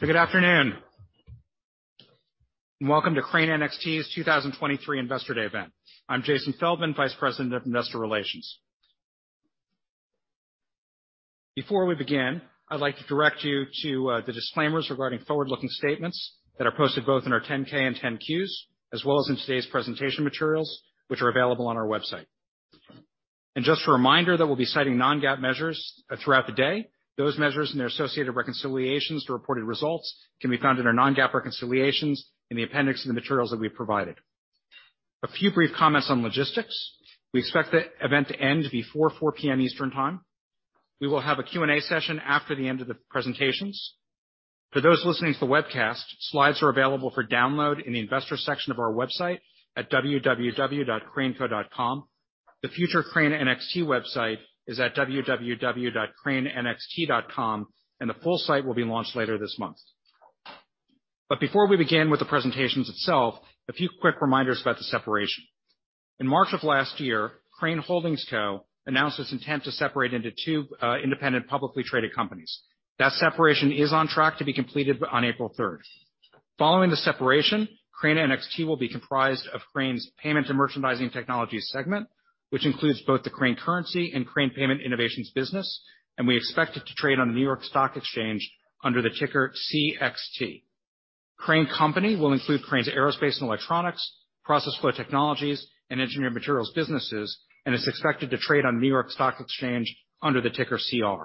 Good afternoon, and welcome to Crane NXT's 2023 Investor Day Event. I'm Jason Feldman, Vice President of Investor Relations. Before we begin, I'd like to direct you to the disclaimers regarding forward-looking statements that are posted both in our 10-K and 10-Qs, as well as in today's presentation materials, which are available on our website. Just a reminder that we'll be citing non-GAAP measures throughout the day. Those measures and their associated reconciliations to reported results can be found in our non-GAAP reconciliations in the appendix in the materials that we provided. A few brief comments on logistics. We expect the event to end before 4:00 P.M. Eastern Time. We will have a Q&A session after the end of the presentations. For those listening to the webcast, slides are available for download in the investor section of our website at www.craneco.com. The future Crane NXT website is at www.cranenxt.com. The full site will be launched later this month. Before we begin with the presentations itself, a few quick reminders about the separation. In March of last year, Crane Holdings, Co. announced its intent to separate into two independent, publicly traded companies. That separation is on track to be completed on April third. Following the separation, Crane NXT will be comprised of Crane's payment and merchandising technologies segment, which includes both the Crane Currency and Crane Payment Innovations business. We expect it to trade on New York Stock Exchange under the ticker CXT. Crane Company will include Crane's aerospace and electronics, process flow technologies, and engineered materials businesses. It is expected to trade on New York Stock Exchange under the ticker CR.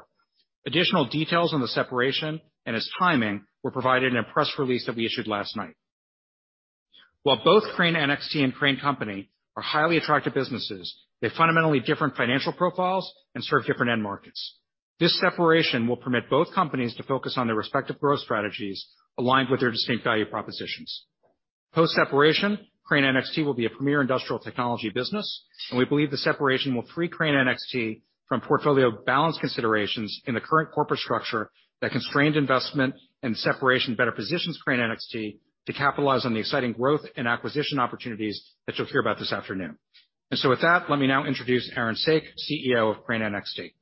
Additional details on the separation and its timing were provided in a press release that we issued last night. While both Crane NXT and Crane Company are highly attractive businesses, they have fundamentally different financial profiles and serve different end markets. This separation will permit both companies to focus on their respective growth strategies aligned with their distinct value propositions. Post-separation, Crane NXT will be a premier industrial technology business. We believe the separation will free Crane NXT from portfolio balance considerations in the current corporate structure that constrained investment. The separation better positions Crane NXT to capitalize on the exciting growth and acquisition opportunities that you'll hear about this afternoon. With that, let me now introduce Aaron Saak, CEO of Crane NXT.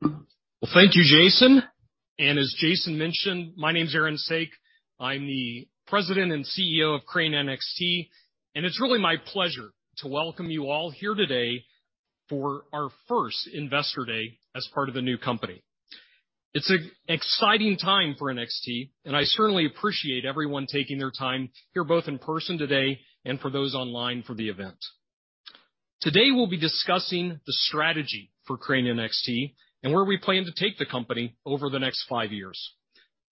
Well, thank you, Jason. As Jason mentioned, my name's Aaron Saak. I'm the president and CEO of Crane NXT, it's really my pleasure to welcome you all here today for our first Investor Day as part of the new company. It's an exciting time for NXT, I certainly appreciate everyone taking their time here, both in person today and for those online for the event. Today, we'll be discussing the strategy for Crane NXT and where we plan to take the company over the next five years.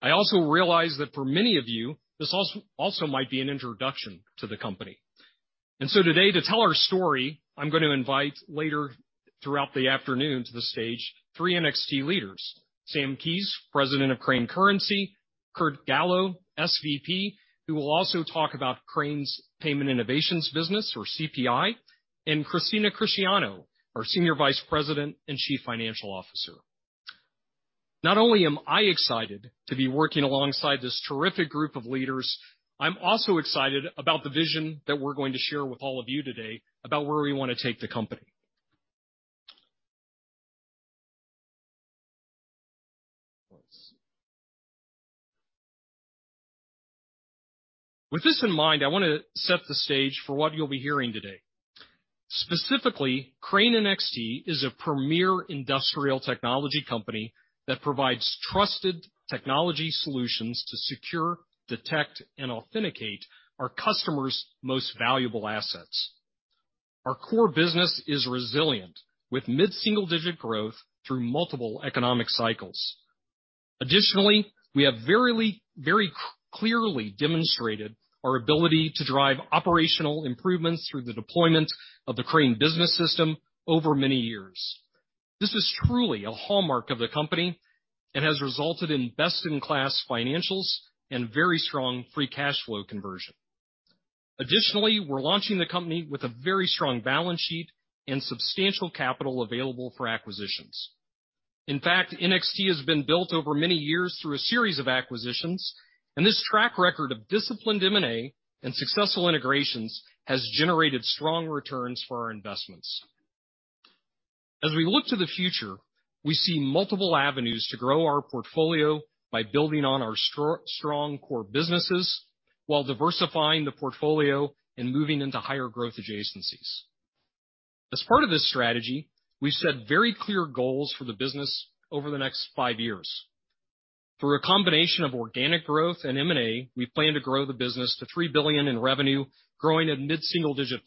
I also realize that for many of you, this also might be an introduction to the company. Today, to tell our story, I'm gonna invite later throughout the afternoon to the stage three NXT leaders. Sam Keayes, president of Crane Currency. Kurt Gallo, SVP, who will also talk about Crane's Payment Innovations business or CPI. Christina Cristiano, our Senior Vice President and Chief Financial Officer. Not only am I excited to be working alongside this terrific group of leaders, I'm also excited about the vision that we're going to share with all of you today about where we wanna take the company. With this in mind, I wanna set the stage for what you'll be hearing today. Specifically, Crane NXT is a premier industrial technology company that provides trusted technology solutions to secure, detect, and authenticate our customers' most valuable assets. Our core business is resilient, with mid-single-digit growth through multiple economic cycles. Additionally, we have very clearly demonstrated our ability to drive operational improvements through the deployment of the Crane Business System over many years. This is truly a hallmark of the company and has resulted in best-in-class financials and very strong free cash flow conversion. Additionally, we're launching the company with a very strong balance sheet and substantial capital available for acquisitions. In fact, NXT has been built over many years through a series of acquisitions, and this track record of disciplined M&A and successful integrations has generated strong returns for our investments. As we look to the future, we see multiple avenues to grow our portfolio by building on our strong core businesses while diversifying the portfolio and moving into higher growth adjacencies. As part of this strategy, we've set very clear goals for the business over the next five years. Through a combination of organic growth and M&A, we plan to grow the business to $3 billion in revenue, growing at mid-single digit+.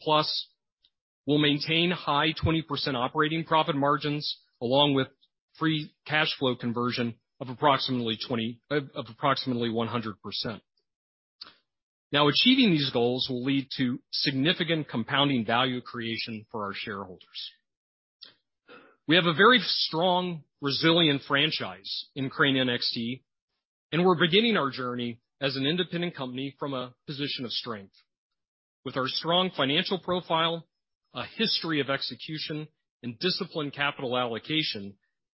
We'll maintain high 20% operating profit margins along with free cash flow conversion of approximately 100%. Achieving these goals will lead to significant compounding value creation for our shareholders. We have a very strong, resilient franchise in Crane NXT, and we're beginning our journey as an independent company from a position of strength. With our strong financial profile, a history of execution and disciplined capital allocation,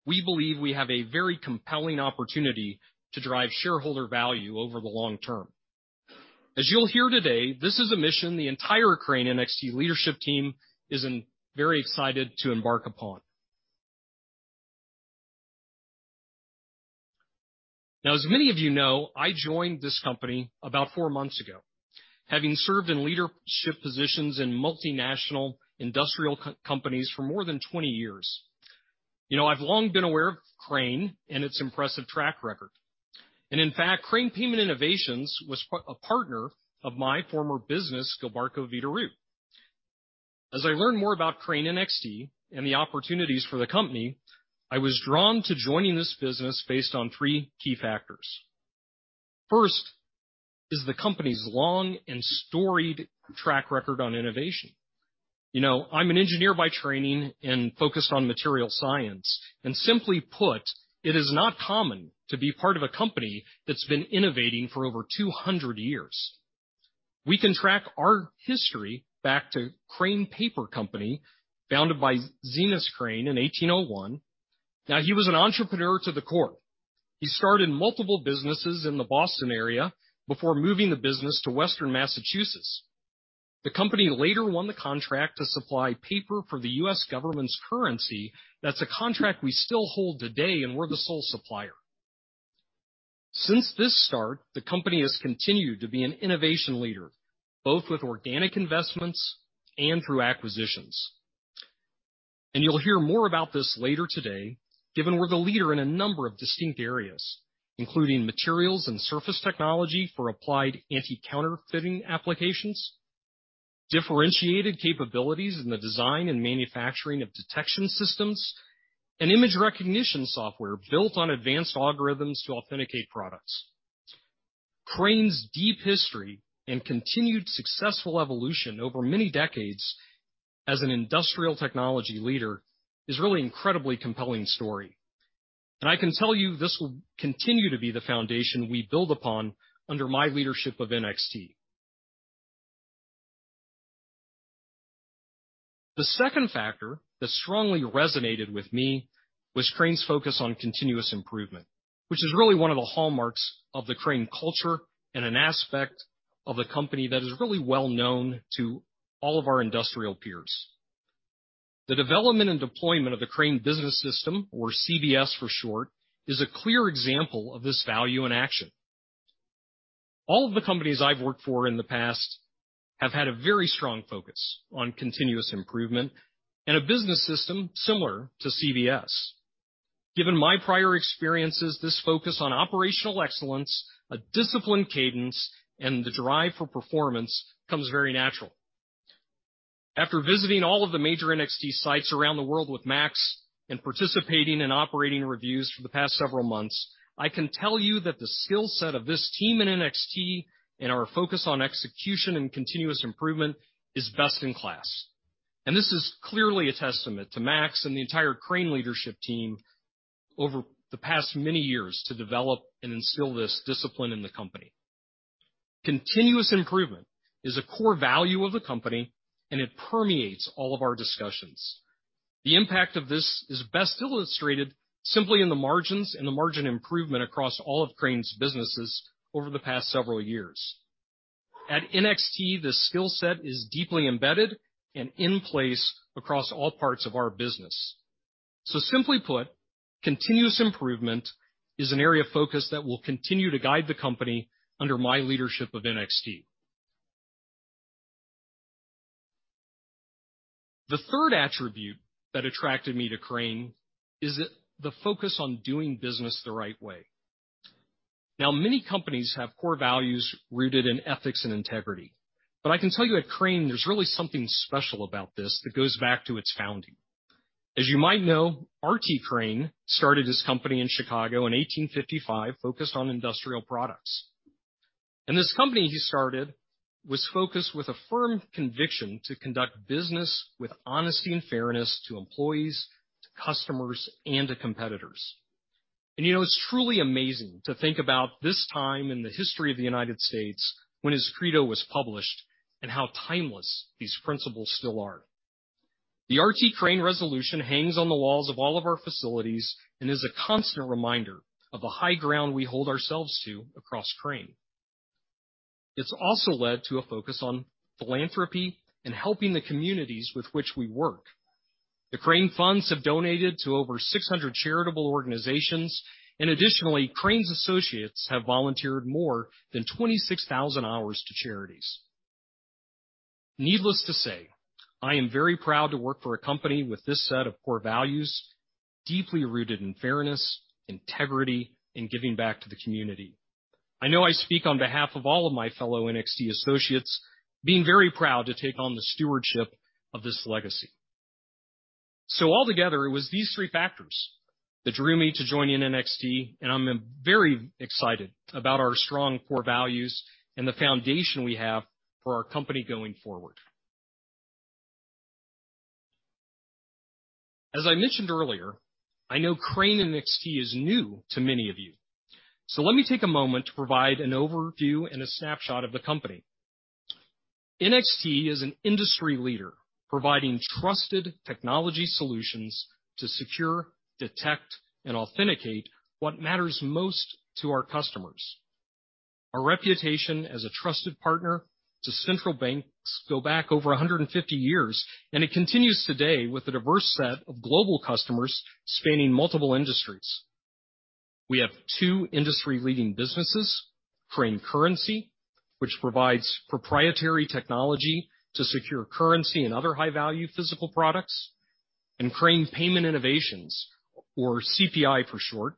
we believe we have a very compelling opportunity to drive shareholder value over the long term. As you'll hear today, this is a mission the entire Crane NXT leadership team is very excited to embark upon. As many of you know, I joined this company about four months ago, having served in leadership positions in multinational industrial companies for more than 20 years. You know, I've long been aware of Crane and its impressive track record. In fact, Crane Payment Innovations was a partner of my former business, Gilbarco Veeder-Root. As I learned more about Crane NXT and the opportunities for the company, I was drawn to joining this business based on three key factors. First is the company's long and storied track record on innovation. You know, I'm an engineer by training and focused on material science. Simply put, it is not common to be part of a company that's been innovating for over 200 years. We can track our history back to Crane Paper Company, founded by Zenas Crane in 1801. Now, he was an entrepreneur to the core. He started multiple businesses in the Boston area before moving the business to Western Massachusetts. The company later won the contract to supply paper for the U.S. government's currency. That's a contract we still hold today, and we're the sole supplier. Since this start, the company has continued to be an innovation leader, both with organic investments and through acquisitions. You'll hear more about this later today, given we're the leader in a number of distinct areas, including materials and surface technology for applied anti-counterfeiting applications, differentiated capabilities in the design and manufacturing of detection systems, and image recognition software built on advanced algorithms to authenticate products. Crane's deep history and continued successful evolution over many decades as an industrial technology leader is really incredibly compelling story. I can tell you, this will continue to be the foundation we build upon under my leadership of NXT. The second factor that strongly resonated with me was Crane's focus on continuous improvement, which is really one of the hallmarks of the Crane culture and an aspect of the company that is really well known to all of our industrial peers. The development and deployment of the Crane Business System, or CBS for short, is a clear example of this value in action. All of the companies I've worked for in the past have had a very strong focus on continuous improvement and a business system similar to CBS. Given my prior experiences, this focus on operational excellence, a disciplined cadence, and the drive for performance comes very natural. After visiting all of the major NXT sites around the world with Max and participating in operating reviews for the past several months, I can tell you that the skill set of this team in NXT and our focus on execution and continuous improvement is best in class. This is clearly a testament to Max and the entire Crane leadership team over the past many years to develop and instill this discipline in the company. Continuous improvement is a core value of the company, and it permeates all of our discussions. The impact of this is best illustrated simply in the margins and the margin improvement across all of Crane's businesses over the past several years. At NXT, this skill set is deeply embedded and in place across all parts of our business. Simply put, continuous improvement is an area of focus that will continue to guide the company under my leadership of NXT. The third attribute that attracted me to Crane is the focus on doing business the right way. Now, many companies have core values rooted in ethics and integrity, but I can tell you at Crane, there's really something special about this that goes back to its founding. As you might know, R.T. Crane started his company in Chicago in 1855, focused on industrial products. This company he started was focused with a firm conviction to conduct business with honesty and fairness to employees, to customers, and to competitors. You know, it's truly amazing to think about this time in the history of the United States when his credo was published and how timeless these principles still are. The R.T. Crane Resolution hangs on the walls of all of our facilities and is a constant reminder of the high ground we hold ourselves to across Crane. It's also led to a focus on philanthropy and helping the communities with which we work. The Crane Funds have donated to over 600 charitable organizations, additionally, Crane's associates have volunteered more than 26,000 hours to charities. Needless to say, I am very proud to work for a company with this set of core values, deeply rooted in fairness, integrity, and giving back to the community. I know I speak on behalf of all of my fellow NXT associates being very proud to take on the stewardship of this legacy. Altogether, it was these three factors that drew me to join in NXT, and I'm very excited about our strong core values and the foundation we have for our company going forward. As I mentioned earlier, I know Crane NXT is new to many of you, let me take a moment to provide an overview and a snapshot of the company. NXT is an industry leader providing trusted technology solutions to secure, detect, and authenticate what matters most to our customers. Our reputation as a trusted partner to central banks go back over 150 years, and it continues today with a diverse set of global customers spanning multiple industries. We have two industry-leading businesses, Crane Currency, which provides proprietary technology to secure currency and other high-value physical products, and Crane Payment Innovations, or CPI for short,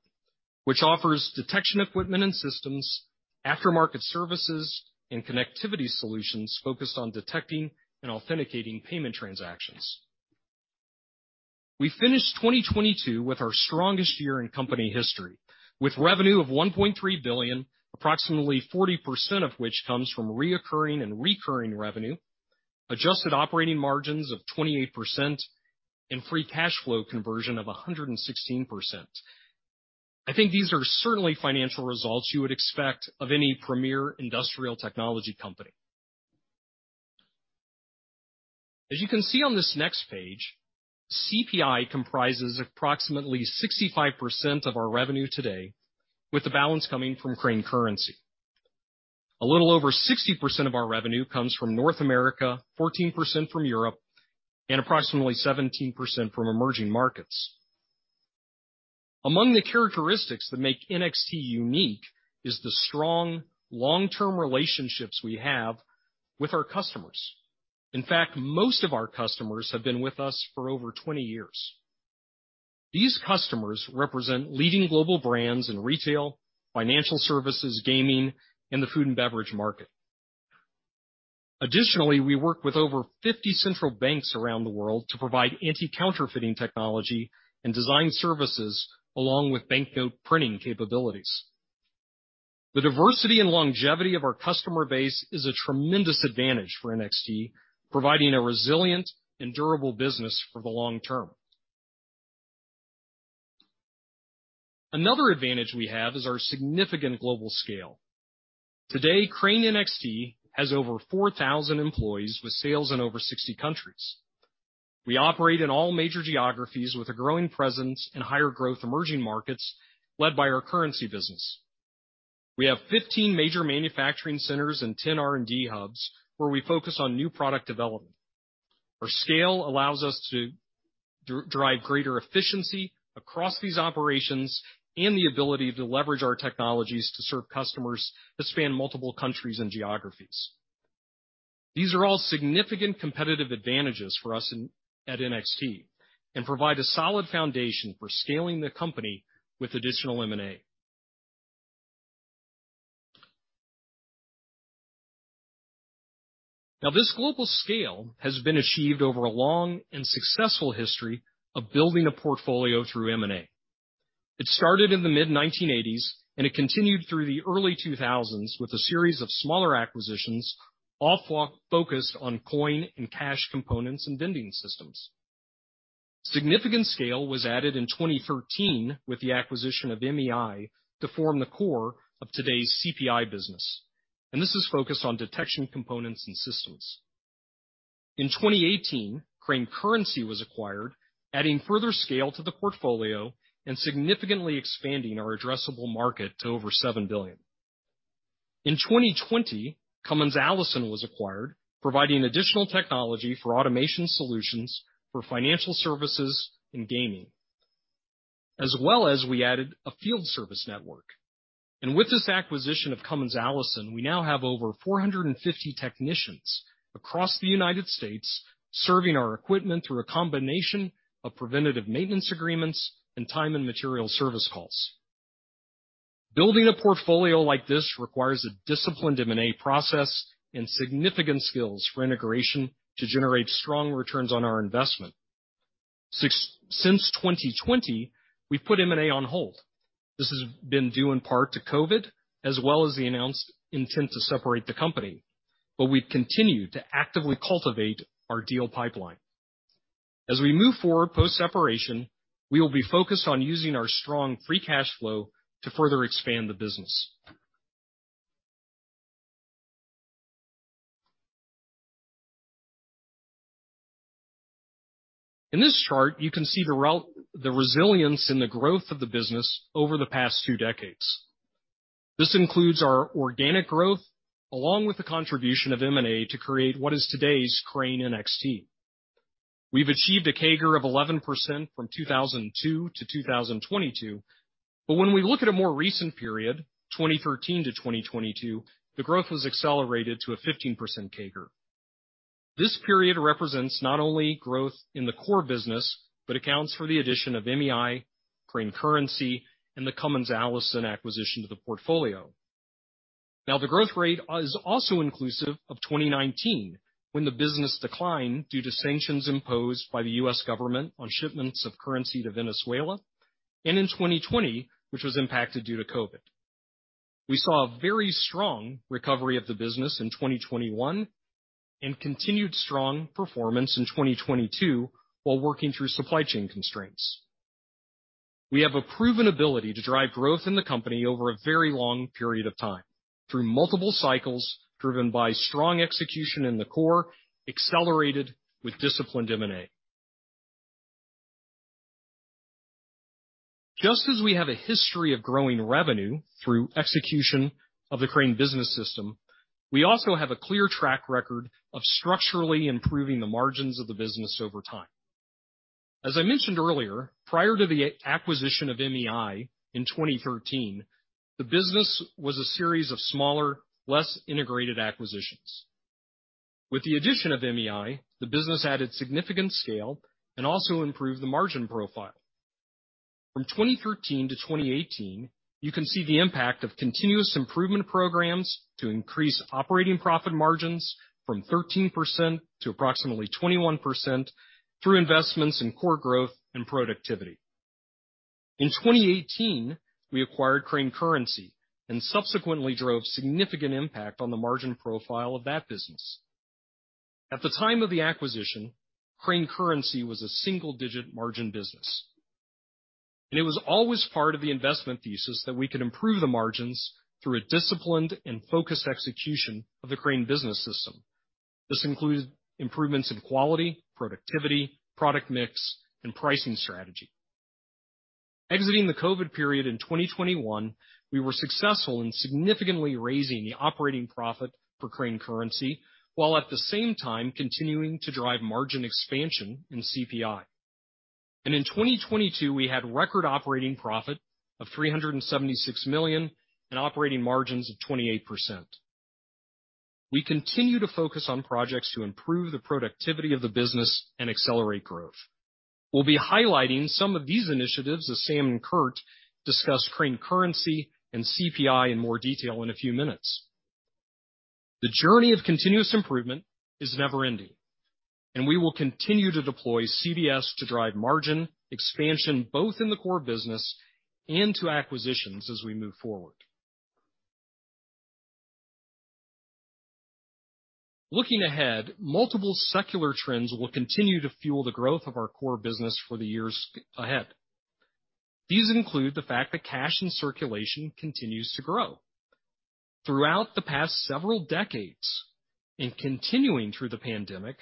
which offers detection equipment and systems, aftermarket services, and connectivity solutions focused on detecting and authenticating payment transactions. We finished 2022 with our strongest year in company history, with revenue of $1.3 billion, approximately 40% of which comes from reoccurring and recurring revenue, adjusted operating margins of 28%, and free cash flow conversion of 116%. I think these are certainly financial results you would expect of any premier industrial technology company. As you can see on this next page, CPI comprises approximately 65% of our revenue today, with the balance coming from Crane Currency. A little over 60% of our revenue comes from North America, 14% from Europe, and approximately 17% from emerging markets. Among the characteristics that make NXT unique is the strong, long-term relationships we have with our customers. In fact, most of our customers have been with us for over 20 years. These customers represent leading global brands in retail, financial services, gaming, and the food and beverage market. Additionally, we work with over 50 central banks around the world to provide anti-counterfeiting technology and design services along with banknote printing capabilities. The diversity and longevity of our customer base is a tremendous advantage for NXT, providing a resilient and durable business for the long term. Another advantage we have is our significant global scale. Today, Crane NXT has over 4,000 employees with sales in over 60 countries. We operate in all major geographies with a growing presence in higher growth emerging markets led by our currency business. We have 15 major manufacturing centers and 10 R&D hubs where we focus on new product development. Our scale allows us to drive greater efficiency across these operations and the ability to leverage our technologies to serve customers that span multiple countries and geographies. These are all significant competitive advantages for us at NXT and provide a solid foundation for scaling the company with additional M&A. This global scale has been achieved over a long and successful history of building a portfolio through M&A. It started in the mid-1980s, and it continued through the early 2000s with a series of smaller acquisitions, all focused on coin and cash components and vending systems. Significant scale was added in 2013 with the acquisition of MEI to form the core of today's CPI business. This is focused on detection components and systems. In 2018, Crane Currency was acquired, adding further scale to the portfolio and significantly expanding our addressable market to over $7 billion. In 2020, Cummins Allison was acquired, providing additional technology for automation solutions for financial services and gaming, as well as we added a field service network. With this acquisition of Cummins Allison, we now have over 450 technicians across the United States serving our equipment through a combination of preventative maintenance agreements and time and material service calls. Building a portfolio like this requires a disciplined M&A process and significant skills for integration to generate strong returns on our investment. Since 2020, we've put M&A on hold. This has been due in part to COVID as well as the announced intent to separate the company, but we've continued to actively cultivate our deal pipeline. As we move forward post-separation, we will be focused on using our strong free cash flow to further expand the business. In this chart, you can see the resilience and the growth of the business over the past two decades. This includes our organic growth, along with the contribution of M&A to create what is today's Crane NXT. We've achieved a CAGR of 11% from 2002 to 2022. When we look at a more recent period, 2013 to 2022, the growth was accelerated to a 15% CAGR. This period represents not only growth in the core business, but accounts for the addition of MEI, Crane Currency, and the Cummins Allison acquisition to the portfolio. The growth rate is also inclusive of 2019, when the business declined due to sanctions imposed by the U.S. government on shipments of currency to Venezuela, and in 2020, which was impacted due to COVID. We saw a very strong recovery of the business in 2021 and continued strong performance in 2022 while working through supply chain constraints. We have a proven ability to drive growth in the company over a very long period of time, through multiple cycles, driven by strong execution in the core, accelerated with disciplined M&A. Just as we have a history of growing revenue through execution of the Crane Business System, we also have a clear track record of structurally improving the margins of the business over time. As I mentioned earlier, prior to the acquisition of MEI in 2013, the business was a series of smaller, less integrated acquisitions. With the addition of MEI, the business added significant scale and also improved the margin profile. From 2013 to 2018, you can see the impact of continuous improvement programs to increase operating profit margins from 13% to approximately 21% through investments in core growth and productivity. In 2018, we acquired Crane Currency and subsequently drove significant impact on the margin profile of that business. At the time of the acquisition, Crane Currency was a single-digit margin business. It was always part of the investment thesis that we could improve the margins through a disciplined and focused execution of the Crane Business System. This included improvements in quality, productivity, product mix, and pricing strategy. Exiting the COVID period in 2021, we were successful in significantly raising the operating profit for Crane Currency, while at the same time continuing to drive margin expansion in CPI. In 2022, we had record operating profit of $376 million and operating margins of 28%. We continue to focus on projects to improve the productivity of the business and accelerate growth. We'll be highlighting some of these initiatives as Sam and Kurt discuss Crane Currency and CPI in more detail in a few minutes. The journey of continuous improvement is never-ending, and we will continue to deploy CBS to drive margin expansion both in the core business and to acquisitions as we move forward. Looking ahead, multiple secular trends will continue to fuel the growth of our core business for the years ahead. These include the fact that cash in circulation continues to grow. Throughout the past several decades, and continuing through the pandemic,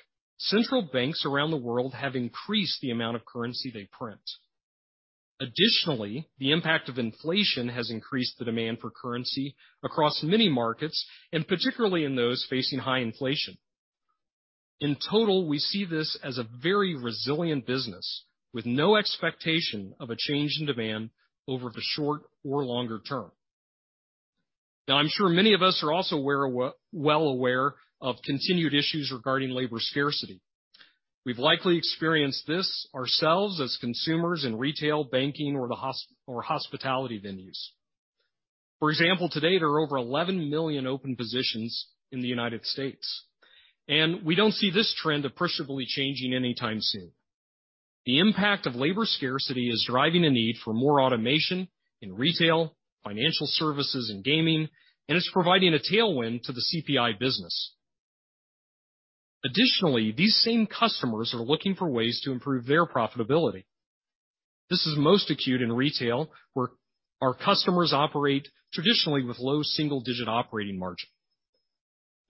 central banks around the world have increased the amount of currency they print. Additionally, the impact of inflation has increased the demand for currency across many markets, and particularly in those facing high inflation. In total, we see this as a very resilient business with no expectation of a change in demand over the short or longer term. I'm sure many of us are also well aware of continued issues regarding labor scarcity. We've likely experienced this ourselves as consumers in retail, banking or hospitality venues. For example, today, there are over 11 million open positions in the United States. We don't see this trend appreciably changing anytime soon. The impact of labor scarcity is driving a need for more automation in retail, financial services and gaming, and it's providing a tailwind to the CPI business. Additionally, these same customers are looking for ways to improve their profitability. This is most acute in retail, where our customers operate traditionally with low single-digit operating margin.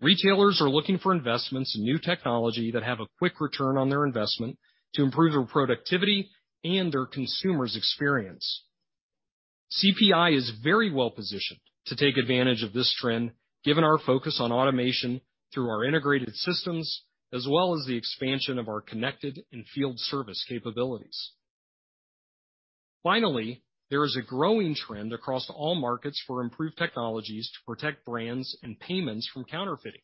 Retailers are looking for investments in new technology that have a quick return on their investment to improve their productivity and their consumer's experience. CPI is very well positioned to take advantage of this trend given our focus on automation through our integrated systems as well as the expansion of our connected and field service capabilities. There is a growing trend across all markets for improved technologies to protect brands and payments from counterfeiting.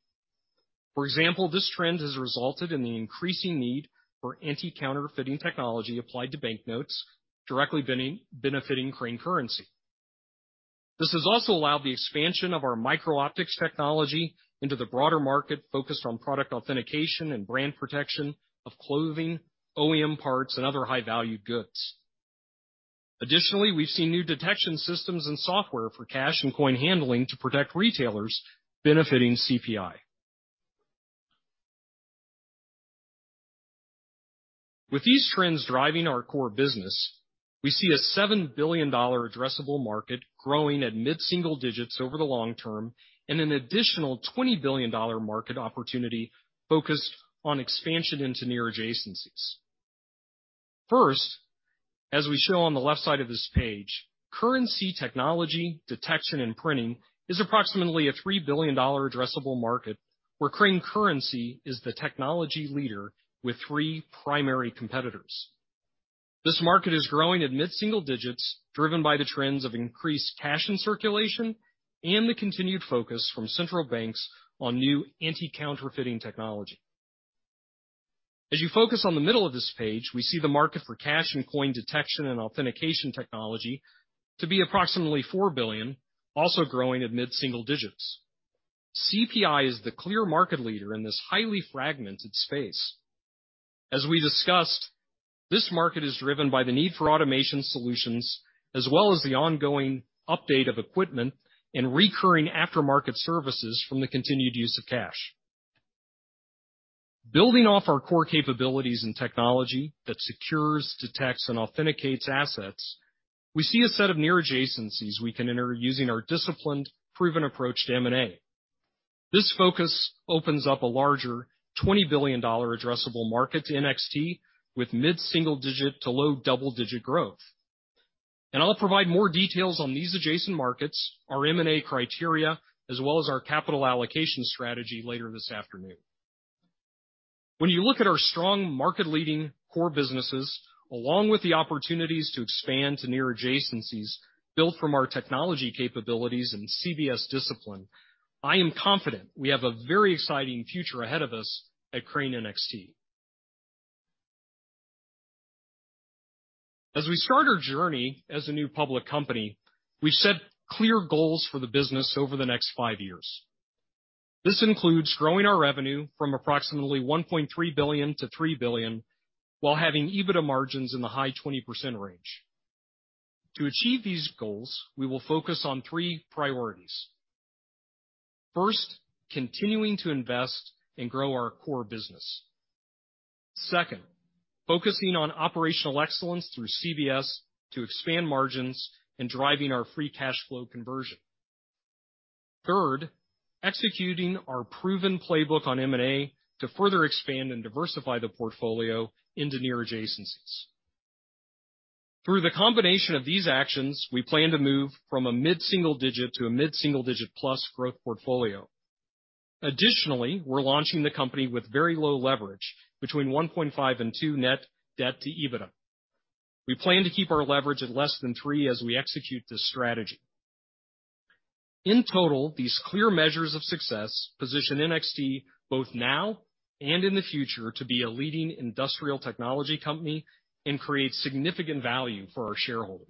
This trend has resulted in the increasing need for anti-counterfeiting technology applied to banknotes, directly benefiting Crane Currency. This has also allowed the expansion of our micro-optics technology into the broader market focused on product authentication and brand protection of clothing, OEM parts, and other high-value goods. We've seen new detection systems and software for cash and coin handling to protect retailers benefiting CPI. With these trends driving our core business, we see a $7 billion addressable market growing at mid-single digits over the long term and an additional $20 billion market opportunity focused on expansion into near adjacencies. First, as we show on the left side of this page, currency technology, detection and printing is approximately a $3 billion addressable market where Crane Currency is the technology leader with three primary competitors. This market is growing at mid-single digits, driven by the trends of increased cash in circulation and the continued focus from central banks on new anti-counterfeiting technology. As you focus on the middle of this page, we see the market for cash and coin detection and authentication technology to be approximately $4 billion, also growing at mid-single digits. CPI is the clear market leader in this highly fragmented space. As we discussed, this market is driven by the need for automation solutions as well as the ongoing update of equipment and recurring aftermarket services from the continued use of cash. Building off our core capabilities and technology that secures, detects, and authenticates assets, we see a set of near adjacencies we can enter using our disciplined, proven approach to M&A. This focus opens up a larger $20 billion addressable market to NXT with mid-single digit to low double-digit growth. I'll provide more details on these adjacent markets, our M&A criteria, as well as our capital allocation strategy later this afternoon. When you look at our strong market-leading core businesses, along with the opportunities to expand to near adjacencies built from our technology capabilities and CBS discipline, I am confident we have a very exciting future ahead of us at Crane NXT. As we start our journey as a new public company, we've set clear goals for the business over the next five years. This includes growing our revenue from approximately $1.3 billion to $3 billion, while having EBITDA margins in the high 20% range. To achieve these goals, we will focus on three priorities. First, continuing to invest and grow our core business. Second, focusing on operational excellence through CBS to expand margins and driving our free cash flow conversion. Third, executing our proven playbook on M&A to further expand and diversify the portfolio into near adjacencies. Through the combination of these actions, we plan to move from a mid-single digit to a mid-single digit plus growth portfolio. Additionally, we're launching the company with very low leverage between 1.5 and 2 net-debt-to-EBITDA. We plan to keep our leverage at less than 3 as we execute this strategy. In total, these clear measures of success position NXT both now and in the future to be a leading industrial technology company and create significant value for our shareholders.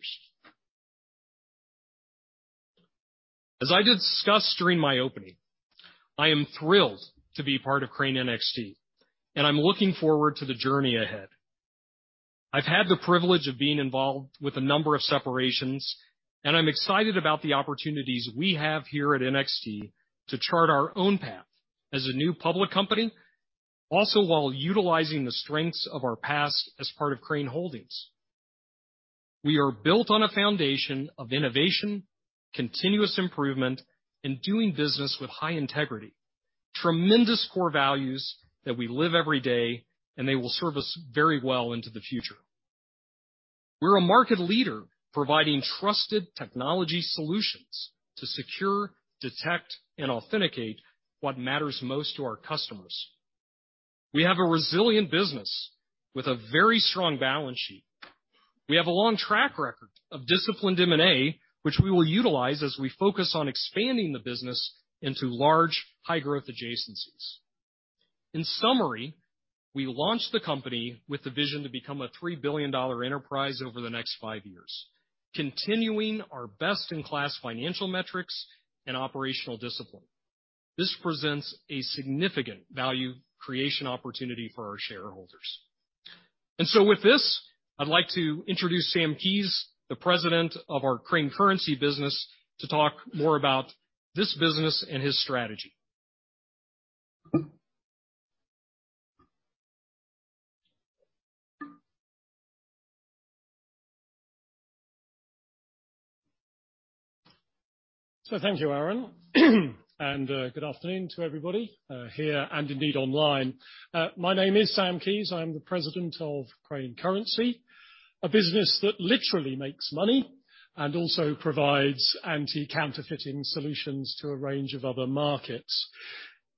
As I discussed during my opening, I am thrilled to be part of Crane NXT, and I'm looking forward to the journey ahead. I've had the privilege of being involved with a number of separations, and I'm excited about the opportunities we have here at NXT to chart our own path as a new public company, also while utilizing the strengths of our past as part of Crane Holdings. We are built on a foundation of innovation, continuous improvement, and doing business with high integrity. Tremendous core values that we live every day and they will serve us very well into the future. We're a market leader providing trusted technology solutions to secure, detect, and authenticate what matters most to our customers. We have a resilient business with a very strong balance sheet. We have a long track record of disciplined M&A, which we will utilize as we focus on expanding the business into large, high-growth adjacencies. In summary, we launched the company with the vision to become a $3 billion enterprise over the next five years, continuing our best-in-class financial metrics and operational discipline. This presents a significant value creation opportunity for our shareholders. With this, I'd like to introduce Sam Keayes, the president of our Crane Currency business, to talk more about this business and his strategy. Thank you, Aaron, and good afternoon to everybody here and indeed online. My name is Sam Keayes. I am the President of Crane Currency, a business that literally makes money and also provides anti-counterfeiting solutions to a range of other markets.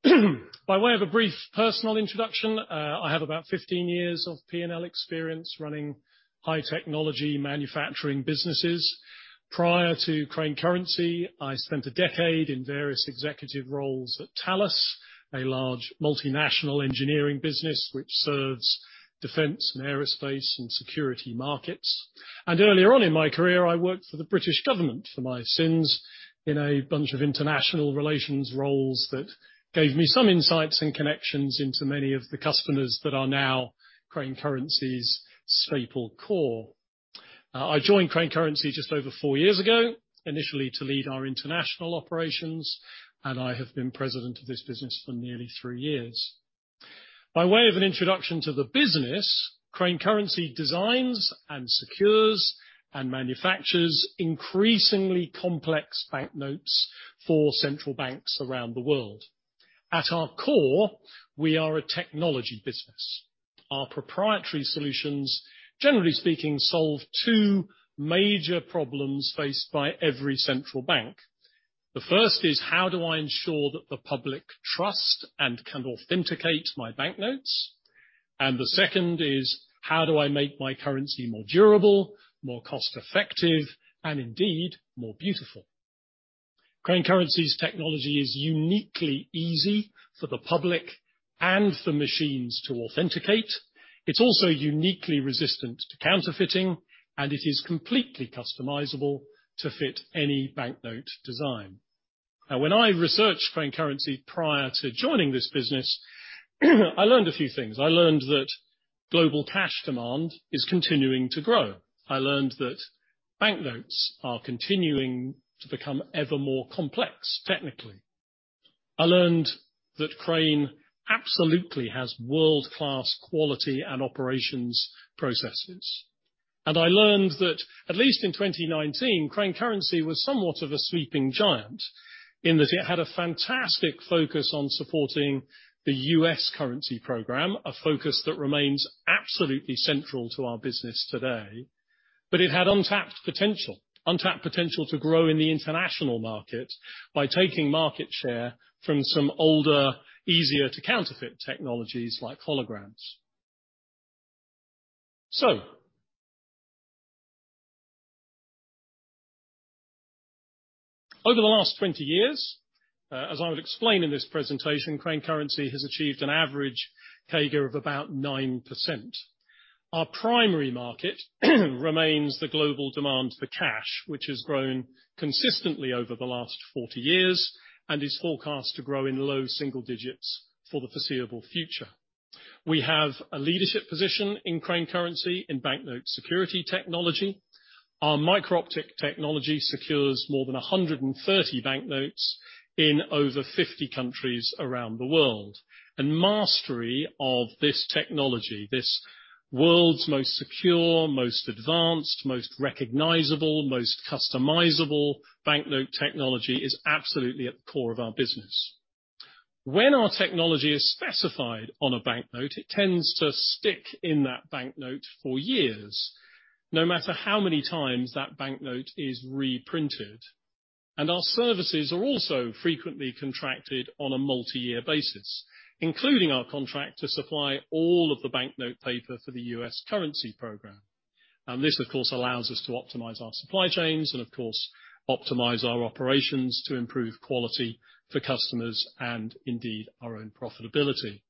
By way of a brief personal introduction, I have about 15 years of P&L experience running high technology manufacturing businesses. Prior to Crane Currency, I spent a decade in various executive roles at Thales, a large multinational engineering business which serves defense and aerospace and security markets. Earlier on in my career, I worked for the British government for my sins in a bunch of international relations roles that gave me some insights and connections into many of the customers that are now Crane Currency's staple core. I joined Crane Currency just over four years ago, initially to lead our international operations, and I have been president of this business for nearly three years. By way of an introduction to the business, Crane Currency designs and secures and manufactures increasingly complex banknotes for central banks around the world. At our core, we are a technology business. Our proprietary solutions, generally speaking, solve two major problems faced by every central bank. The first is, how do I ensure that the public trust and can authenticate my banknotes? The second is, how do I make my currency more durable, more cost-effective, and indeed, more beautiful? Crane Currency's technology is uniquely easy for the public and for machines to authenticate. It's also uniquely resistant to counterfeiting, and it is completely customizable to fit any banknote design. When I researched Crane Currency prior to joining this business, I learned a few things. I learned that global cash demand is continuing to grow. I learned that banknotes are continuing to become ever more complex technically. I learned that Crane absolutely has world-class quality and operations processes. I learned that at least in 2019, Crane Currency was somewhat of a sleeping giant, in that it had a fantastic focus on supporting the U.S. currency program, a focus that remains absolutely central to our business today. It had untapped potential to grow in the international market by taking market share from some older, easier to counterfeit technologies like holograms. Over the last 20 years, as I would explain in this presentation, Crane Currency has achieved an average CAGR of about 9%. Our primary market remains the global demand for cash, which has grown consistently over the last 40 years and is forecast to grow in low single digits for the foreseeable future. We have a leadership position in Crane Currency in banknote security technology. Our micro-optic technology secures more than 130 banknotes in over 50 countries around the world. Mastery of this technology, this world's most secure, most advanced, most recognizable, most customizable banknote technology, is absolutely at the core of our business. When our technology is specified on a banknote, it tends to stick in that banknote for years, no matter how many times that banknote is reprinted. Our services are also frequently contracted on a multi-year basis, including our contract to supply all of the banknote paper for the U.S. currency program. This, of course, allows us to optimize our supply chains and of course, optimize our operations to improve quality for customers and indeed, our own profitability.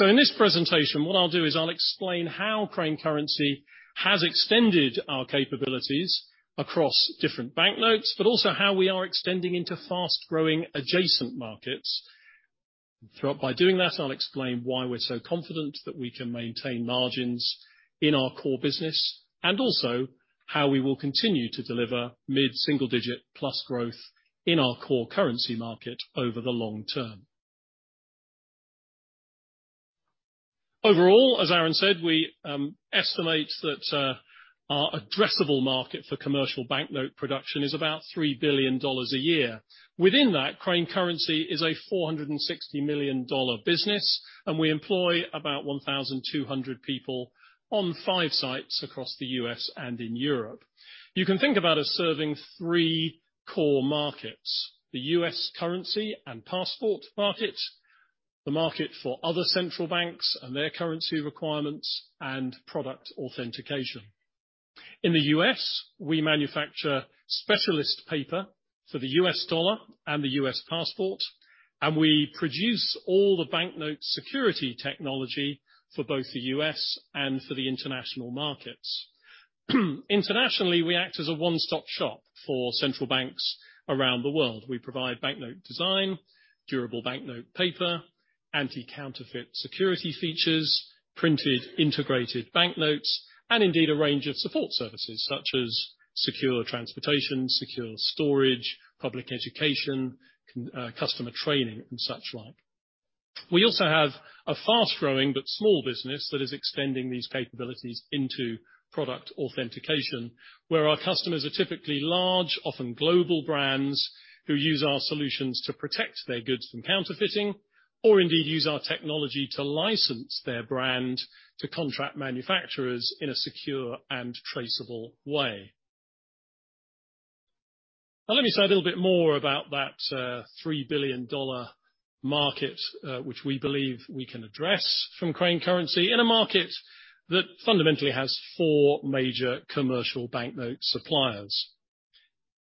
In this presentation, what I'll do is I'll explain how Crane Currency has extended our capabilities across different banknotes, but also how we are extending into fast-growing adjacent markets. By doing that, I'll explain why we're so confident that we can maintain margins in our core business, and also how we will continue to deliver mid-single-digit plus growth in our core currency market over the long term. Overall, as Aaron Saak said, we estimate that our addressable market for commercial banknote production is about $3 billion a year. Within that, Crane Currency is a $460 million business, and we employ about 1,200 people on five sites across the U.S. and in Europe. You can think about us serving three core markets, the U.S. currency and passport market, the market for other central banks and their currency requirements, and product authentication. In the U.S., we manufacture specialist paper for the U.S. dollar and the U.S. passport, and we produce all the banknote security technology for both the U.S. and for the international markets. Internationally, we act as a one-stop shop for central banks around the world. We provide banknote design, durable banknote paper, anti-counterfeit security features, printed integrated banknotes, and indeed, a range of support services such as secure transportation, secure storage, public education, customer training, and such like. We also have a fast-growing but small business that is extending these capabilities into product authentication, where our customers are typically large, often global brands who use our solutions to protect their goods from counterfeiting, or indeed use our technology to license their brand to contract manufacturers in a secure and traceable way. Let me say a little bit more about that $3 billion market, which we believe we can address from Crane Currency in a market that fundamentally has four major commercial banknote suppliers.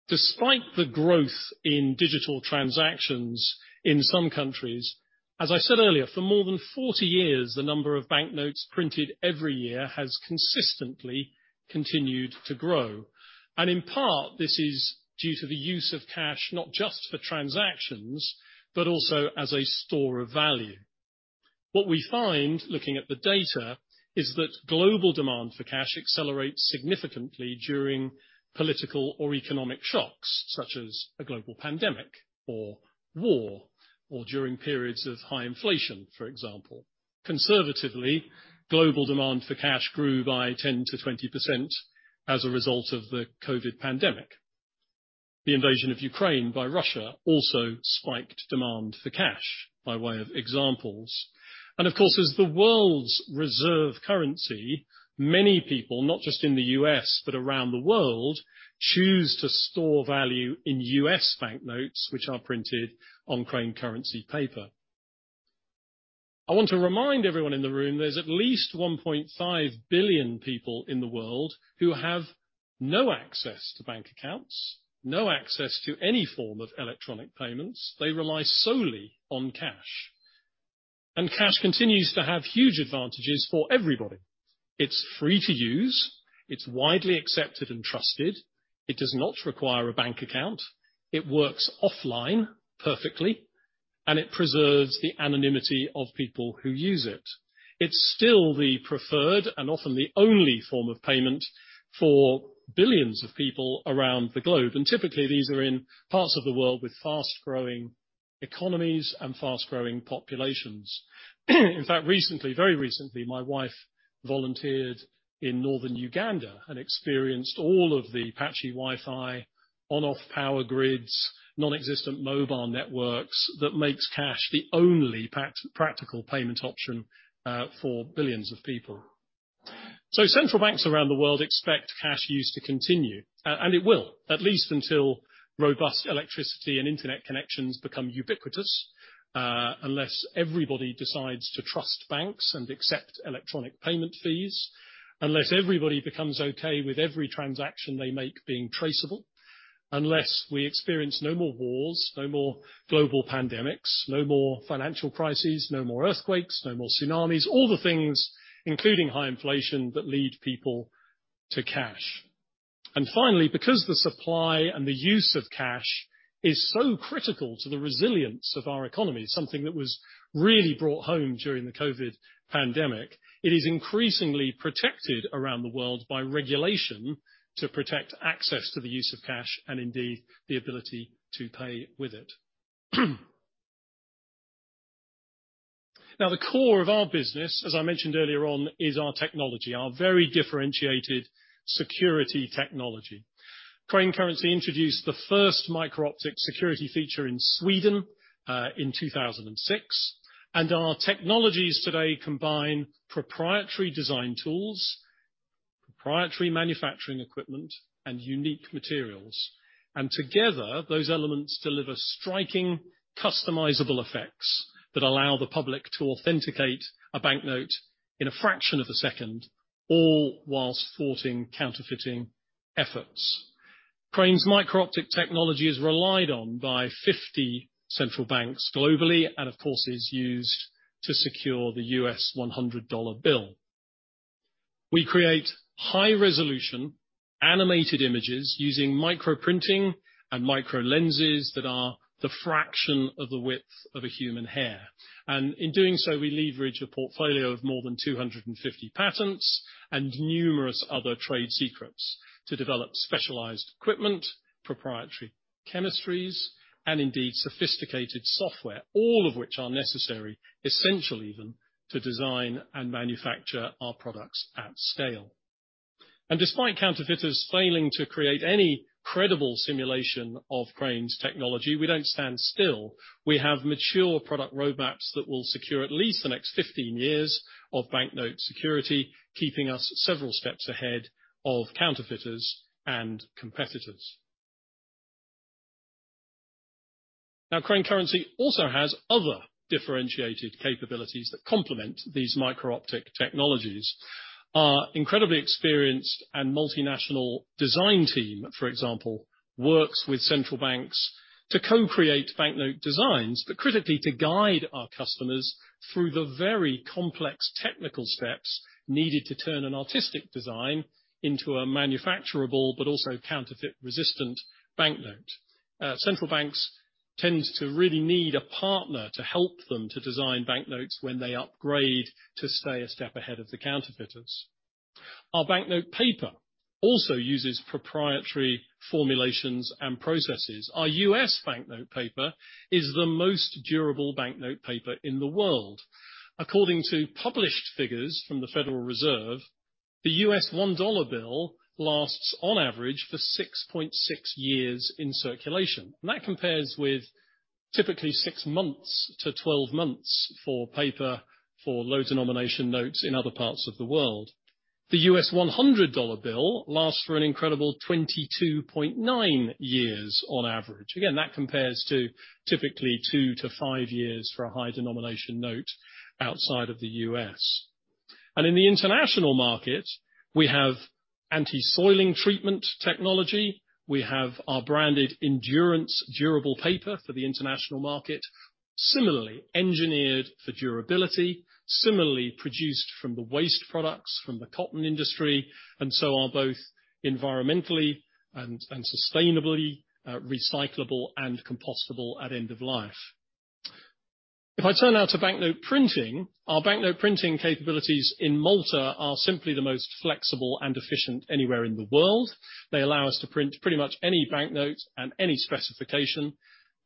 Despite the growth in digital transactions in some countries, as I said earlier, for more than 40 years, the number of banknotes printed every year has consistently continued to grow. In part, this is due to the use of cash not just for transactions, but also as a store of value. What we find looking at the data is that global demand for cash accelerates significantly during political or economic shocks, such as a global pandemic or war, or during periods of high inflation, for example. Conservatively, global demand for cash grew by 10%-20% as a result of the COVID pandemic. The invasion of Ukraine by Russia also spiked demand for cash, by way of examples. Of course, as the world's reserve currency, many people, not just in the U.S., but around the world, choose to store value in U.S. banknotes, which are printed on Crane Currency paper. I want to remind everyone in the room there's at least 1.5 billion people in the world who have no access to bank accounts, no access to any form of electronic payments. They rely solely on cash. Cash continues to have huge advantages for everybody. It's free to use, it's widely accepted and trusted, it does not require a bank account, it works offline perfectly. It preserves the anonymity of people who use it. It's still the preferred and often the only form of payment for billions of people around the globe. Typically, these are in parts of the world with fast-growing economies and fast-growing populations. In fact, recently, very recently, my wife volunteered in northern Uganda and experienced all of the patchy Wi-Fi, on/off power grids, non-existent mobile networks, that makes cash the only practical payment option for billions of people. Central banks around the world expect cash use to continue, and it will, at least until robust electricity and internet connections become ubiquitous, unless everybody decides to trust banks and accept electronic payment fees, unless everybody becomes okay with every transaction they make being traceable, unless we experience no more wars, no more global pandemics, no more financial crises, no more earthquakes, no more tsunamis, all the things, including high inflation, that lead people to cash. Finally, because the supply and the use of cash is so critical to the resilience of our economy, something that was really brought home during the COVID pandemic, it is increasingly protected around the world by regulation to protect access to the use of cash and indeed, the ability to pay with it. The core of our business, as I mentioned earlier on, is our technology, our very differentiated security technology. Crane Currency introduced the first micro-optic security feature in Sweden in 2006, and our technologies today combine proprietary design tools, proprietary manufacturing equipment, and unique materials. Together, those elements deliver striking customizable effects that allow the public to authenticate a banknote in a fraction of a second, all whilst thwarting counterfeiting efforts. Crane's micro-optic technology is relied on by 50 central banks globally and, of course, is used to secure the U.S. $100 bill. We create high-resolution animated images using microprinting and microlenses that are the fraction of the width of a human hair. In doing so, we leverage a portfolio of more than 250 patents and numerous other trade secrets to develop specialized equipment, proprietary chemistries, and indeed, sophisticated software, all of which are necessary, essential even, to design and manufacture our products at scale. Despite counterfeiters failing to create any credible simulation of Crane's technology, we don't stand still. We have mature product roadmaps that will secure at least the next 15 years of banknote security, keeping us several steps ahead of counterfeiters and competitors. Crane Currency also has other differentiated capabilities that complement these micro-optic technologies. Our incredibly experienced and multinational design team, for example, works with central banks to co-create banknote designs, but critically to guide our customers through the very complex technical steps needed to turn an artistic design into a manufacturable but also counterfeit-resistant banknote. Central banks tend to really need a partner to help them to design banknotes when they upgrade to stay a step ahead of the counterfeiters. Our banknote paper also uses proprietary formulations and processes. Our U.S. banknote paper is the most durable banknote paper in the world. According to published figures from the Federal Reserve, the U.S. $1 bill lasts, on average, for 6.6 years in circulation, and that compares with typically six months to 12 months for paper for low-denomination notes in other parts of the world. The U.S. $100 bill lasts for an incredible 22.9 years on average. Again, that compares to typically two to five years for a high-denomination note outside of the U.S. In the international market, we have anti-soiling treatment technology. We have our branded ENDURANCE durable paper for the international market, similarly engineered for durability, similarly produced from the waste products from the cotton industry, and so are both environmentally and sustainably recyclable and compostable at end of life. If I turn now to banknote printing, our banknote printing capabilities in Malta are simply the most flexible and efficient anywhere in the world. They allow us to print pretty much any banknote and any specification,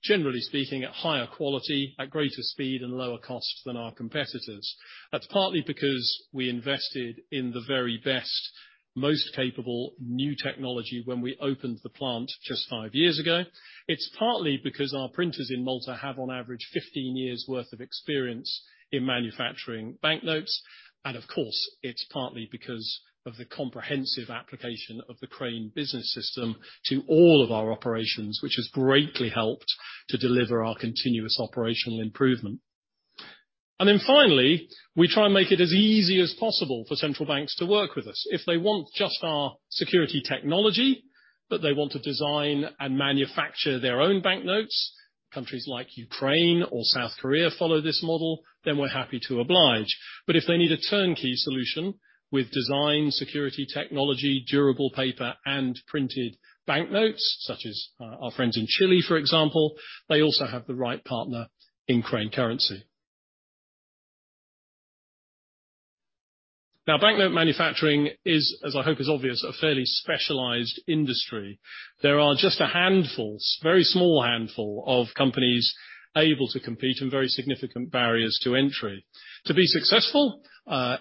generally speaking, at higher quality, at greater speed, and lower cost than our competitors. That's partly because we invested in the very best, most capable new technology when we opened the plant just five years ago. It's partly because our printers in Malta have, on average, 15 years' worth of experience in manufacturing banknotes. Of course, it's partly because of the comprehensive application of the Crane Business System to all of our operations, which has greatly helped to deliver our continuous operational improvement. Finally, we try and make it as easy as possible for central banks to work with us. If they want just our security technology, but they want to design and manufacture their own banknotes, countries like Ukraine or South Korea follow this model, then we're happy to oblige. If they need a turnkey solution with design, security technology, durable paper, and printed banknotes, such as our friends in Chile, for example, they also have the right partner in Crane Currency. Now, banknote manufacturing is, as I hope is obvious, a fairly specialized industry. There are just a handful, very small handful of companies able to compete and very significant barriers to entry. To be successful,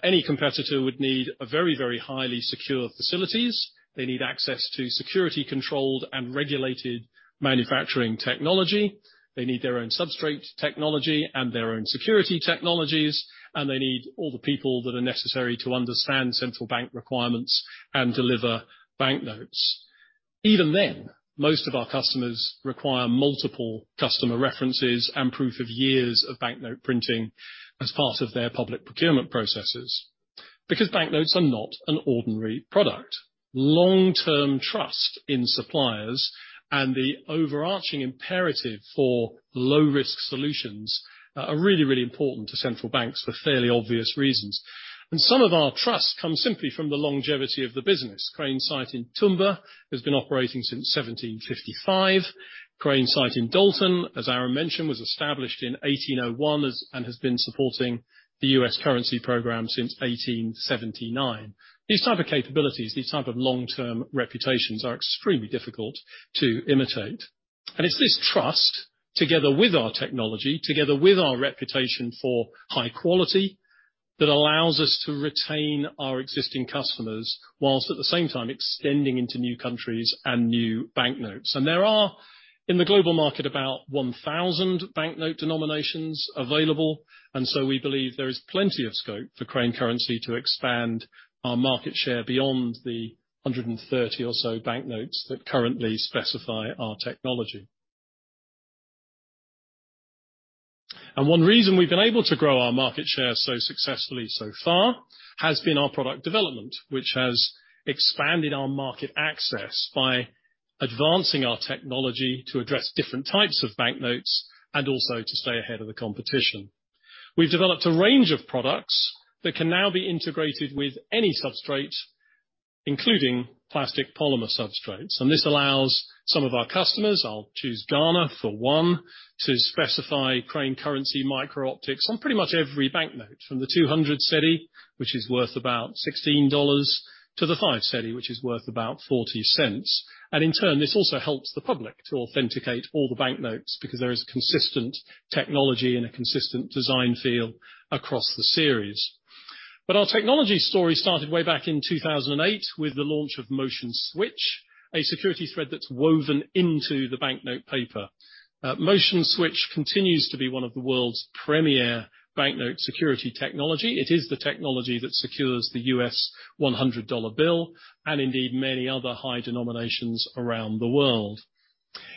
any competitor would need a very, very highly secure facilities. They need access to security-controlled and regulated manufacturing technology. They need their own substrate technology and their own security technologies, and they need all the people that are necessary to understand central bank requirements and deliver banknotes. Even then, most of our customers require multiple customer references and proof of years of banknote printing as part of their public procurement processes, because banknotes are not an ordinary product. Long-term trust in suppliers and the overarching imperative for low-risk solutions are really, really important to central banks for fairly obvious reasons. Some of our trust comes simply from the longevity of the business. Crane site in Tumba has been operating since 1755. Crane site in Dalton, as Aaron mentioned, was established in 1801 and has been supporting the U.S. currency program since 1879. These type of capabilities, these type of long-term reputations, are extremely difficult to imitate. It's this trust, together with our technology, together with our reputation for high quality, that allows us to retain our existing customers whilst at the same time extending into new countries and new banknotes. There are, in the global market, about 1,000 banknote denominations available, we believe there is plenty of scope for Crane Currency to expand our market share beyond the 130 or so banknotes that currently specify our technology. One reason we've been able to grow our market share so successfully so far has been our product development, which has expanded our market access by advancing our technology to address different types of banknotes and also to stay ahead of the competition. We've developed a range of products that can now be integrated with any substrate, including plastic polymer substrates. This allows some of our customers, I'll choose Ghana for one, to specify Crane Currency micro-optics on pretty much every banknote from the 200 cedi, which is worth about $16, to the 5 Cedi, which is worth about $0.40. In turn, this also helps the public to authenticate all the banknotes because there is consistent technology and a consistent design feel across the series. Our technology story started way back in 2008 with the launch of MOTION Switch, a security thread that's woven into the banknote paper. MOTION Switch continues to be one of the world's premier banknote security technology. It is the technology that secures the U.S. $100 bill and indeed many other high denominations around the world.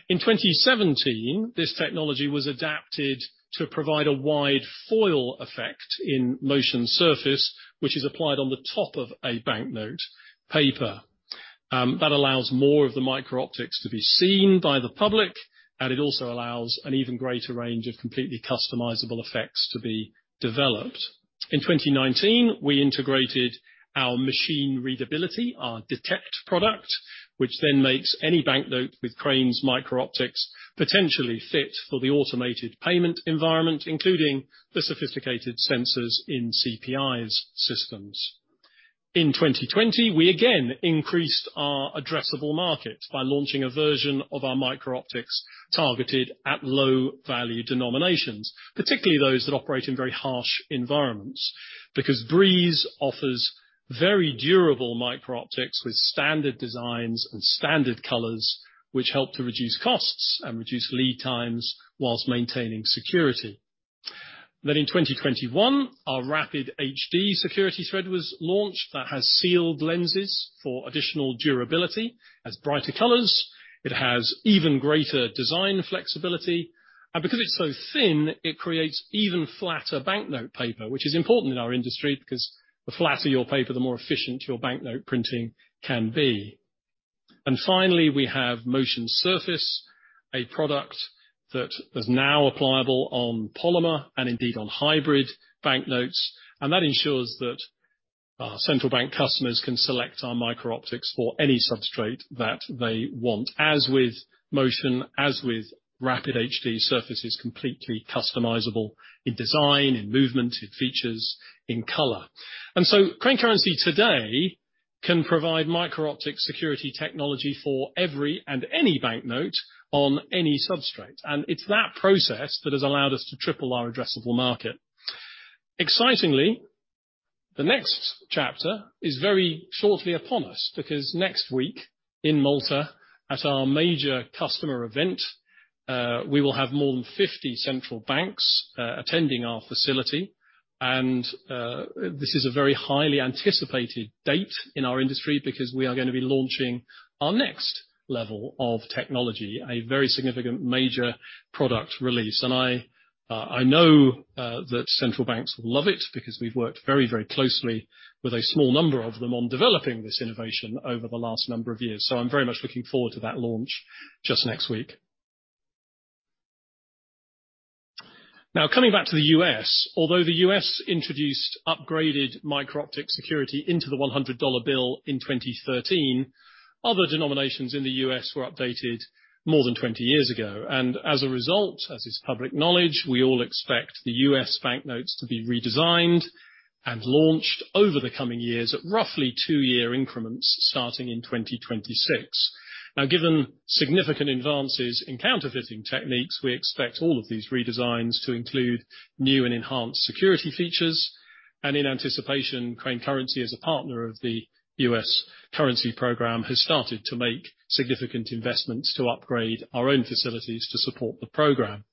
In 2017, this technology was adapted to provide a wide foil effect in MOTION SURFACE®, which is applied on the top of a banknote paper. That allows more of the micro-optics to be seen by the public, and it also allows an even greater range of completely customizable effects to be developed. In 2019, we integrated our machine readability, our detect product, which then makes any banknote with Crane's micro-optics potentially fit for the automated payment environment, including the sophisticated sensors in CPI's systems. In 2020, we again increased our addressable market by launching a version of our micro-optics targeted at low-value denominations, particularly those that operate in very harsh environments, because BREEZE offers very durable micro-optics with standard designs and standard colors, which help to reduce costs and reduce lead times while maintaining security. In 2021, our RAPID HD security thread was launched that has sealed lenses for additional durability, has brighter colors. It has even greater design flexibility, and because it's so thin, it creates even flatter banknote paper, which is important in our industry because the flatter your paper, the more efficient your banknote printing can be. Finally, we have MOTION SURFACE®, a product that is now applicable on polymer and indeed on hybrid banknotes, and that ensures that central bank customers can select our micro-optics for any substrate that they want. As with MOTION, as with RAPID HD, Surface is completely customizable in design, in movement, in features, in color. Crane Currency today can provide micro-optic security technology for every and any banknote on any substrate. It's that process that has allowed us to triple our addressable market. Excitingly, the next chapter is very shortly upon us because next week in Malta at our major customer event, we will have more than 50 central banks attending our facility. This is a very highly anticipated date in our industry because we are gonna be launching our next level of technology, a very significant major product release. I know that central banks will love it because we've worked very, very closely with a small number of them on developing this innovation over the last number of years. I'm very much looking forward to that launch just next week. Coming back to the U.S. Although the U.S. introduced upgraded micro-optic security into the $100 bill in 2013, other denominations in the U.S. were updated more than 20 years ago. As a result, as is public knowledge, we all expect the U.S. banknotes to be redesigned and launched over the coming years at roughly 2-year increments starting in 2026. Given significant advances in counterfeiting techniques, we expect all of these redesigns to include new and enhanced security features. In anticipation, Crane Currency as a partner of the U.S. currency program, has started to make significant investments to upgrade our own facilities to support the program.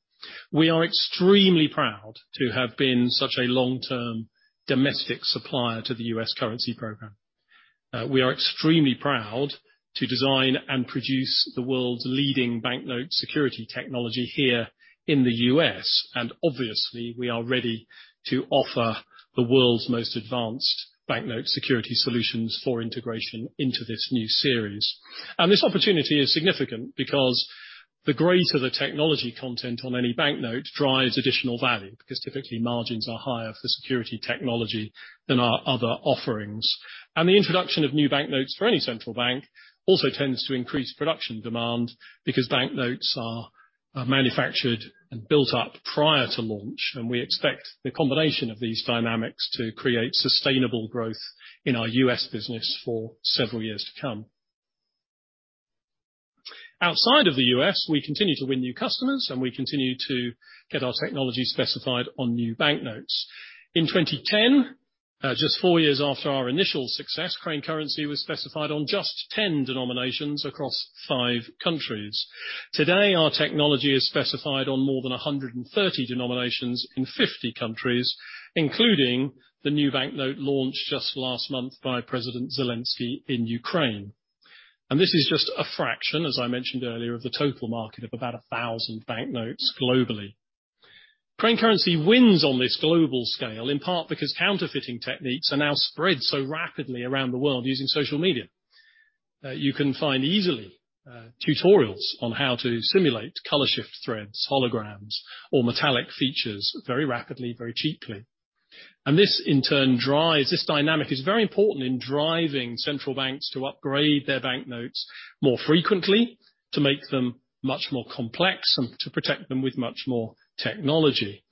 We are extremely proud to have been such a long-term domestic supplier to the U.S. currency program. We are extremely proud to design and produce the world's leading banknote security technology here in the U.S. Obviously, we are ready to offer the world's most advanced banknote security solutions for integration into this new series. This opportunity is significant because the greater the technology content on any banknote drives additional value, because typically margins are higher for security technology than our other offerings. The introduction of new banknotes for any central bank also tends to increase production demand because banknotes are manufactured and built up prior to launch. We expect the combination of these dynamics to create sustainable growth in our U.S. business for several years to come. Outside of the U.S., we continue to win new customers, and we continue to get our technology specified on new banknotes. In 2010, just four years after our initial success, Crane Currency was specified on just 10 denominations across five countries. Today, our technology is specified on more than 130 denominations in 50 countries, including the new banknote launched just last month by President Zelenskyy in Ukraine. This is just a fraction, as I mentioned earlier, of the total market of about 1,000 banknotes globally. Crane Currency wins on this global scale, in part because counterfeiting techniques are now spread so rapidly around the world using social media. You can find easily tutorials on how to simulate color shift threads, holograms, or metallic features very rapidly, very cheaply. This dynamic is very important in driving central banks to upgrade their banknotes more frequently to make them much more complex and to protect them with much more technology.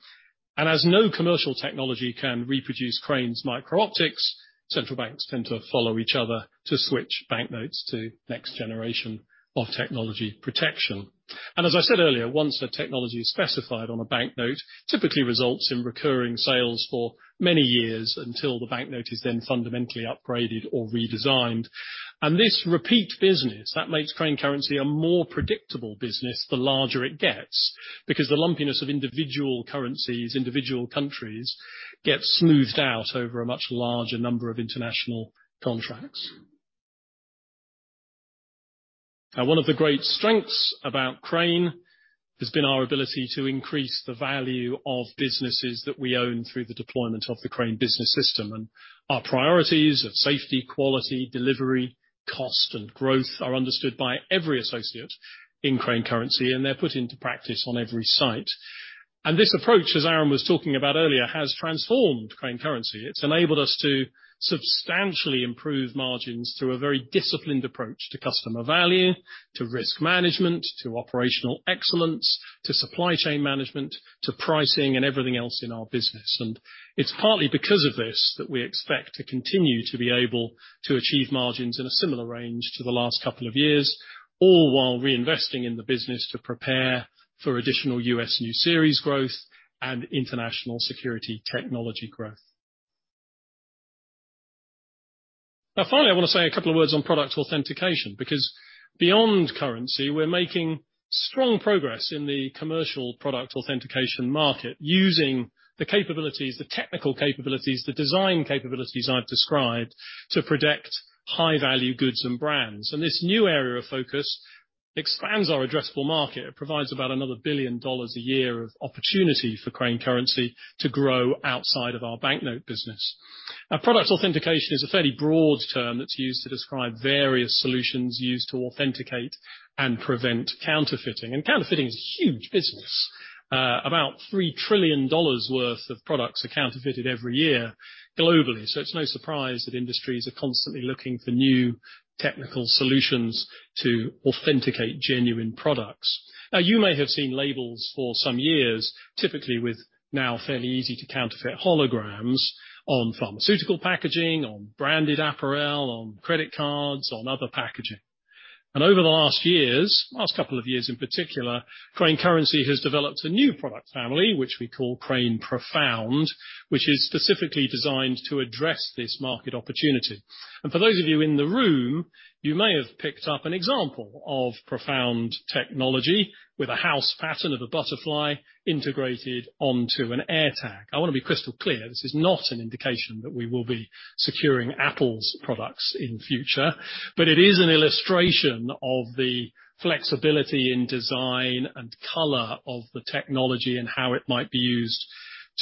As no commercial technology can reproduce Crane's micro-optics, central banks tend to follow each other to switch banknotes to next generation of technology protection. As I said earlier, once a technology is specified on a banknote, typically results in recurring sales for many years until the banknote is then fundamentally upgraded or redesigned. This repeat business, that makes Crane Currency a more predictable business the larger it gets, because the lumpiness of individual currencies, individual countries get smoothed out over a much larger number of international contracts. One of the great strengths about Crane has been our ability to increase the value of businesses that we own through the deployment of the Crane Business System. Our priorities of safety, quality, delivery, cost, and growth are understood by every associate in Crane Currency, and they're put into practice on every site. This approach, as Aaron was talking about earlier, has transformed Crane Currency. It's enabled us to substantially improve margins through a very disciplined approach to customer value, to risk management, to operational excellence, to supply chain management, to pricing and everything else in our business. It's partly because of this that we expect to continue to be able to achieve margins in a similar range to the last couple of years, all while reinvesting in the business to prepare for additional U.S. new series growth and international security technology growth. Finally, I want to say a couple of words on product authentication, because beyond currency, we're making strong progress in the commercial product authentication market using the capabilities, the technical capabilities, the design capabilities I've described to protect high-value goods and brands. This new area of focus expands our addressable market. It provides about another $1 billion a year of opportunity for Crane Currency to grow outside of our banknote business. Product authentication is a fairly broad term that's used to describe various solutions used to authenticate and prevent counterfeiting. Counterfeiting is a huge business. About $3 trillion worth of products are counterfeited every year globally. It's no surprise that industries are constantly looking for new technical solutions to authenticate genuine products. You may have seen labels for some years, typically with now fairly easy to counterfeit holograms on pharmaceutical packaging, on branded apparel, on credit cards, on other packaging. Over the last years, last couple of years in particular, Crane Currency has developed a new product family, which we call Crane PROFOUND, which is specifically designed to address this market opportunity. For those of you in the room, you may have picked up an example of PROFOUND technology with a house pattern of a butterfly integrated onto an AirTag. I want to be crystal clear, this is not an indication that we will be securing Apple's products in future, but it is an illustration of the flexibility in design and color of the technology and how it might be used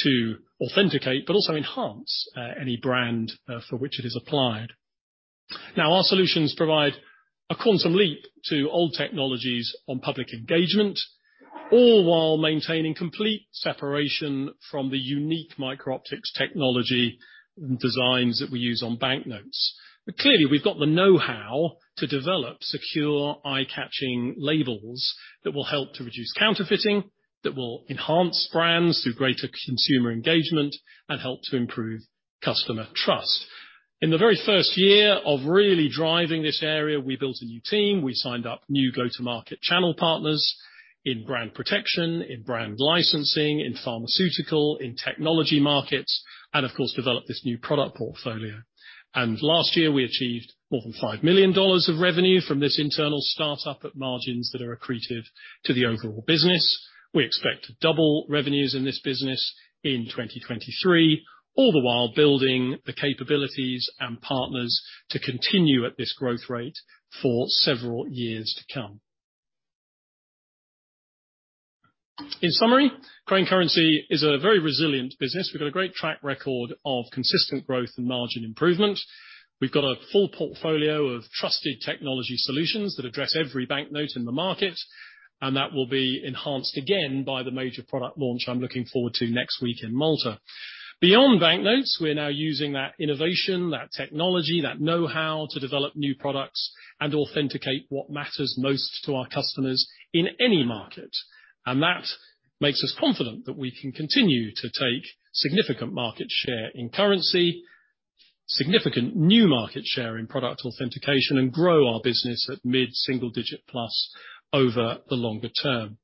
to authenticate but also enhance any brand for which it is applied. Our solutions provide a quantum leap to old technologies on public engagement, all while maintaining complete separation from the unique micro-optics technology and designs that we use on banknotes. Clearly, we've got the know-how to develop secure, eye-catching labels that will help to reduce counterfeiting, that will enhance brands through greater consumer engagement and help to improve customer trust. In the very first year of really driving this area, we built a new team. We signed up new go-to-market channel partners in brand protection, in brand licensing, in pharmaceutical, in technology markets, and of course, developed this new product portfolio. Last year, we achieved more than $5 million of revenue from this internal start-up at margins that are accretive to the overall business. We expect to double revenues in this business in 2023, all the while building the capabilities and partners to continue at this growth rate for several years to come. In summary, Crane Currency is a very resilient business. We've got a great track record of consistent growth and margin improvement. We've got a full portfolio of trusted technology solutions that address every banknote in the market. That will be enhanced again by the major product launch I'm looking forward to next week in Malta. Beyond banknotes, we're now using that innovation, that technology, that know-how to develop new products and authenticate what matters most to our customers in any market. That makes us confident that we can continue to take significant market share in currency, significant new market share in product authentication, and grow our business at mid-single digit plus over the longer term.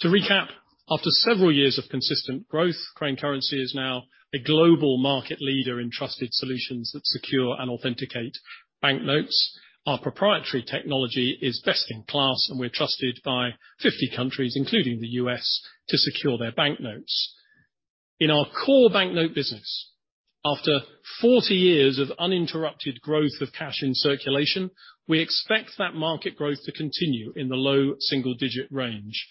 To recap, after several years of consistent growth, Crane Currency is now a global market leader in trusted solutions that secure and authenticate banknotes. Our proprietary technology is best in class, and we're trusted by 50 countries, including the U.S., to secure their banknotes. In our core banknote business, after 40 years of uninterrupted growth of cash in circulation, we expect that market growth to continue in the low single-digit range.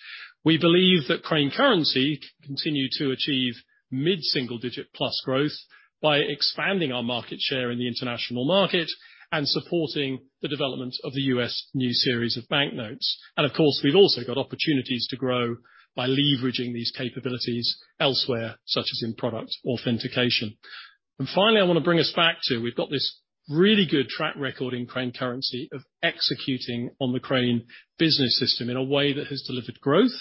We believe that Crane Currency can continue to achieve mid-single-digit plus growth by expanding our market share in the international market and supporting the development of the U.S. new series of banknotes. Of course, we've also got opportunities to grow by leveraging these capabilities elsewhere, such as in product authentication. Finally, I want to bring us back to, we've got this really good track record in Crane Currency of executing on the Crane Business System in a way that has delivered growth,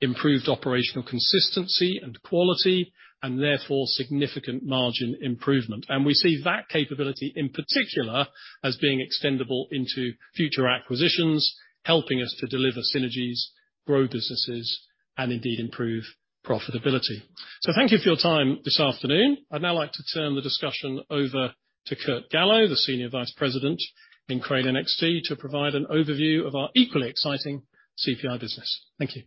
improved operational consistency and quality, and therefore, significant margin improvement. We see that capability, in particular, as being extendable into future acquisitions, helping us to deliver synergies, grow businesses, and indeed, improve profitability. Thank you for your time this afternoon. I'd now like to turn the discussion over to Kurt Gallo, the Senior Vice President in Crane NXT, to provide an overview of our equally exciting CPI business. Thank you.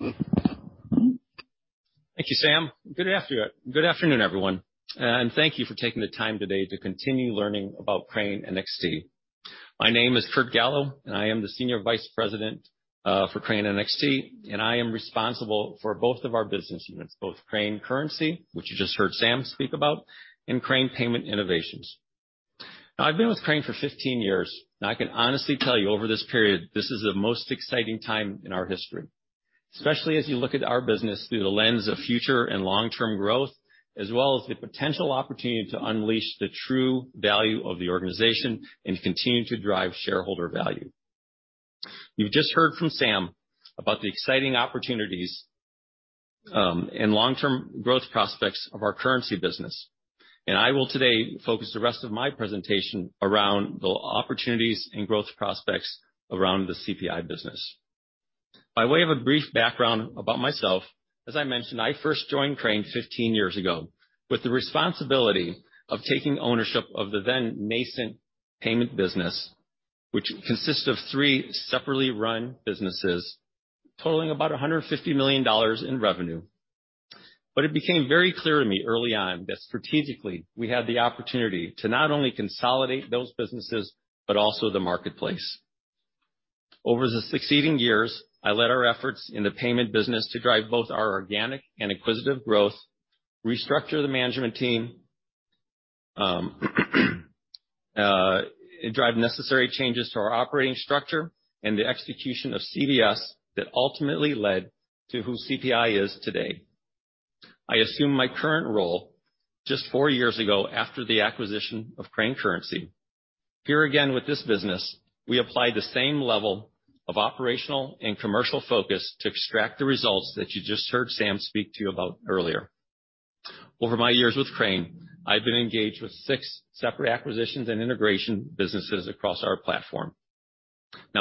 Thank you, Sam. Good afternoon, everyone, and thank you for taking the time today to continue learning about Crane NXT. My name is Kurt Gallo, and I am the Senior Vice President, for Crane NXT, and I am responsible for both of our business units, both Crane Currency, which you just heard Sam speak about, and Crane Payment Innovations. I've been with Crane for 15 years. I can honestly tell you, over this period, this is the most exciting time in our history, especially as you look at our business through the lens of future and long-term growth, as well as the potential opportunity to unleash the true value of the organization and continue to drive shareholder value. You've just heard from Sam about the exciting opportunities, and long-term growth prospects of our currency business. I will today focus the rest of my presentation around the opportunities and growth prospects around the CPI business. By way of a brief background about myself, as I mentioned, I first joined Crane 15 years ago with the responsibility of taking ownership of the then nascent payment business, which consists of three separately run businesses totaling about $150 million in revenue. It became very clear to me early on that strategically, we had the opportunity to not only consolidate those businesses, but also the marketplace. Over the succeeding years, I led our efforts in the payment business to drive both our organic and acquisitive growth, restructure the management team, drive necessary changes to our operating structure and the execution of CBS that ultimately led to who CPI is today. I assume my current role just four years ago after the acquisition of Crane Currency. Here again, with this business, we applied the same level of operational and commercial focus to extract the results that you just heard Sam speak to you about earlier. Over my years with Crane, I've been engaged with six separate acquisitions and integration businesses across our platform.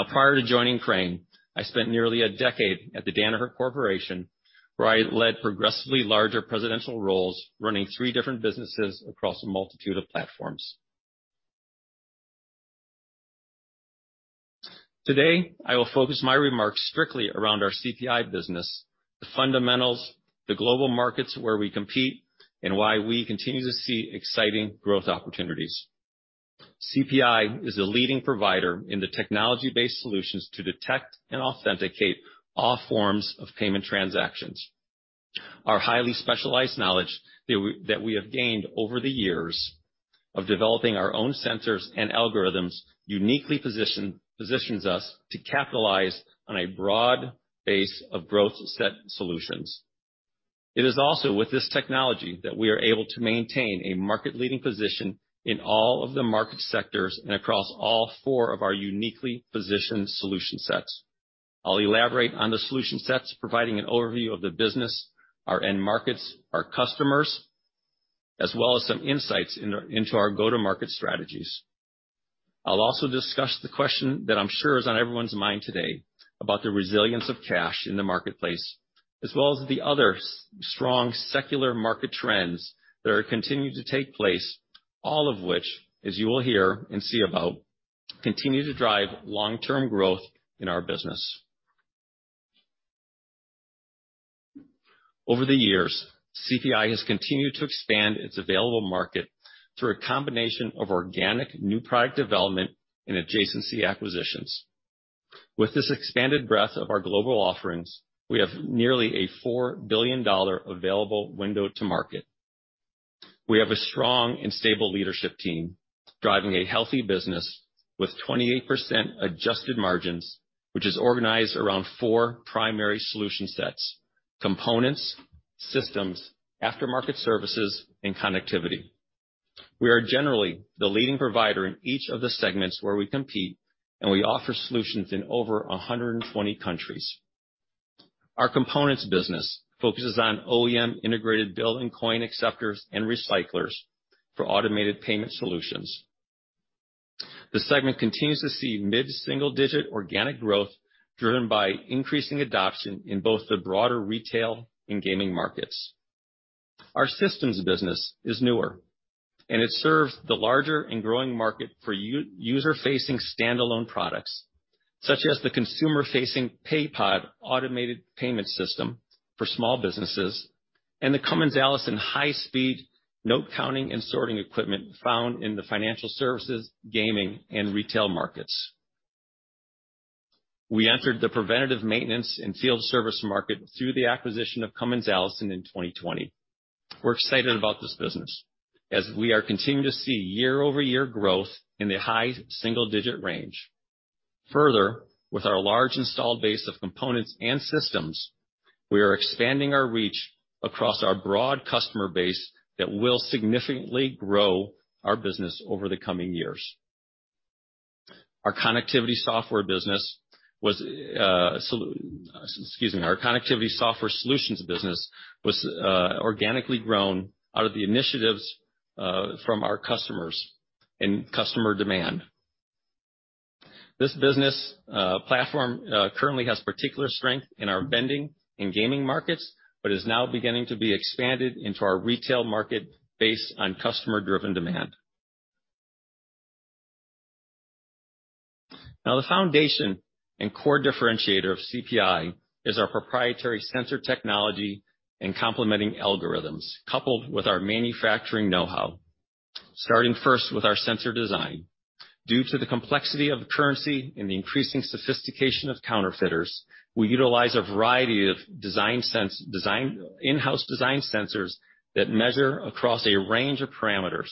Prior to joining Crane, I spent nearly a decade at the Danaher Corporation, where I led progressively larger presidential roles, running three different businesses across a multitude of platforms. Today, I will focus my remarks strictly around our CPI business, the fundamentals, the global markets where we compete, and why we continue to see exciting growth opportunities. CPI is a leading provider in the technology-based solutions to detect and authenticate all forms of payment transactions. Our highly specialized knowledge that we have gained over the years, of developing our own sensors and algorithms uniquely positions us to capitalize on a broad base of growth set solutions. It is also with this technology that we are able to maintain a market-leading position in all of the market sectors and across all four of our uniquely positioned solution sets. I'll elaborate on the solution sets, providing an overview of the business, our end markets, our customers, as well as some insights into our go-to-market strategies. I'll also discuss the question that I'm sure is on everyone's mind today about the resilience of cash in the marketplace, as well as the other strong secular market trends that are continuing to take place, all of which, as you will hear and see about, continue to drive long-term growth in our business. Over the years, CPI has continued to expand its available market through a combination of organic new product development and adjacency acquisitions. With this expanded breadth of our global offerings, we have nearly a $4 billion available window to market. We have a strong and stable leadership team driving a healthy business with 28% adjusted margins, which is organized around four primary solution sets: components, systems, aftermarket services, and connectivity. We are generally the leading provider in each of the segments where we compete, and we offer solutions in over 120 countries. Our components business focuses on OEM integrated build and coin acceptors and recyclers for automated payment solutions. The segment continues to see mid-single-digit organic growth driven by increasing adoption in both the broader retail and gaming markets. Our systems business is newer, and it serves the larger and growing market for user-facing standalone products, such as the consumer-facing Paypod automated payment system for small businesses and the Cummins Allison high-speed note counting and sorting equipment found in the financial services, gaming, and retail markets. We entered the preventative maintenance and field service market through the acquisition of Cummins Allison in 2020. We're excited about this business as we are continuing to see year-over-year growth in the high single-digit range. Further, with our large installed base of components and systems, we are expanding our reach across our broad customer base that will significantly grow our business over the coming years. Our connectivity software business was, our connectivity software solutions business was organically grown out of the initiatives from our customers and customer demand. This business platform currently has particular strength in our vending and gaming markets, is now beginning to be expanded into our retail market based on customer-driven demand. The foundation and core differentiator of CPI is our proprietary sensor technology and complementing algorithms, coupled with our manufacturing know-how. Starting first with our sensor design. Due to the complexity of the currency and the increasing sophistication of counterfeiters, we utilize a variety of in-house design sensors that measure across a range of parameters,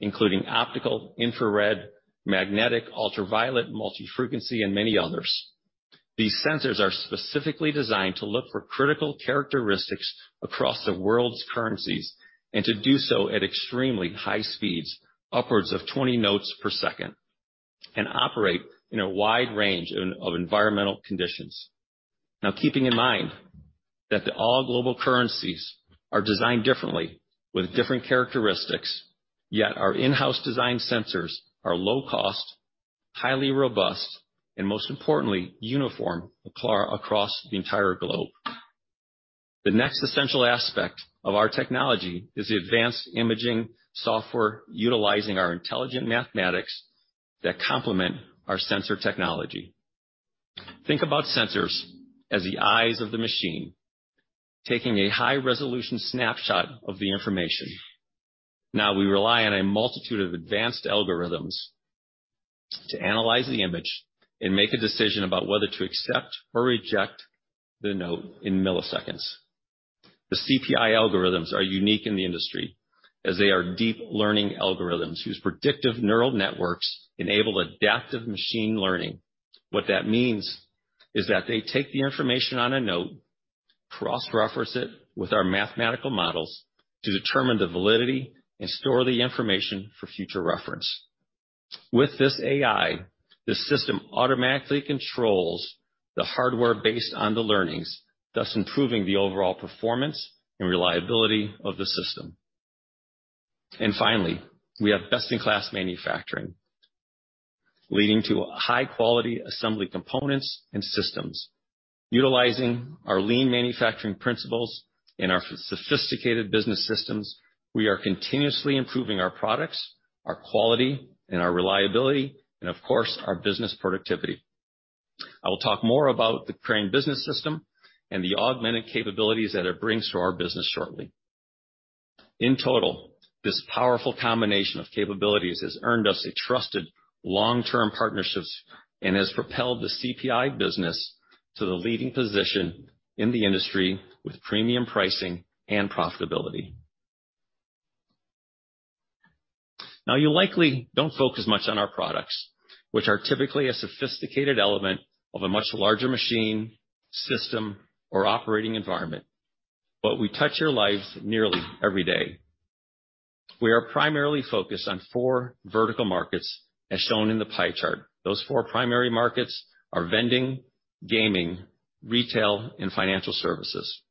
including optical, infrared, magnetic, ultraviolet, multi-frequency, and many others. These sensors are specifically designed to look for critical characteristics across the world's currencies and to do so at extremely high speeds, upwards of 20 notes per second, and operate in a wide range of environmental conditions. Now, keeping in mind that the all global currencies are designed differently with different characteristics, yet our in-house design sensors are low cost, highly robust, and most importantly, uniform across the entire globe. The next essential aspect of our technology is the advanced imaging software utilizing our intelligent mathematics that complement our sensor technology. Think about sensors as the eyes of the machine, taking a high-resolution snapshot of the information. Now we rely on a multitude of advanced algorithms to analyze the image and make a decision about whether to accept or reject the note in milliseconds. The CPI algorithms are unique in the industry as they are deep learning algorithms whose predictive neural networks enable adaptive machine learning. What that means is that they take the information on a note, cross-reference it with our mathematical models to determine the validity and store the information for future reference. With this AI, the system automatically controls the hardware based on the learnings, thus improving the overall performance and reliability of the system. Finally, we have best-in-class manufacturing, leading to high-quality assembly components and systems. Utilizing our lean manufacturing principles and our sophisticated business systems, we are continuously improving our products, our quality and our reliability and of course, our business productivity. I will talk more about the Crane Business System and the augmented capabilities that it brings to our business shortly. In total, this powerful combination of capabilities has earned us a trusted long-term partnerships and has propelled the CPI business to the leading position in the industry with premium pricing and profitability. You likely don't focus much on our products, which are typically a sophisticated element of a much larger machine, system, or operating environment. We touch your lives nearly every day. We are primarily focused on four vertical markets, as shown in the pie chart. Those four primary markets are vending, gaming, retail, and financial services.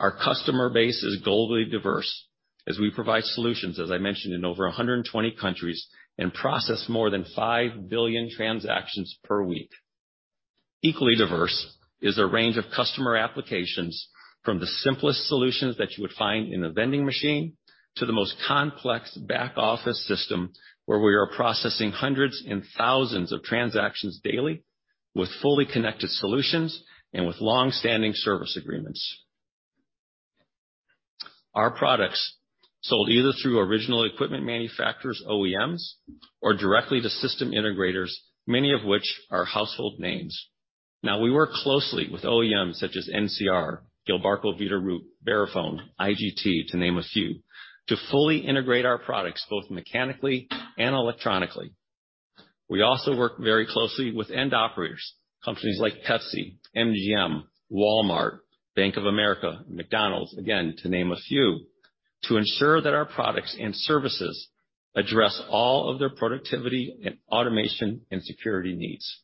Our customer base is globally diverse as we provide solutions, as I mentioned, in over 120 countries and process more than 5 billion transactions per week. Equally diverse is a range of customer applications from the simplest solutions that you would find in a vending machine, to the most complex back-office system where we are processing hundreds and thousands of transactions daily with fully connected solutions and with long-standing service agreements. Our products sold either through original equipment manufacturers, OEMs, or directly to system integrators, many of which are household names. We work closely with OEMs such as NCR, Gilbarco Veeder-Root, Verifone, IGT, to name a few, to fully integrate our products, both mechanically and electronically. We also work very closely with end operators, companies like Pepsi, MGM, Walmart, Bank of America, McDonald's, again, to name a few, to ensure that our products and services address all of their productivity and automation and security needs.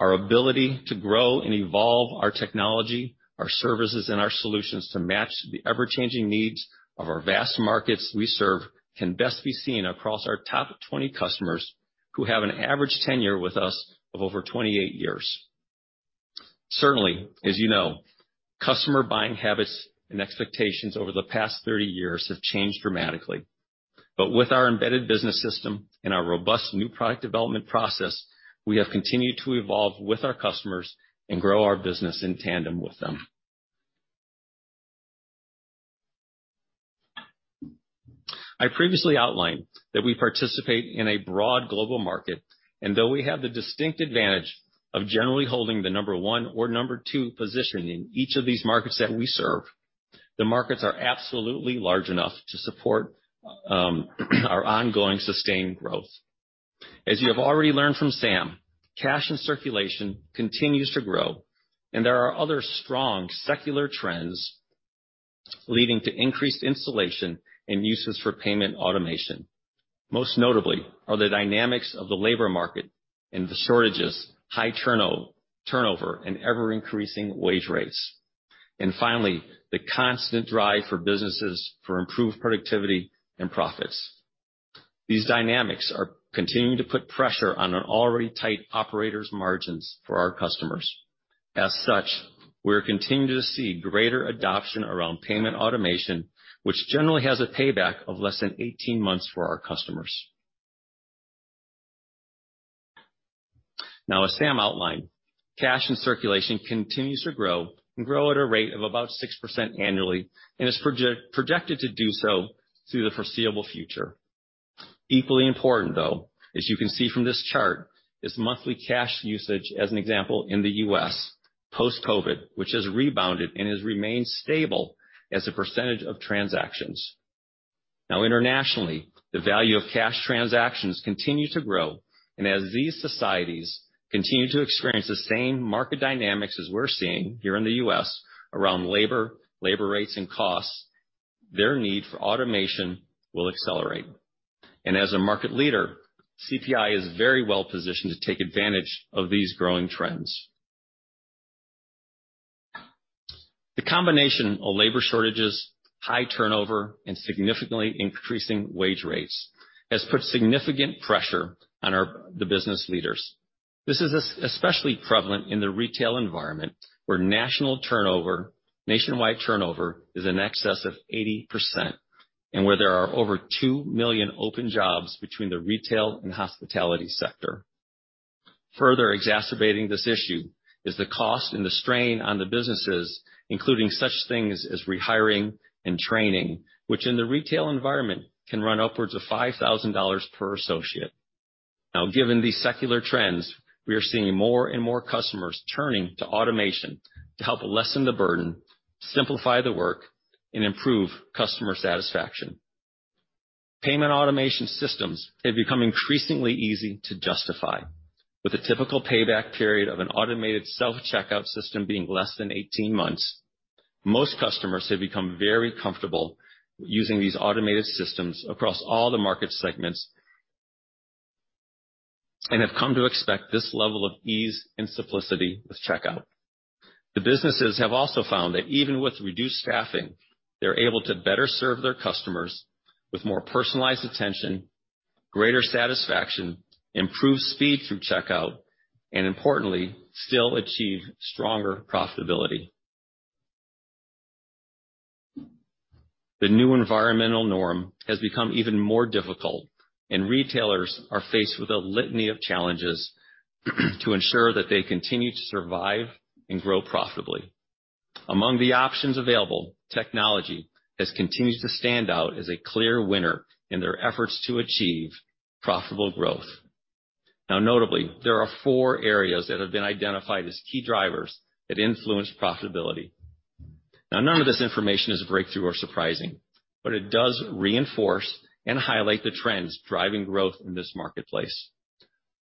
Our ability to grow and evolve our technology, our services, and our solutions to match the ever-changing needs of our vast markets we serve can best be seen across our top 20 customers who have an average tenure with us of over 28 years. Certainly, as you know, customer buying habits and expectations over the past 30 years have changed dramatically. With our embedded Business System and our robust new product development process, we have continued to evolve with our customers and grow our business in tandem with them. I previously outlined that we participate in a broad global market, though we have the distinct advantage of generally holding the number one or number two position in each of these markets that we serve, the markets are absolutely large enough to support our ongoing sustained growth. As you have already learned from Sam, cash in circulation continues to grow, there are other strong secular trends leading to increased installation and uses for payment automation. Most notably are the dynamics of the labor market and the shortages, high turnover, and ever-increasing wage rates. Finally, the constant drive for businesses for improved productivity and profits. These dynamics are continuing to put pressure on our already tight operators' margins for our customers. As such, we're continuing to see greater adoption around payment automation, which generally has a payback of less than 18 months for our customers. As Sam outlined, cash in circulation continues to grow and grow at a rate of about 6% annually and is projected to do so through the foreseeable future. Equally important, though, as you can see from this chart, is monthly cash usage, as an example, in the U.S. post-COVID, which has rebounded and has remained stable as a percentage of transactions. Internationally, the value of cash transactions continue to grow. As these societies continue to experience the same market dynamics as we're seeing here in the U.S. around labor rates, and costs, their need for automation will accelerate. As a market leader, CPI is very well positioned to take advantage of these growing trends. The combination of labor shortages, high turnover, and significantly increasing wage rates has put significant pressure on the business leaders. This is especially prevalent in the retail environment, where nationwide turnover is in excess of 80% and where there are over 2 million open jobs between the retail and hospitality sector. Further exacerbating this issue is the cost and the strain on the businesses, including such things as rehiring and training, which in the retail environment can run upwards of $5,000 per associate. Now, given these secular trends, we are seeing more and more customers turning to automation to help lessen the burden, simplify the work, and improve customer satisfaction. Payment automation systems have become increasingly easy to justify. With a typical payback period of an automated self-checkout system being less than 18 months, most customers have become very comfortable using these automated systems across all the market segments and have come to expect this level of ease and simplicity with checkout. The businesses have also found that even with reduced staffing, they're able to better serve their customers with more personalized attention, greater satisfaction, improved speed through checkout, and importantly, still achieve stronger profitability. The new environmental norm has become even more difficult, and retailers are faced with a litany of challenges to ensure that they continue to survive and grow profitably. Among the options available, technology has continued to stand out as a clear winner in their efforts to achieve profitable growth. Notably, there are four areas that have been identified as key drivers that influence profitability. None of this information is a breakthrough or surprising, but it does reinforce and highlight the trends driving growth in this marketplace.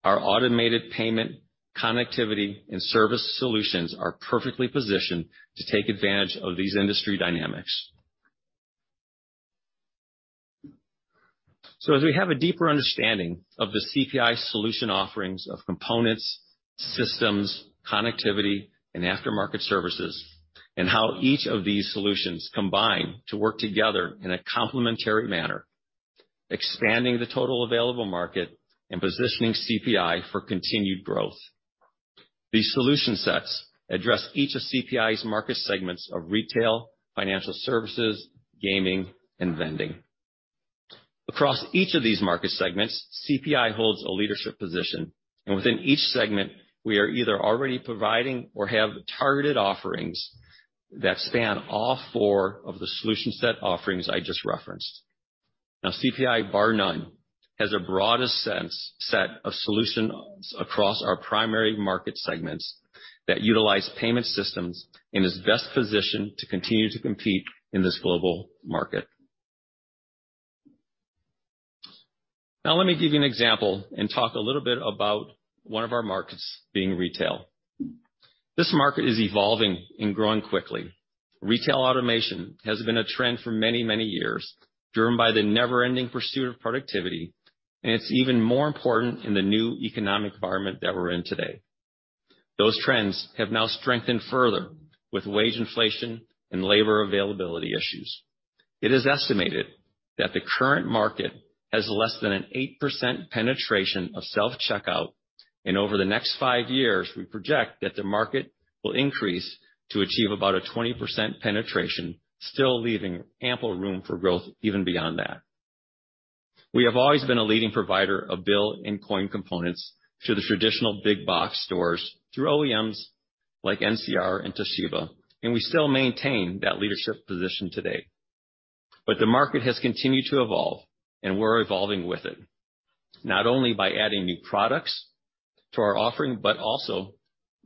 Our automated payment, connectivity, and service solutions are perfectly positioned to take advantage of these industry dynamics. As we have a deeper understanding of the CPI solution offerings of components, systems, connectivity, and aftermarket services, and how each of these solutions combine to work together in a complementary manner, expanding the total available market and positioning CPI for continued growth. These solution sets address each of CPI's market segments of retail, financial services, gaming, and vending. Across each of these market segments, CPI holds a leadership position, and within each segment, we are either already providing or have targeted offerings that span all four of the solution set offerings I just referenced. CPI, bar none, has a broader set of solutions across our primary market segments that utilize payment systems and is best positioned to continue to compete in this global market. Let me give you an example and talk a little bit about one of our markets being retail. This market is evolving and growing quickly. Retail automation has been a trend for many, many years, driven by the never-ending pursuit of productivity. It's even more important in the new economic environment that we're in today. Those trends have now strengthened further with wage inflation and labor availability issues. It is estimated that the current market has less than an 8% penetration of self-checkout. Over the next five years, we project that the market will increase to achieve about a 20% penetration, still leaving ample room for growth even beyond that. We have always been a leading provider of bill and coin components to the traditional big box stores through OEMs like NCR and Toshiba. We still maintain that leadership position today. The market has continued to evolve, and we're evolving with it, not only by adding new products to our offering, but also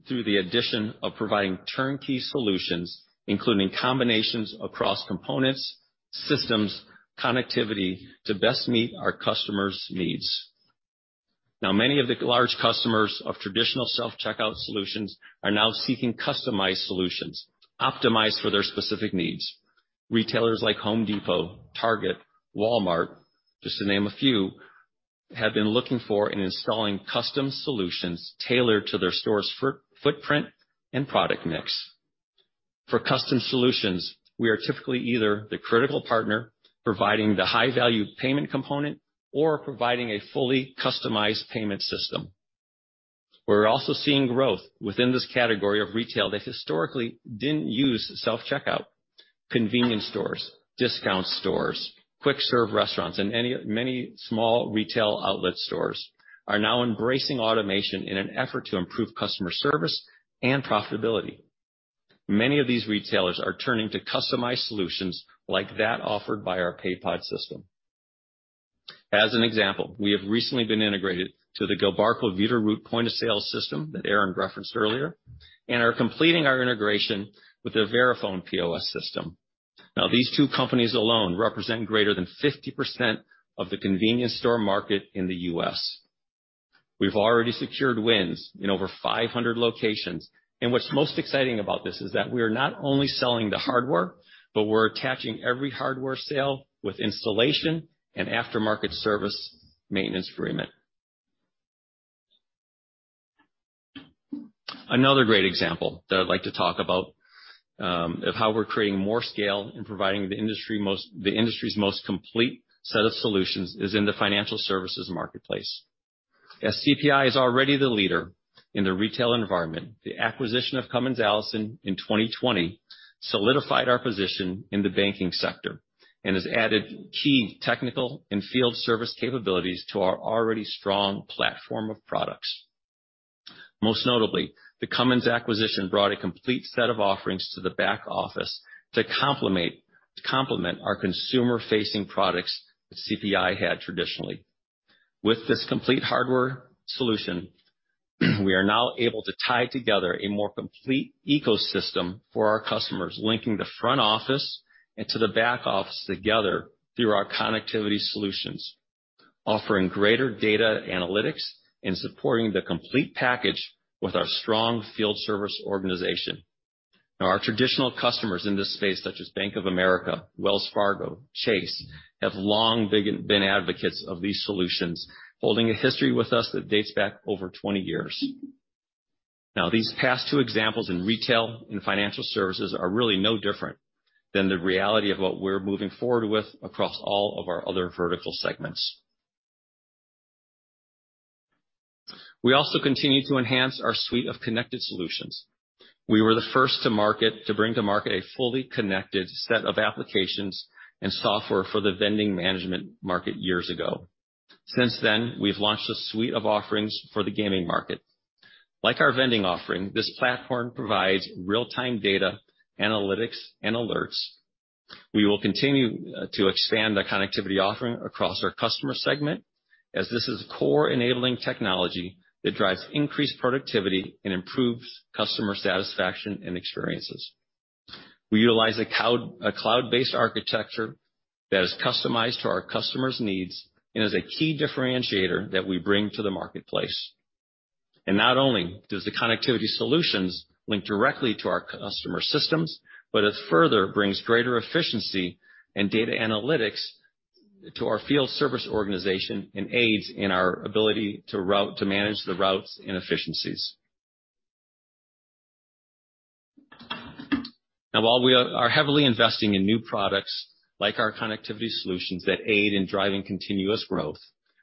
through the addition of providing turnkey solutions, including combinations across components, systems, connectivity to best meet our customers' needs. Many of the large customers of traditional self-checkout solutions are now seeking customized solutions optimized for their specific needs. Retailers like The Home Depot, Target, Walmart, just to name a few, have been looking for and installing custom solutions tailored to their store's footprint and product mix. For custom solutions, we are typically either the critical partner providing the high-value payment component or providing a fully customized payment system. We're also seeing growth within this category of retail that historically didn't use self-checkout. Convenience stores, discount stores, quick-serve restaurants, and any, many small retail outlet stores are now embracing automation in an effort to improve customer service and profitability. Many of these retailers are turning to customized solutions like that offered by our Paypod system. As an example, we have recently been integrated to the Gilbarco Veeder-Root point-of-sale system that Aaron referenced earlier, and are completing our integration with the Verifone POS system. Now, these two companies alone represent greater than 50% of the convenience store market in the U.S. We've already secured wins in over 500 locations, and what's most exciting about this is that we are not only selling the hardware, but we're attaching every hardware sale with installation and aftermarket service maintenance agreement. Another great example that I'd like to talk about of how we're creating more scale and providing the industry's most complete set of solutions is in the financial services marketplace. As CPI is already the leader in the retail environment, the acquisition of Cummins Allison in 2020 solidified our position in the banking sector and has added key technical and field service capabilities to our already strong platform of products. Most notably, the Cummins acquisition brought a complete set of offerings to the back office to complement our consumer-facing products that CPI had traditionally. With this complete hardware solution, we are now able to tie together a more complete ecosystem for our customers, linking the front office and to the back office together through our connectivity solutions, offering greater data analytics and supporting the complete package with our strong field service organization. Our traditional customers in this space, such as Bank of America, Wells Fargo, Chase, have long been advocates of these solutions, holding a history with us that dates back over 20 years. These past two examples in retail and financial services are really no different than the reality of what we're moving forward with across all of our other vertical segments. We also continue to enhance our suite of connected solutions. We were the first to bring to market a fully connected set of applications and software for the vending management market years ago. Since then, we've launched a suite of offerings for the gaming market. Like our vending offering, this platform provides real-time data, analytics, and alerts. We will continue to expand the connectivity offering across our customer segment as this is core enabling technology that drives increased productivity and improves customer satisfaction and experiences. We utilize a cloud-based architecture that is customized to our customers' needs and is a key differentiator that we bring to the marketplace. Not only does the connectivity solutions link directly to our customer systems, but it further brings greater efficiency and data analytics to our field service organization and aids in our ability to manage the routes and efficiencies. While we are heavily investing in new products like our connectivity solutions that aid in driving continuous growth,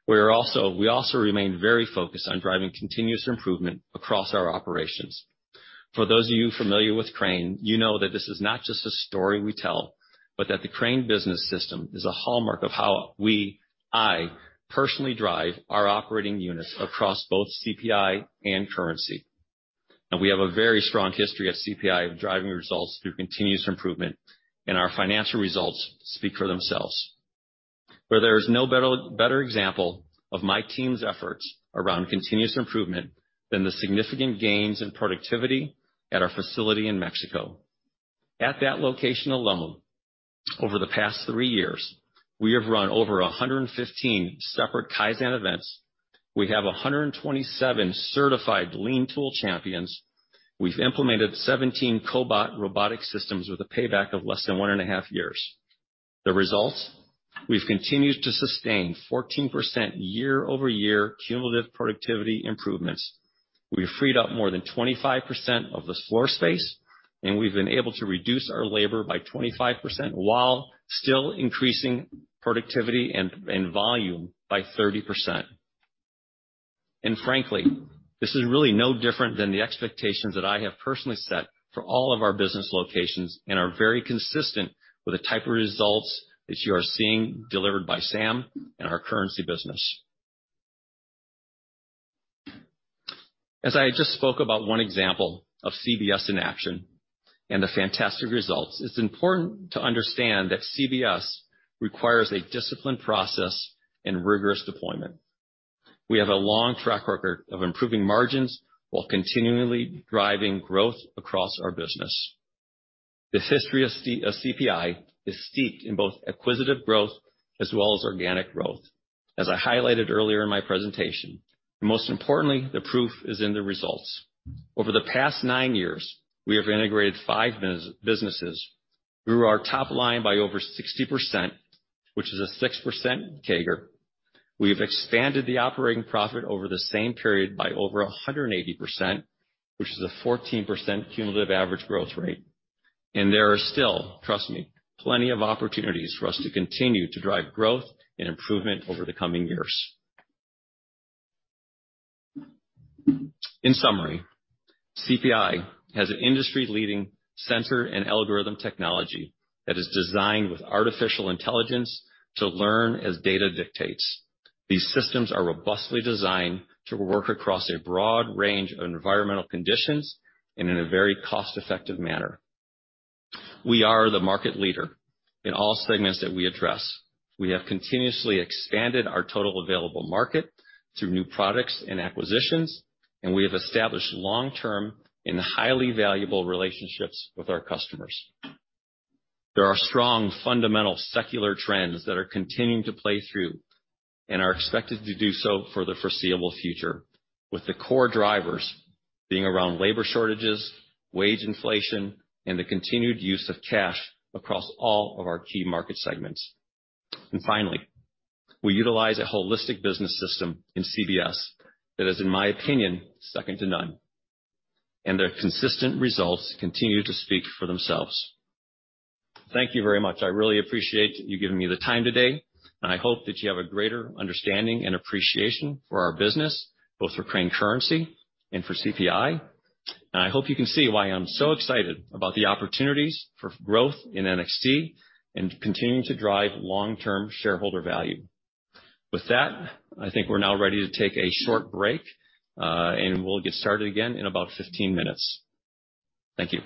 we also remain very focused on driving continuous improvement across our operations. For those of you familiar with Crane, you know that this is not just a story we tell, but that the Crane Business System is a hallmark of how we, I, personally drive our operating units across both CPI and Currency. We have a very strong history at CPI of driving results through continuous improvement, and our financial results speak for themselves. Where there is no better example of my team's efforts around continuous improvement than the significant gains in productivity at our facility in Mexico. At that location alone, over the past three years, we have run over 115 separate Kaizen events. We have 127 certified lean tool champions. We've implemented 17 cobot robotic systems with a payback of less than one and a half years. The results, we've continued to sustain 14% year-over-year cumulative productivity improvements. We've freed up more than 25% of the floor space, and we've been able to reduce our labor by 25% while still increasing productivity and volume by 30%. Frankly, this is really no different than the expectations that I have personally set for all of our business locations and are very consistent with the type of results that you are seeing delivered by Sam and our Currency business. As I just spoke about one example of CBS in action and the fantastic results, it's important to understand that CBS requires a disciplined process and rigorous deployment. We have a long track record of improving margins while continually driving growth across our business. This history of CPI is steeped in both acquisitive growth as well as organic growth, as I highlighted earlier in my presentation. Most importantly, the proof is in the results. Over the past nine years, we have integrated five businesses, grew our top line by over 60%, which is a 6% CAGR. We have expanded the operating profit over the same period by over 180%, which is a 14% cumulative average growth rate. There are still, trust me, plenty of opportunities for us to continue to drive growth and improvement over the coming years. In summary, CPI has an industry-leading sensor and algorithm technology that is designed with artificial intelligence to learn as data dictates. These systems are robustly designed to work across a broad range of environmental conditions and in a very cost-effective manner. We are the market leader in all segments that we address. We have continuously expanded our total available market through new products and acquisitions, and we have established long-term and highly valuable relationships with our customers. There are strong fundamental secular trends that are continuing to play through and are expected to do so for the foreseeable future, with the core drivers being around labor shortages, wage inflation, and the continued use of cash across all of our key market segments. Finally, we utilize a holistic business system in CBS that is, in my opinion, second to none. Their consistent results continue to speak for themselves. Thank you very much. I really appreciate you giving me the time today, and I hope that you have a greater understanding and appreciation for our business, both for Crane Currency and for CPI. I hope you can see why I'm so excited about the opportunities for growth in NXT and continuing to drive long-term shareholder value. With that, I think we're now ready to take a short break, and we'll get started again in about 15 minutes. Thank you.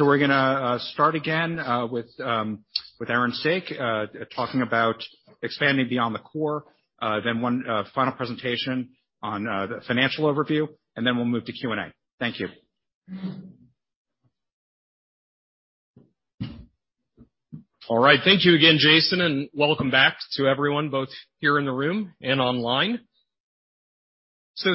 We're gonna start again with Aaron Saak talking about expanding beyond the core. One final presentation on the financial overview, and then we'll move to Q&A. Thank you. All right. Thank you again, Jason, and welcome back to everyone, both here in the room and online.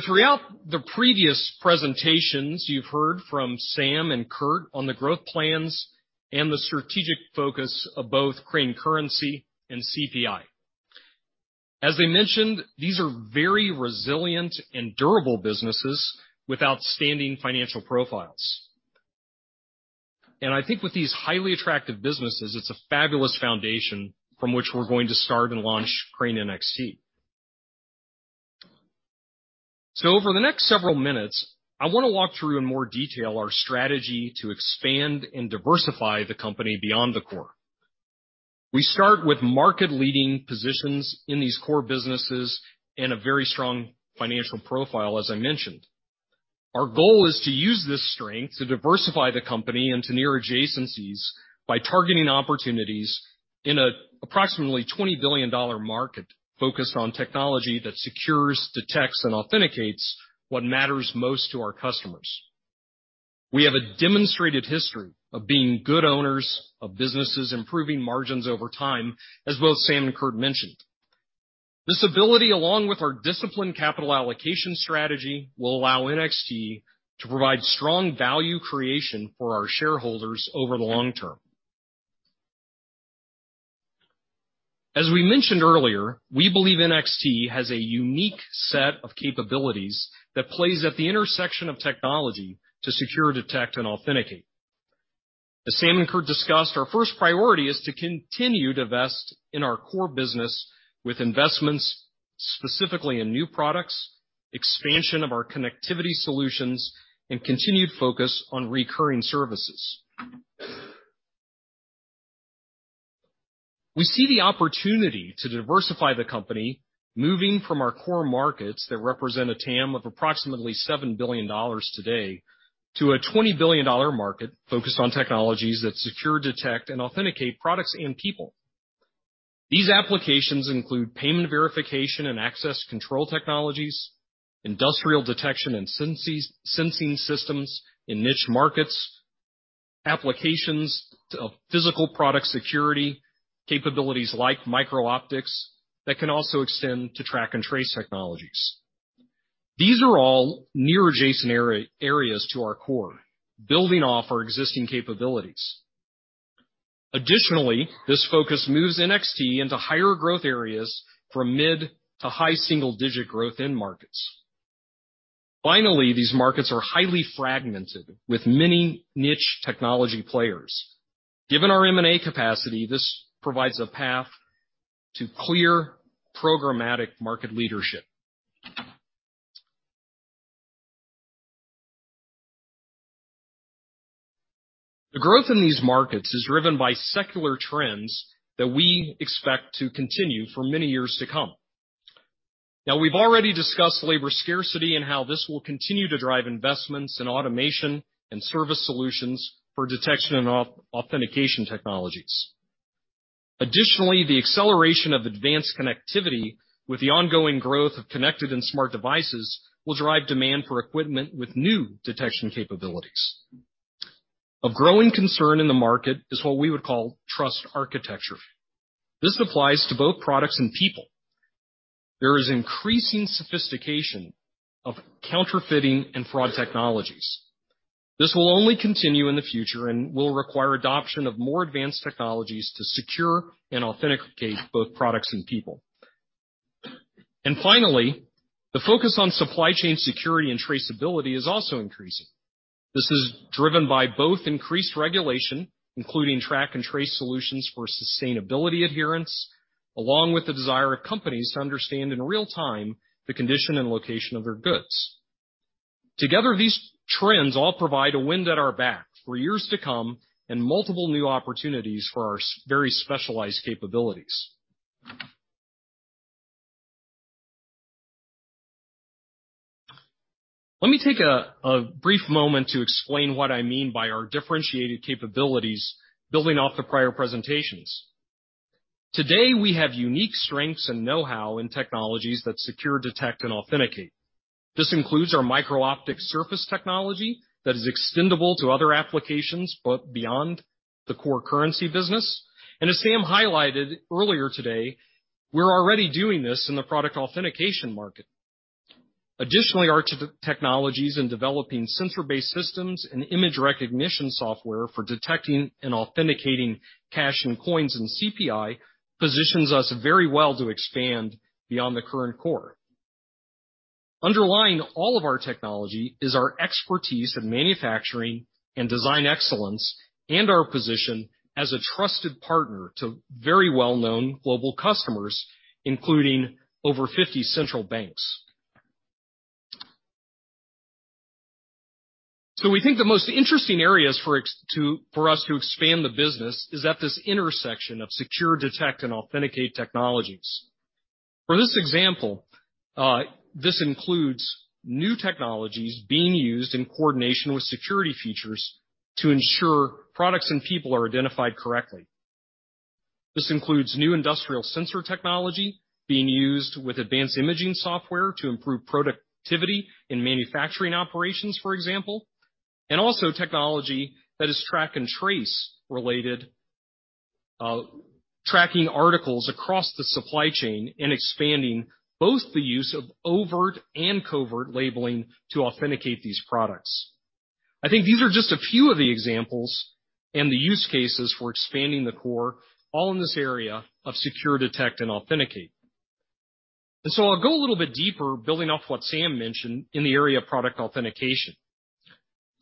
Throughout the previous presentations, you've heard from Sam and Kurt on the growth plans and the strategic focus of both Crane Currency and CPI. As they mentioned, these are very resilient and durable businesses with outstanding financial profiles. I think with these highly attractive businesses, it's a fabulous foundation from which we're going to start and launch Crane NXT. Over the next several minutes, I wanna walk through in more detail our strategy to expand and diversify the company beyond the core. We start with market-leading positions in these core businesses and a very strong financial profile as I mentioned. Our goal is to use this strength to diversify the company into near adjacencies by targeting opportunities in a approximately $20 billion market focused on technology that secures, detects, and authenticates what matters most to our customers. We have a demonstrated history of being good owners of businesses, improving margins over time, as both Sam and Kurt mentioned. This ability, along with our disciplined capital allocation strategy, will allow NXT to provide strong value creation for our shareholders over the long term. As we mentioned earlier, we believe NXT has a unique set of capabilities that plays at the intersection of technology to secure, detect, and authenticate. As Sam and Kurt discussed, our first priority is to continue to invest in our core business with investments specifically in new products, expansion of our connectivity solutions, and continued focus on recurring services. We see the opportunity to diversify the company moving from our core markets that represent a TAM of approximately $7 billion today to a $20 billion market focused on technologies that secure, detect, and authenticate products and people. These applications include payment verification and access control technologies, industrial detection and sensing systems in niche markets, applications of physical product security, capabilities like micro-optics that can also extend to track and trace technologies. These are all near adjacent areas to our core, building off our existing capabilities. This focus moves NXT into higher growth areas from mid to high single-digit growth end markets. These markets are highly fragmented, with many niche technology players. Given our M&A capacity, this provides a path to clear programmatic market leadership. The growth in these markets is driven by secular trends that we expect to continue for many years to come. We've already discussed labor scarcity and how this will continue to drive investments in automation and service solutions for detection and authentication technologies. Additionally, the acceleration of advanced connectivity with the ongoing growth of connected and smart devices will drive demand for equipment with new detection capabilities. A growing concern in the market is what we would call trust architecture. This applies to both products and people. There is increasing sophistication of counterfeiting and fraud technologies. This will only continue in the future and will require adoption of more advanced technologies to secure and authenticate both products and people. Finally, the focus on supply chain security and traceability is also increasing. This is driven by both increased regulation, including track and trace solutions for sustainability adherence, along with the desire of companies to understand in real time the condition and location of their goods. Together, these trends all provide a wind at our back for years to come and multiple new opportunities for our very specialized capabilities. Let me take a brief moment to explain what I mean by our differentiated capabilities building off the prior presentations. Today, we have unique strengths and know-how in technologies that secure, detect, and authenticate. This includes our micro-optic surface technology that is extendable to other applications, but beyond the core currency business. As Sam highlighted earlier today, we're already doing this in the product authentication market. Additionally, our technologies in developing sensor-based systems and image recognition software for detecting and authenticating cash and coins in CPI positions us very well to expand beyond the current core. Underlying all of our technology is our expertise in manufacturing and design excellence, and our position as a trusted partner to very well-known global customers, including over 50 central banks. We think the most interesting areas for us to expand the business is at this intersection of secure, detect, and authenticate technologies. For this example, this includes new technologies being used in coordination with security features to ensure products and people are identified correctly. This includes new industrial sensor technology being used with advanced imaging software to improve productivity in manufacturing operations, for example. Also technology that is track and trace related, tracking articles across the supply chain and expanding both the use of overt and covert labeling to authenticate these products. I think these are just a few of the examples and the use cases for expanding the core, all in this area of secure, detect, and authenticate. I'll go a little bit deeper, building off what Sam mentioned in the area of product authentication.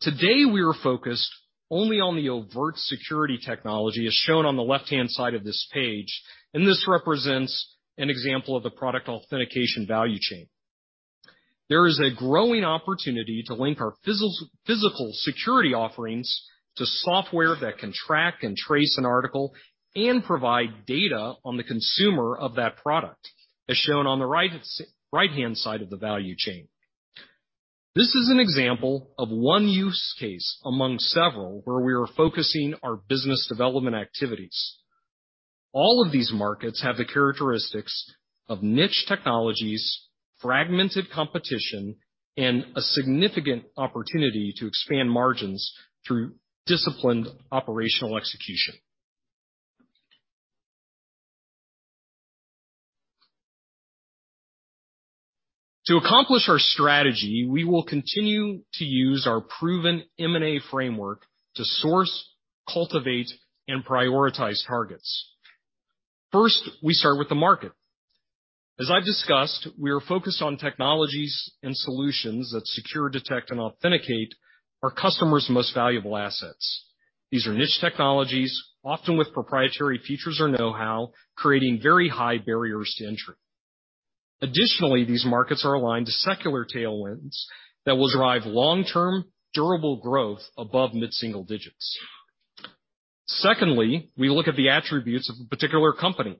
Today, we are focused only on the overt security technology, as shown on the left-hand side of this page, and this represents an example of the product authentication value chain. There is a growing opportunity to link our physical security offerings to software that can track and trace an article and provide data on the consumer of that product, as shown on the right-hand side of the value chain. This is an example of one use case among several where we are focusing our business development activities. All of these markets have the characteristics of niche technologies, fragmented competition, and a significant opportunity to expand margins through disciplined operational execution. To accomplish our strategy, we will continue to use our proven M&A framework to source, cultivate, and prioritize targets. First, we start with the market. As I've discussed, we are focused on technologies and solutions that secure, detect, and authenticate our customers' most valuable assets. These are niche technologies, often with proprietary features or know-how, creating very high barriers to entry. Additionally, these markets are aligned to secular tailwinds that will drive long-term, durable growth above mid-single digits. Secondly, we look at the attributes of a particular company.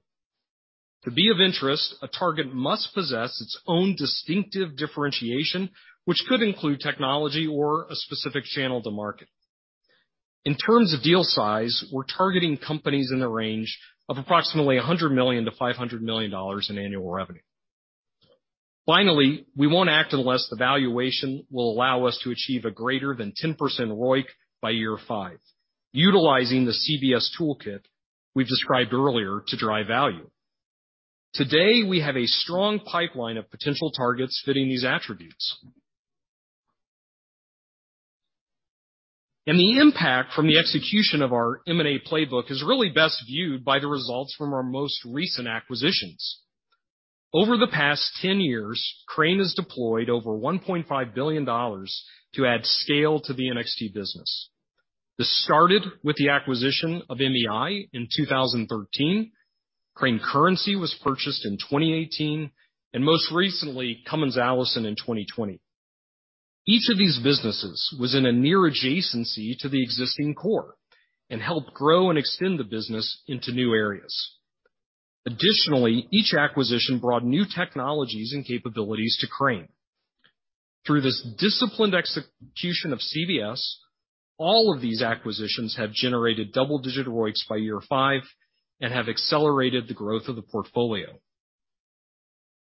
To be of interest, a target must possess its own distinctive differentiation, which could include technology or a specific channel to market. In terms of deal size, we're targeting companies in the range of approximately $100 million-$500 million in annual revenue. We won't act unless the valuation will allow us to achieve a greater than 10% ROIC by year 5. Utilizing the CBS toolkit we've described earlier to drive value. Today, we have a strong pipeline of potential targets fitting these attributes. The impact from the execution of our M&A playbook is really best viewed by the results from our most recent acquisitions. Over the past 10 years, Crane has deployed over $1.5 billion to add scale to the NXT business. This started with the acquisition of MEI in 2013. Crane Currency was purchased in 2018, and most recently, Cummins Allison in 2020. Each of these businesses was in a near adjacency to the existing core and helped grow and extend the business into new areas. Additionally, each acquisition brought new technologies and capabilities to Crane. Through this disciplined execution of CBS, all of these acquisitions have generated double-digit ROIs by year five and have accelerated the growth of the portfolio.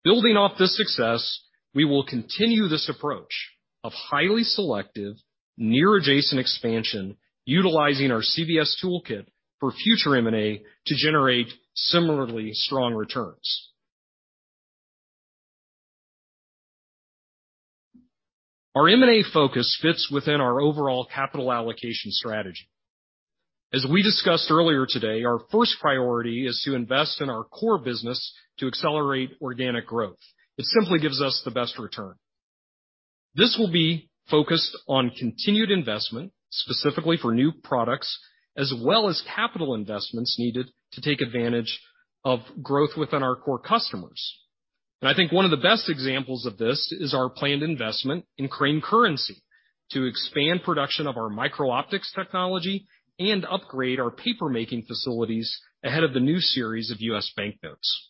Building off this success, we will continue this approach of highly selective near adjacent expansion utilizing our CBS toolkit for future M&A to generate similarly strong returns. Our M&A focus fits within our overall capital allocation strategy. As we discussed earlier today, our first priority is to invest in our core business to accelerate organic growth. It simply gives us the best return. This will be focused on continued investment, specifically for new products, as well as capital investments needed to take advantage of growth within our core customers. I think one of the best examples of this is our planned investment in Crane Currency to expand production of our micro-optics technology and upgrade our paper making facilities ahead of the new series of U.S. banknotes.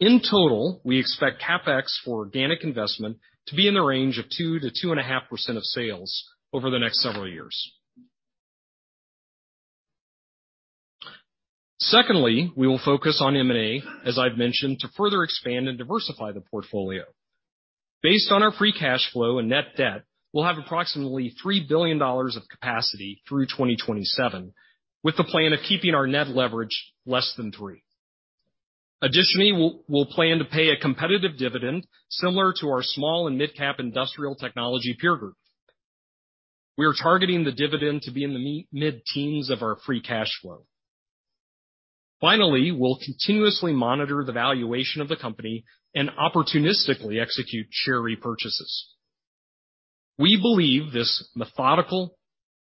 In total, we expect CapEx for organic investment to be in the range of 2%-2.5% of sales over the next several years. Secondly, we will focus on M&A, as I've mentioned, to further expand and diversify the portfolio. Based on our free cash flow and net debt, we'll have approximately $3 billion of capacity through 2027, with the plan of keeping our net leverage less than 3. Additionally, we'll plan to pay a competitive dividend similar to our small and mid-cap industrial technology peer group. We are targeting the dividend to be in the mid-teens of our free cash flow. Finally, we'll continuously monitor the valuation of the company and opportunistically execute share repurchases. We believe this methodical,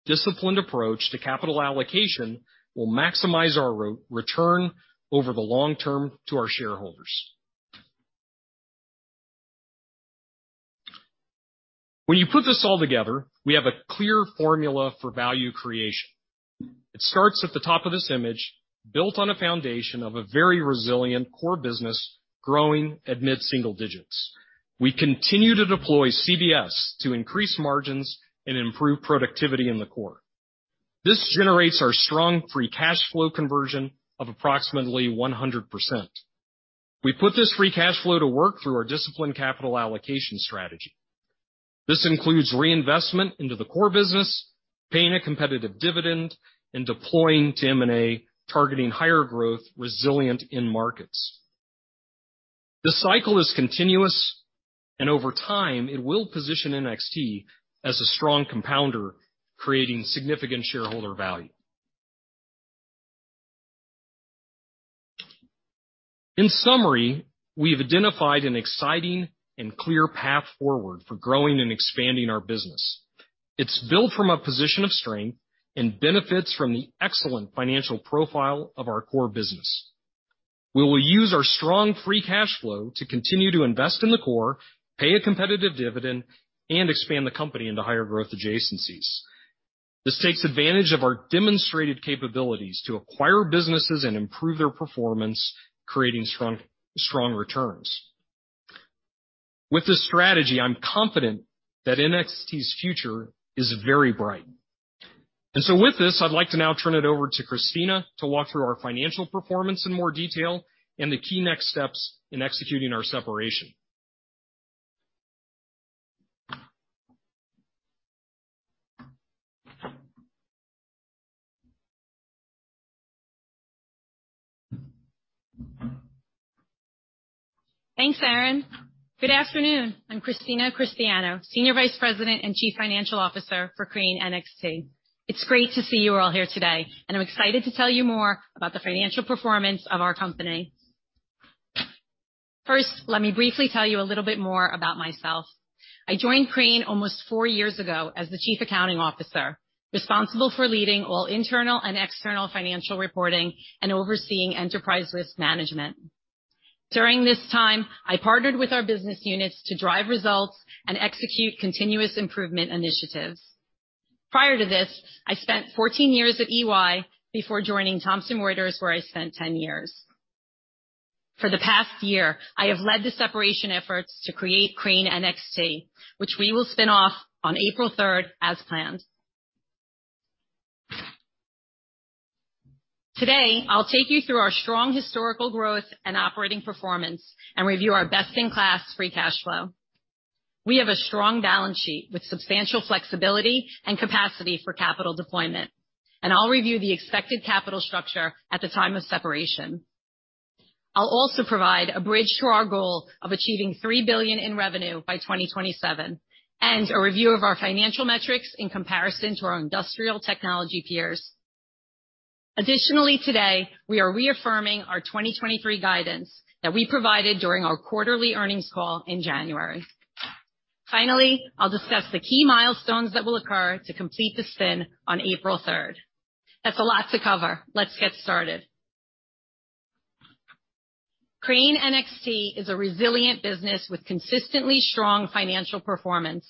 disciplined approach to capital allocation will maximize our return over the long term to our shareholders. When you put this all together, we have a clear formula for value creation. It starts at the top of this image, built on a foundation of a very resilient core business growing at mid-single digits. We continue to deploy CBS to increase margins and improve productivity in the core. This generates our strong free cash flow conversion of approximately 100%. We put this free cash flow to work through our disciplined capital allocation strategy. This includes reinvestment into the core business, paying a competitive dividend, and deploying to M&A, targeting higher growth resilient end markets. This cycle is continuous, and over time, it will position NXT as a strong compounder, creating significant shareholder value. In summary, we have identified an exciting and clear path forward for growing and expanding our business. It's built from a position of strength and benefits from the excellent financial profile of our core business. We will use our strong free cash flow to continue to invest in the core, pay a competitive dividend, and expand the company into higher growth adjacencies. This takes advantage of our demonstrated capabilities to acquire businesses and improve their performance, creating strong returns. With this strategy, I'm confident that NXT's future is very bright. With this, I'd like to now turn it over to Christina to walk through our financial performance in more detail and the key next steps in executing our separation. Thanks, Aaron. Good afternoon. I'm Christina Cristiano, Senior Vice President and Chief Financial Officer for Crane NXT. It's great to see you all here today. I'm excited to tell you more about the financial performance of our company. First, let me briefly tell you a little bit more about myself. I joined Crane almost four years ago as the Chief Accounting Officer, responsible for leading all internal and external financial reporting and overseeing enterprise risk management. During this time, I partnered with our business units to drive results and execute continuous improvement initiatives. Prior to this, I spent 14 years at EY before joining Thomson Reuters, where I spent 10 years. For the past year, I have led the separation efforts to create Crane NXT, which we will spin off on April third as planned. Today, I'll take you through our strong historical growth and operating performance and review our best-in-class free cash flow. We have a strong balance sheet with substantial flexibility and capacity for capital deployment, and I'll review the expected capital structure at the time of separation. I'll also provide a bridge to our goal of achieving $3 billion in revenue by 2027, and a review of our financial metrics in comparison to our industrial technology peers. Today, we are reaffirming our 2023 guidance that we provided during our quarterly earnings call in January. I'll discuss the key milestones that will occur to complete the spin on April third. That's a lot to cover. Let's get started. Crane NXT is a resilient business with consistently strong financial performance.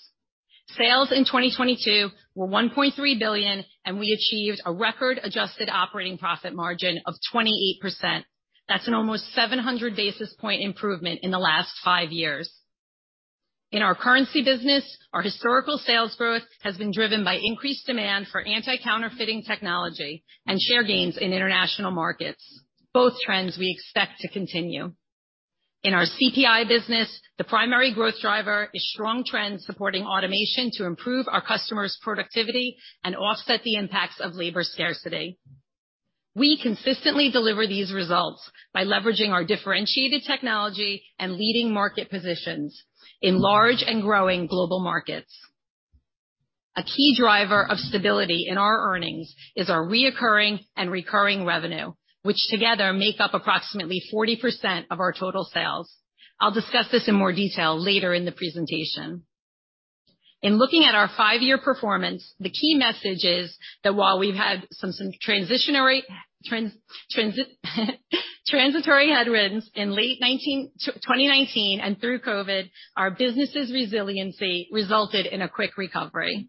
Sales in 2022 were $1.3 billion, and we achieved a record-adjusted operating profit margin of 28%. That's an almost 700 basis point improvement in the last five years. In our currency business, our historical sales growth has been driven by increased demand for anti-counterfeiting technology and share gains in international markets. Both trends we expect to continue. In our CPI business, the primary growth driver is strong trends supporting automation to improve our customers' productivity and offset the impacts of labor scarcity. We consistently deliver these results by leveraging our differentiated technology and leading market positions in large and growing global markets. A key driver of stability in our earnings is our reoccurring and recurring revenue, which together make up approximately 40% of our total sales. I'll discuss this in more detail later in the presentation. In looking at our five-year performance, the key message is that while we've had some transitionary transitory headwinds in late 2019 and through COVID, our business's resiliency resulted in a quick recovery.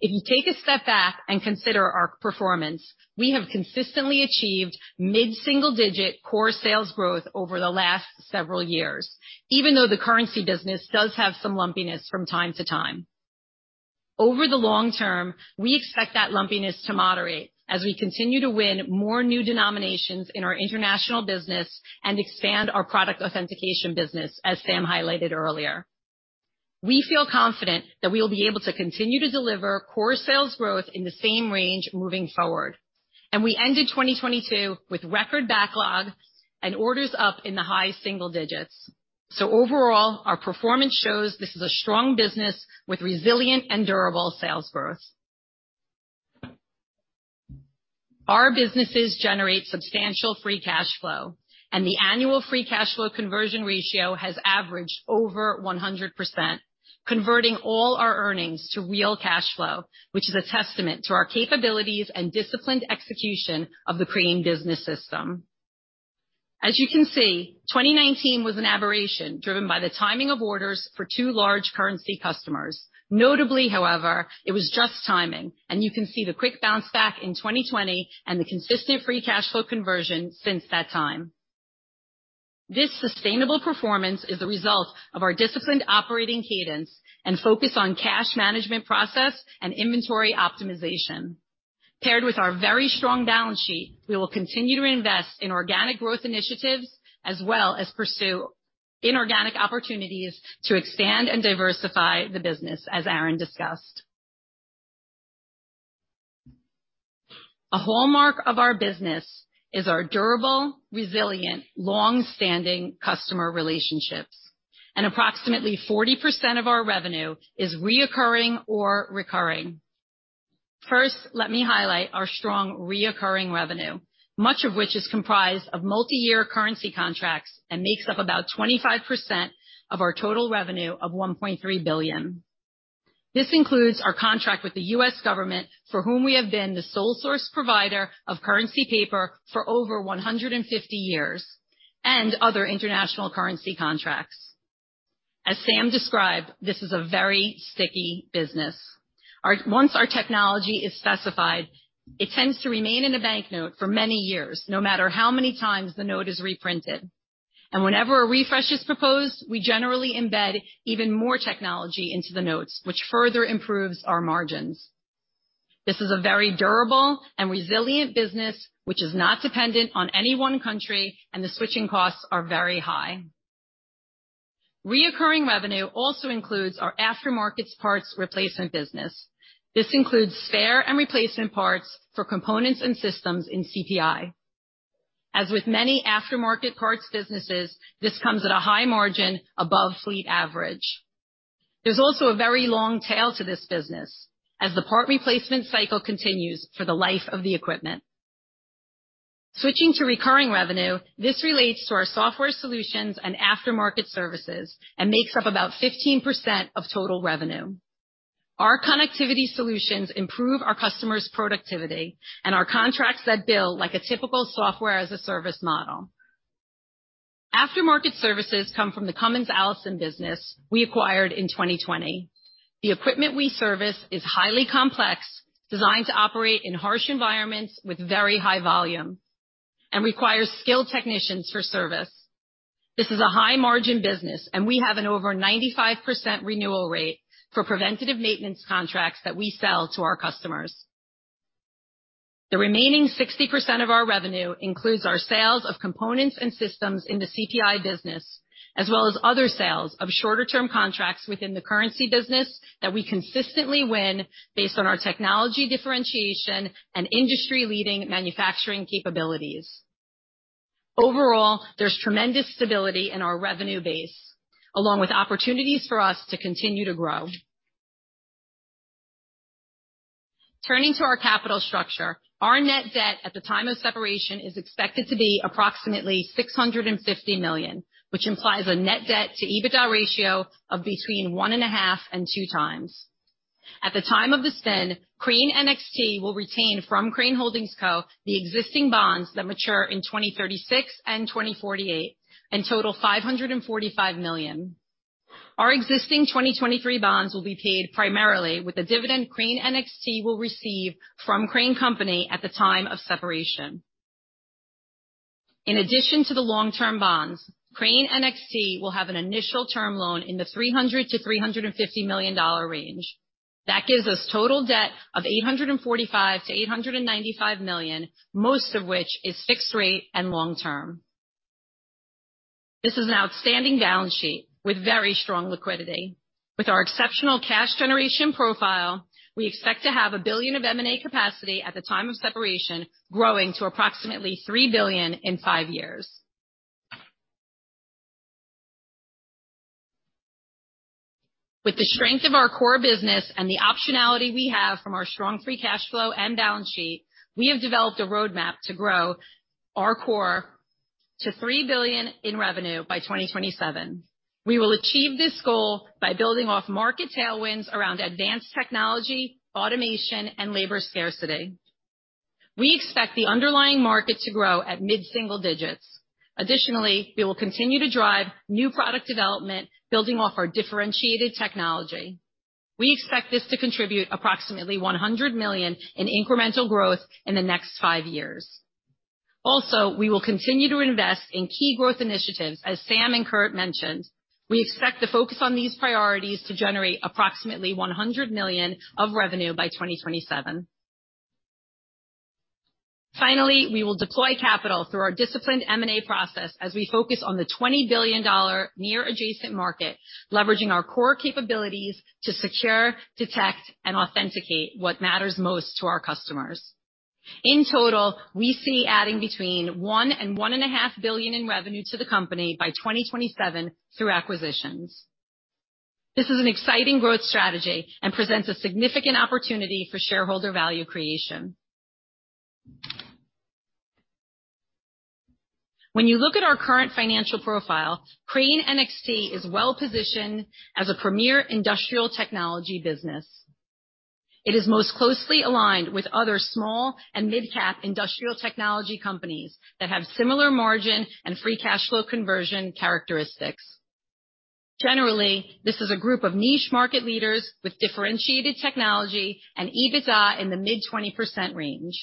If you take a step back and consider our performance, we have consistently achieved mid-single-digit core sales growth over the last several years, even though the currency business does have some lumpiness from time to time. Over the long term, we expect that lumpiness to moderate as we continue to win more new denominations in our international business and expand our product authentication business, as Sam highlighted earlier. We feel confident that we will be able to continue to deliver core sales growth in the same range moving forward. We ended 2022 with record backlog and orders up in the high single digits. Overall, our performance shows this is a strong business with resilient and durable sales growth. Our businesses generate substantial free cash flow, and the annual free cash flow conversion ratio has averaged over 100%, converting all our earnings to real cash flow, which is a testament to our capabilities and disciplined execution of the Crane Business System. As you can see, 2019 was an aberration driven by the timing of orders for two large currency customers. Notably, however, it was just timing, and you can see the quick bounce back in 2020 and the consistent free cash flow conversion since that time. This sustainable performance is the result of our disciplined operating cadence and focus on cash management process and inventory optimization. Paired with our very strong balance sheet, we will continue to invest in organic growth initiatives as well as pursue inorganic opportunities to expand and diversify the business, as Aaron discussed. A hallmark of our business is our durable, resilient, long-standing customer relationships, and approximately 40% of our revenue is reoccurring or recurring. First, let me highlight our strong reoccurring revenue, much of which is comprised of multi-year currency contracts and makes up about 25% of our total revenue of $1.3 billion. This includes our contract with the U.S. government, for whom we have been the sole source provider of currency paper for over 150 years, and other international currency contracts. As Sam described, this is a very sticky business. Once our technology is specified, it tends to remain in a banknote for many years, no matter how many times the note is reprinted. Whenever a refresh is proposed, we generally embed even more technology into the notes, which further improves our margins. This is a very durable and resilient business which is not dependent on any one country, and the switching costs are very high. Reoccurring revenue also includes our aftermarket parts replacement business. This includes spare and replacement parts for components and systems in CPI. As with many aftermarket parts businesses, this comes at a high margin above fleet average. There's also a very long tail to this business as the part replacement cycle continues for the life of the equipment. Switching to recurring revenue, this relates to our software solutions and aftermarket services and makes up about 15% of total revenue. Our connectivity solutions improve our customers' productivity and are contracts that bill like a typical software as a service model. Aftermarket services come from the Cummins Allison business we acquired in 2020. The equipment we service is highly complex, designed to operate in harsh environments with very high volume, and requires skilled technicians for service. This is a high-margin business. We have an over 95% renewal rate for preventative maintenance contracts that we sell to our customers. The remaining 60% of our revenue includes our sales of components and systems in the CPI business, as well as other sales of shorter term contracts within the currency business that we consistently win based on our technology differentiation and industry-leading manufacturing capabilities. Overall, there's tremendous stability in our revenue base, along with opportunities for us to continue to grow. Turning to our capital structure, our net debt at the time of separation is expected to be approximately $650 million, which implies a net-debt-to-EBITDA ratio of between 1.5x and 2x. At the time of the spin, Crane NXT will retain from Crane Holdings, Co. the existing bonds that mature in 2036 and 2048 and total $545 million. Our existing 2023 bonds will be paid primarily with the dividend Crane NXT will receive from Crane Company at the time of separation. In addition to the long-term bonds, Crane NXT will have an initial term loan in the $300 million-$350 million range. That gives us total debt of $845 million-$895 million, most of which is fixed rate and long term. This is an outstanding balance sheet with very strong liquidity. With our exceptional cash generation profile, we expect to have $1 billion of M&A capacity at the time of separation, growing to approximately $3 billion in five years. With the strength of our core business and the optionality we have from our strong free cash flow and balance sheet, we have developed a roadmap to grow our core to $3 billion in revenue by 2027. We will achieve this goal by building off market tailwinds around advanced technology, automation, and labor scarcity. We expect the underlying market to grow at mid-single digits. Additionally, we will continue to drive new product development building off our differentiated technology. We expect this to contribute approximately $100 million in incremental growth in the next five years. Also, we will continue to invest in key growth initiatives, as Sam and Kurt mentioned. We expect to focus on these priorities to generate approximately $100 million of revenue by 2027. We will deploy capital through our disciplined M&A process as we focus on the $20 billion near adjacent market, leveraging our core capabilities to secure, detect, and authenticate what matters most to our customers. In total, we see adding between $1 billion-$1.5 billion in revenue to the company by 2027 through acquisitions. This is an exciting growth strategy and presents a significant opportunity for shareholder value creation. When you look at our current financial profile, Crane NXT is well-positioned as a premier industrial technology business. It is most closely aligned with other small and midcap industrial technology companies that have similar margin and free cash flow conversion characteristics. Generally, this is a group of niche market leaders with differentiated technology and EBITDA in the mid-20% range.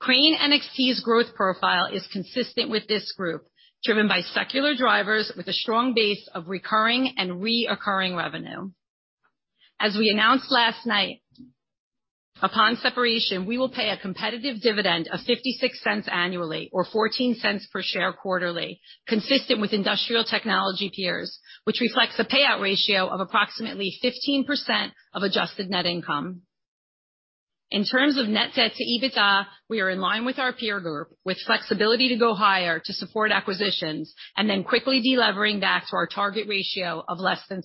Crane NXT's growth profile is consistent with this group, driven by secular drivers with a strong base of recurring and reoccurring revenue. As we announced last night, upon separation, we will pay a competitive dividend of $0.56 annually or $0.14 per share quarterly, consistent with industrial technology peers, which reflects a payout ratio of approximately 15% of adjusted net income. In terms of net-debt-to-EBITDA, we are in line with our peer group, with flexibility to go higher to support acquisitions and then quickly delevering back to our target ratio of less than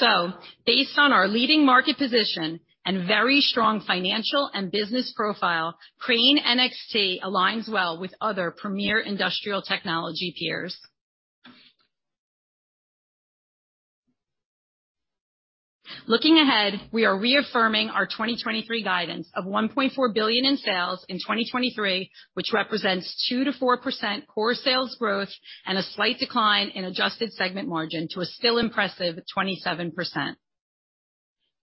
3x. Based on our leading market position and very strong financial and business profile, Crane NXT aligns well with other premier industrial technology peers. Looking ahead, we are reaffirming our 2023 guidance of $1.4 billion in sales in 2023, which represents 2%-4% core sales growth and a slight decline in adjusted segment margin to a still impressive 27%.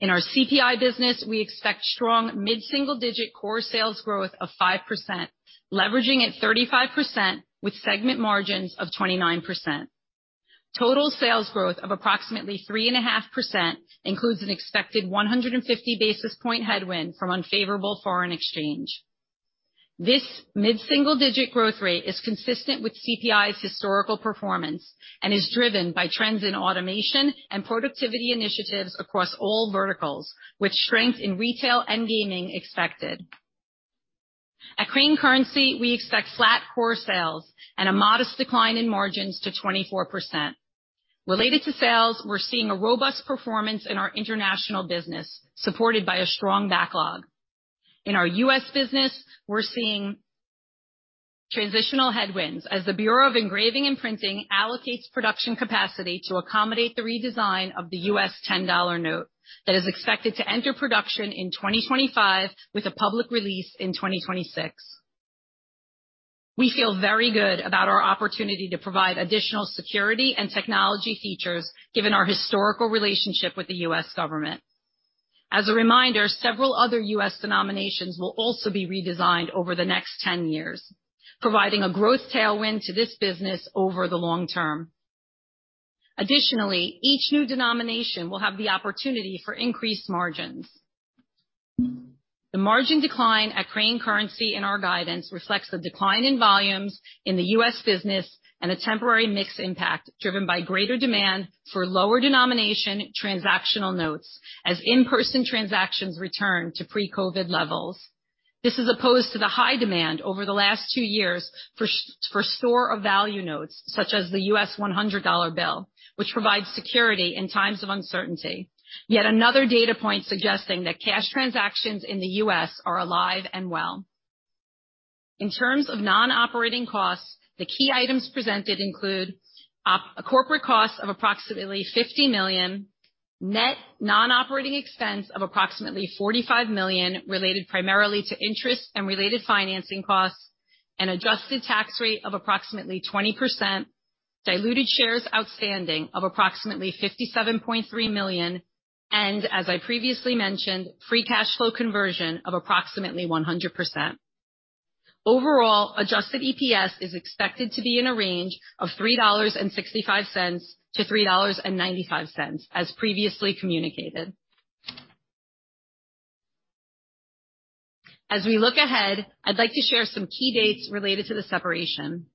In our CPI business, we expect strong mid-single digit core sales growth of 5%, leveraging at 35% with segment margins of 29%. Total sales growth of approximately 3.5% includes an expected 150 basis point headwind from unfavorable foreign exchange. This mid-single digit growth rate is consistent with CPI's historical performance and is driven by trends in automation and productivity initiatives across all verticals, with strength in retail and gaming expected. At Crane Currency, we expect flat core sales and a modest decline in margins to 24%. Related to sales, we're seeing a robust performance in our international business, supported by a strong backlog. In our U.S. Business, we're seeing transitional headwinds as the Bureau of Engraving and Printing allocates production capacity to accommodate the redesign of the U.S. $10 note that is expected to enter production in 2025 with a public release in 2026. We feel very good about our opportunity to provide additional security and technology features given our historical relationship with the U.S. Government. As a reminder, several other U.S. denominations will also be redesigned over the next 10 years, providing a growth tailwind to this business over the long term. Additionally, each new denomination will have the opportunity for increased margins. The margin decline at Crane Currency in our guidance reflects the decline in volumes in the U.S. business and a temporary mix impact driven by greater demand for lower denomination transactional notes as in-person transactions return to pre-COVID levels. This is opposed to the high demand over the last two years for for store of value notes such as the U.S. $100 bill, which provides security in times of uncertainty. Yet another data point suggesting that cash transactions in the U.S. are alive and well. In terms of non-operating costs, the key items presented include a corporate cost of approximately $50 million, net non-operating expense of approximately $45 million related primarily to interest and related financing costs, an adjusted tax rate of approximately 20%, diluted shares outstanding of approximately 57.3 million, and as I previously mentioned, free cash flow conversion of approximately 100%. Overall, adjusted EPS is expected to be in a range of $3.65-$3.95, as previously communicated. As we look ahead, I'd like to share some key dates related to the separation.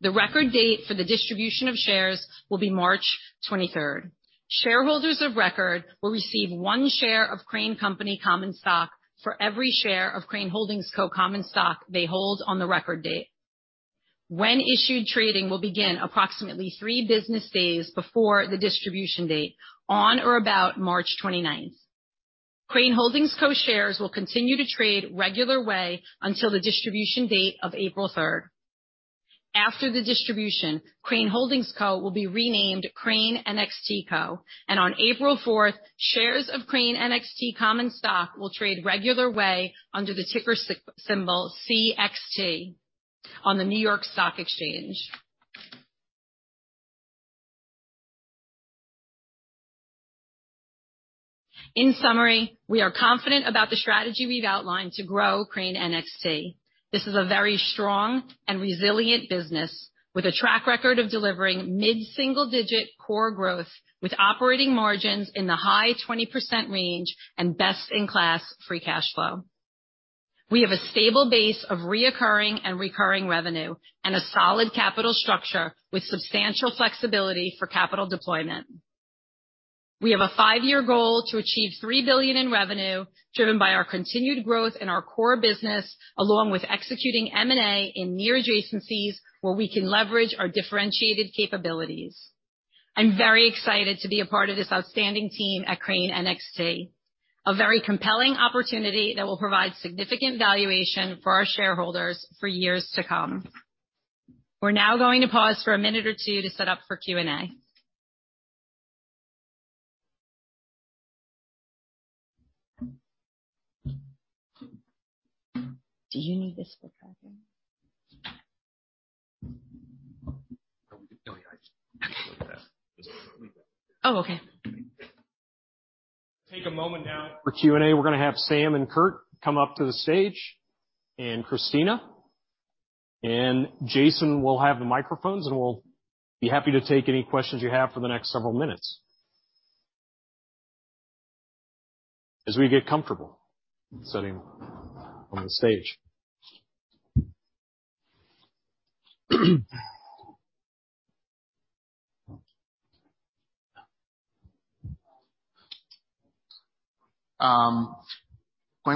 The record date for the distribution of shares will be March 23rd. Shareholders of record will receive 1 share of Crane Company common stock for every share of Crane Holdings, Co. Common stock they hold on the record date. When issued, trading will begin approximately three business days before the distribution date, on or about March 29th. Crane Holdings, Co. Shares will continue to trade regular way until the distribution date of April 3rd. After the distribution, Crane Holdings, Co. Will be renamed Crane NXT, Co. On April 4th, shares of Crane NXT common stock will trade regular way under the ticker symbol CXT on the New York Stock Exchange. In summary, we are confident about the strategy we've outlined to grow Crane NXT. This is a very strong and resilient business with a track record of delivering mid-single-digit core growth with operating margins in the high 20% range and best-in-class free cash flow. We have a stable base of reoccurring and recurring revenue and a solid capital structure with substantial flexibility for capital deployment. We have a five-year goal to achieve $3 billion in revenue, driven by our continued growth in our core business, along with executing M&A in near adjacencies where we can leverage our differentiated capabilities. I'm very excited to be a part of this outstanding team at Crane NXT, a very compelling opportunity that will provide significant valuation for our shareholders for years to come. We're now going to pause for a minute or two to set up for Q&A. We'll take a moment now for Q&A. We're gonna have Sam and Kurt come up to the stage, and Christina. Jason will have the microphones, and we'll be happy to take any questions you have for the next several minutes. As we get comfortable sitting on the stage. Going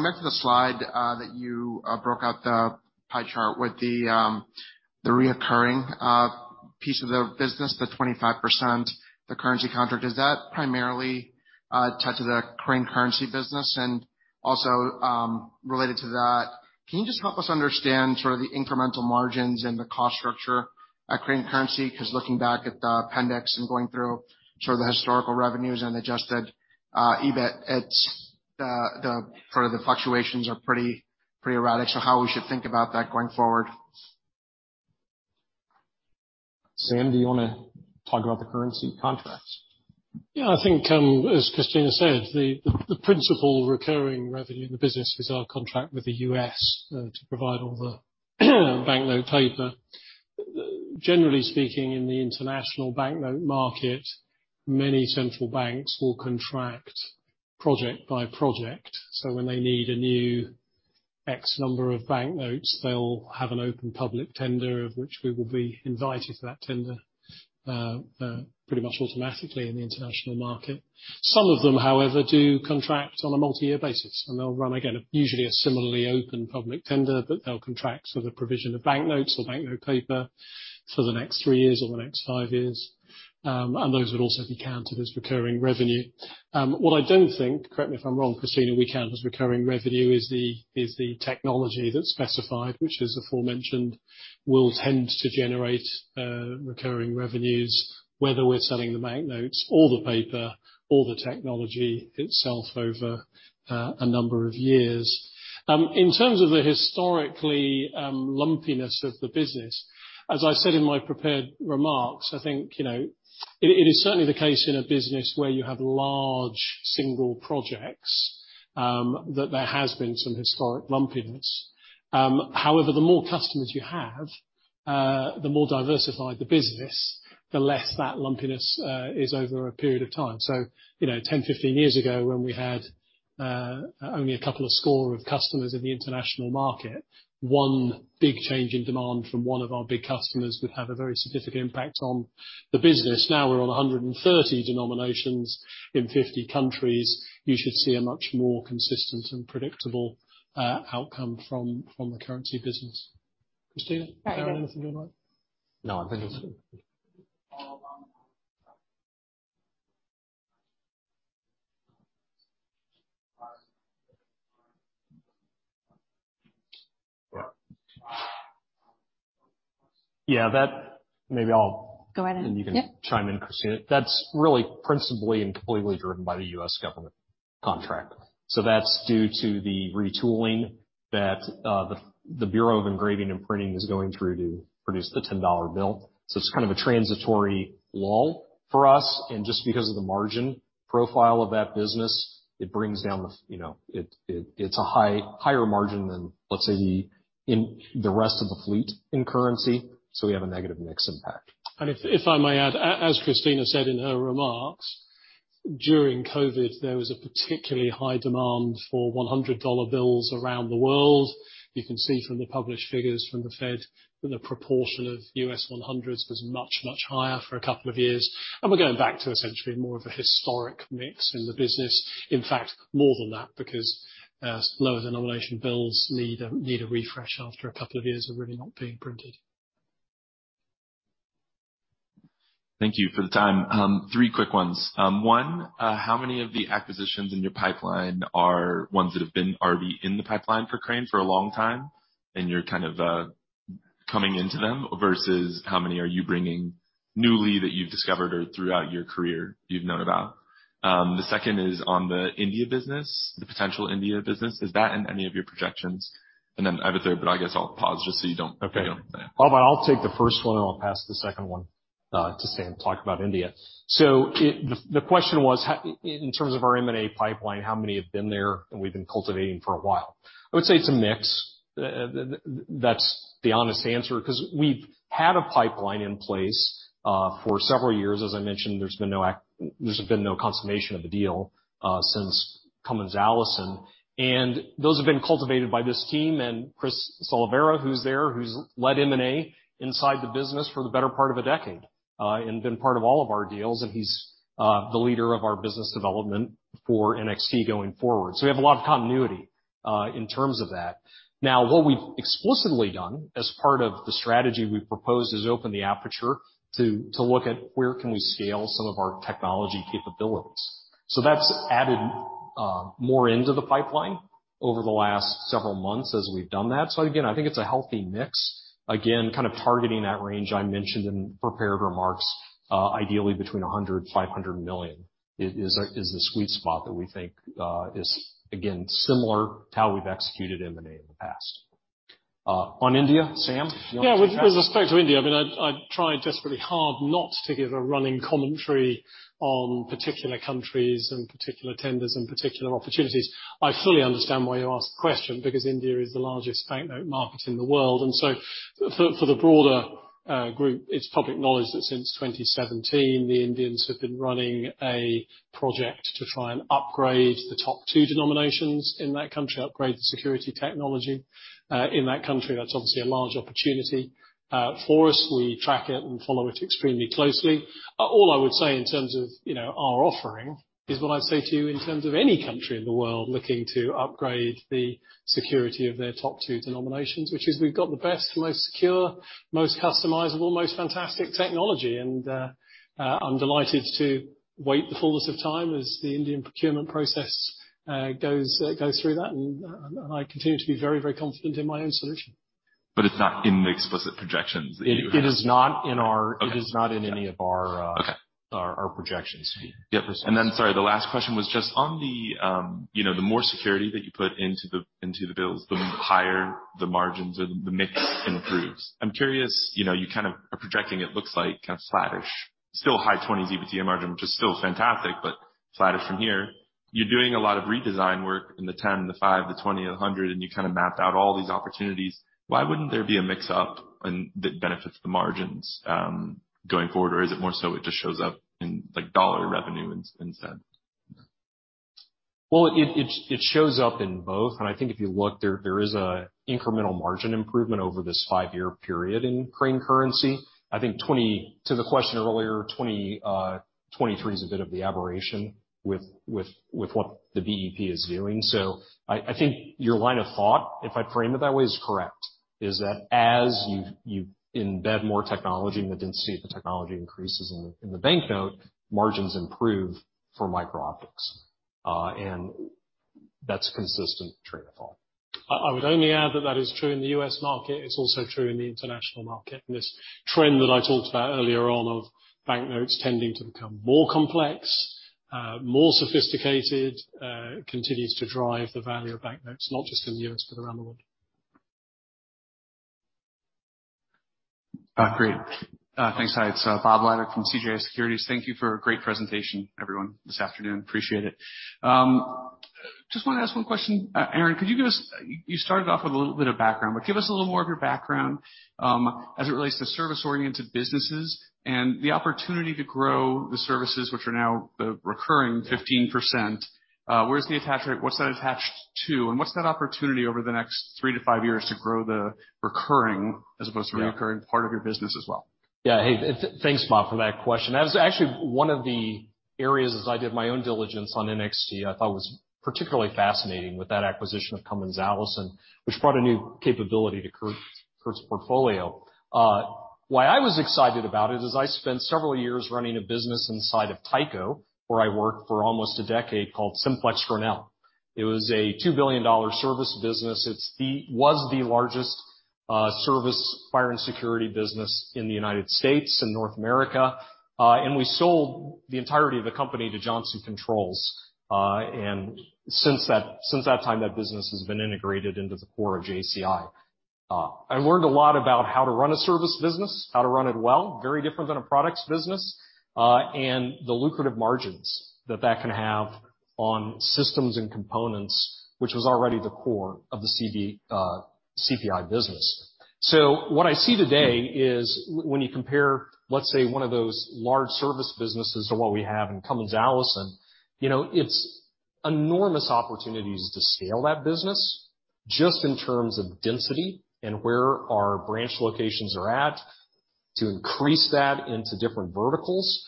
back to the slide that you broke out the pie chart with the reoccurring piece of the business, the 25%, the currency contract. Is that primarily tied to the Crane Currency business? Also, related to that, can you just help us understand sort of the incremental margins and the cost structure at Crane Currency? 'Cause looking back at the appendix and going through sort of the historical revenues and adjusted EBIT, it's sort of the fluctuations are pretty erratic, so how we should think about that going forward. Sam, do you wanna talk about the currency contracts? Yeah. I think, as Christina said, the principal recurring revenue in the business is our contract with the U.S. to provide all the banknote paper. Generally speaking, in the international banknote market, many central banks will contract project by project. When they need a new X number of banknotes, they'll have an open public tender of which we will be invited to that tender pretty much automatically in the international market. Some of them, however, do contract on a multi-year basis. They'll run, again, usually a similarly open public tender, but they'll contract for the provision of banknotes or banknote paper for the next three years or the next five years. Those would also be counted as recurring revenue. What I don't think, correct me if I'm wrong, Christina, we count as recurring revenue is the technology that's specified, which, as aforementioned, will tend to generate recurring revenues, whether we're selling the banknotes or the paper or the technology itself over a number of years. In terms of the historically lumpiness of the business, as I said in my prepared remarks, I think, you know, it is certainly the case in a business where you have large single projects that there has been some historic lumpiness. However, the more customers you have, the more diversified the business, the less that lumpiness is over a period of time. You know, 10, 15 years ago, when we had only a couple of score of customers in the international market, one big change in demand from one of our big customers would have a very significant impact on the business. Now we're on 130 denominations in 50 countries. You should see a much more consistent and predictable outcome from the currency business. Christina, is there anything you'd like? No. I'm good. Yeah, that maybe all. Go ahead. You can chime in, Christina. That's really principally and completely driven by the U.S. government contract. That's due to the retooling that the Bureau of Engraving and Printing is going through to produce the $10 bill. It's kind of a transitory lull for us. Just because of the margin profile of that business, it brings down the, you know, it's a higher margin than, let's say, the, in the rest of the fleet in currency. We have a negative mix impact. If I may add, as Christina said in her remarks, during COVID, there was a particularly high demand for $100 bills around the world. You can see from the published figures from the Fed that the proportion of U.S. 100s was much higher for a couple of years. We're going back to essentially more of a historic mix in the business. In fact, more than that, because lower denomination bills need a refresh after a couple of years of really not being printed. Thank you for the time. Three quick ones. One, how many of the acquisitions in your pipeline are ones that have been already in the pipeline for Crane for a long time, and you're kind of coming into them, versus how many are you bringing newly that you've discovered or throughout your career you've known about? The second is on the India business, the potential India business. Is that in any of your projections? I have a third, but I guess I'll pause just so you don't say. Okay. Well, I'll take the first one, and I'll pass the second one to Sam, talk about India. The question was, how in terms of our M&A pipeline, how many have been there and we've been cultivating for a while? I would say it's a mix. That's the honest answer, 'cause we've had a pipeline in place for several years. As I mentioned, there's been no consummation of the deal since Cummins Allison. Those have been cultivated by this team and Christopher Olvera, who's there, who's led M&A inside the business for the better part of a decade, and been part of all of our deals, and he's the leader of our business development for NXT going forward. We have a lot of continuity in terms of that. What we've explicitly done as part of the strategy we've proposed is open the aperture to look at where can we scale some of our technology capabilities. That's added more into the pipeline over the last several months as we've done that. Again, I think it's a healthy mix. Again, kind of targeting that range I mentioned in prepared remarks, ideally between $100 million-$500 million is the sweet spot that we think is again, similar to how we've executed M&A in the past. On India, Sam? Yeah. With respect to India, I mean, I try desperately hard not to give a running commentary on particular countries and particular tenders and particular opportunities. I fully understand why you ask the question, because India is the largest banknote market in the world. For the broader group, it's public knowledge that since 2017 the Indians have been running a project to try and upgrade the top two denominations in that country, upgrade the security technology in that country. That's obviously a large opportunity for us. We track it and follow it extremely closely. All I would say in terms of, you know, our offering is what I'd say to you in terms of any country in the world looking to upgrade the security of their top two denominations, which is we've got the best, most secure, most customizable, most fantastic technology. I'm delighted to wait the fullness of time as the Indian procurement process goes through that, and I continue to be very, very confident in my own solution. It's not in the explicit projections that you have. It is not. Okay. It is not in any of our Okay our projections. Yeah. Sorry, the last question was just on the, you know, the more security that you put into the bills, the higher the margins or the mix improves. I'm curious, you know, you kind of are projecting, it looks like, kind of flattish, still high 20s% EBITDA margin, which is still fantastic, but flattish from here. You're doing a lot of redesign work in the 10, the 5, the 20, the 100, and you kind of map out all these opportunities. Why wouldn't there be a mix-up that benefits the margins going forward? Is it more so it just shows up in, like, $ revenue instead? It shows up in both. I think if you look there is a incremental margin improvement over this 5-year period in Crane Currency. I think to the question earlier, 23 is a bit of the aberration with what the BEP is doing. I think your line of thought, if I frame it that way, is correct, is that as you embed more technology and the density of the technology increases in the banknote, margins improve for micro-optics. That's a consistent train of thought. I would only add that that is true in the U.S. market. It's also true in the international market. This trend that I talked about earlier on of banknotes tending to become more complex, more sophisticated, continues to drive the value of banknotes, not just in the U.S., but around the world. Great. Thanks, guys. It's Bob Liddell from CJS Securities. Thank you for a great presentation, everyone, this afternoon. Appreciate it. Just wanna ask one question. Aaron, could you give us You started off with a little bit of background, but give us a little more of your background as it relates to service-oriented businesses and the opportunity to grow the services which are now recurring 15%. Where's the attach rate? What's that attached to? What's that opportunity over the next 3-5 years to grow the recurring as opposed to reoccurring part of your business as well? Hey, thanks, Bob, for that question. That was actually one of the areas as I did my own diligence on NXT I thought was particularly fascinating with that acquisition of Cummins Allison, which brought a new capability to Kurt's portfolio. Why I was excited about it is I spent several years running a business inside of Tyco, where I worked for almost a decade, called SimplexGrinnell. It was a $2 billion service business. It was the largest service fire and security business in the United States, in North America. We sold the entirety of the company to Johnson Controls. Since that, since that time, that business has been integrated into the core of JCI. I learned a lot about how to run a service business, how to run it well, very different than a products business, and the lucrative margins that that can have on systems and components, which was already the core of the CPI business. What I see today is when you compare, let's say, one of those large service businesses to what we have in Cummins Allison, you know, it's enormous opportunities to scale that business just in terms of density and where our branch locations are at, to increase that into different verticals,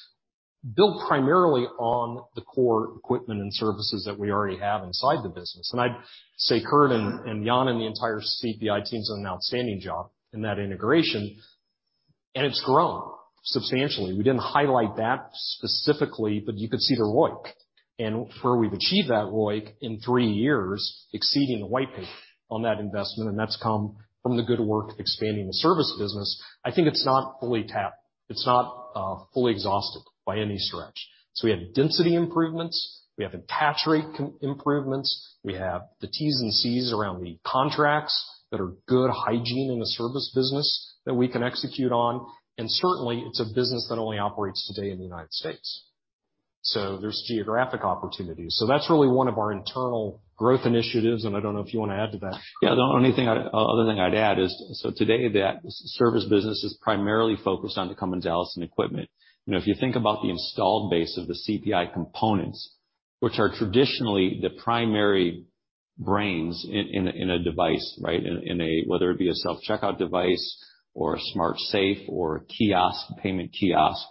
build primarily on the core equipment and services that we already have inside the business. I'd say Kurt and Jan and the entire CPI team has done an outstanding job in that integration, and it's grown substantially. We didn't highlight that specifically, you could see the ROIC. Where we've achieved that ROIC in three years, exceeding the white page on that investment, and that's come from the good work expanding the service business. I think it's not fully tapped. It's not fully exhausted by any stretch. We have density improvements. We have attach rate improvements. We have the T's and C's around the contracts that are good hygiene in the service business that we can execute on. Certainly, it's a business that only operates today in the United States. There's geographic opportunities. That's really one of our internal growth initiatives, and I don't know if you wanna add to that. Yeah. The only other thing I'd add is, today, that service business is primarily focused on the Cummins Allison equipment. You know, if you think about the installed base of the CPI components, which are traditionally the primary brains in a device, right? Whether it be a self-checkout device or a smart safe or a kiosk, payment kiosk,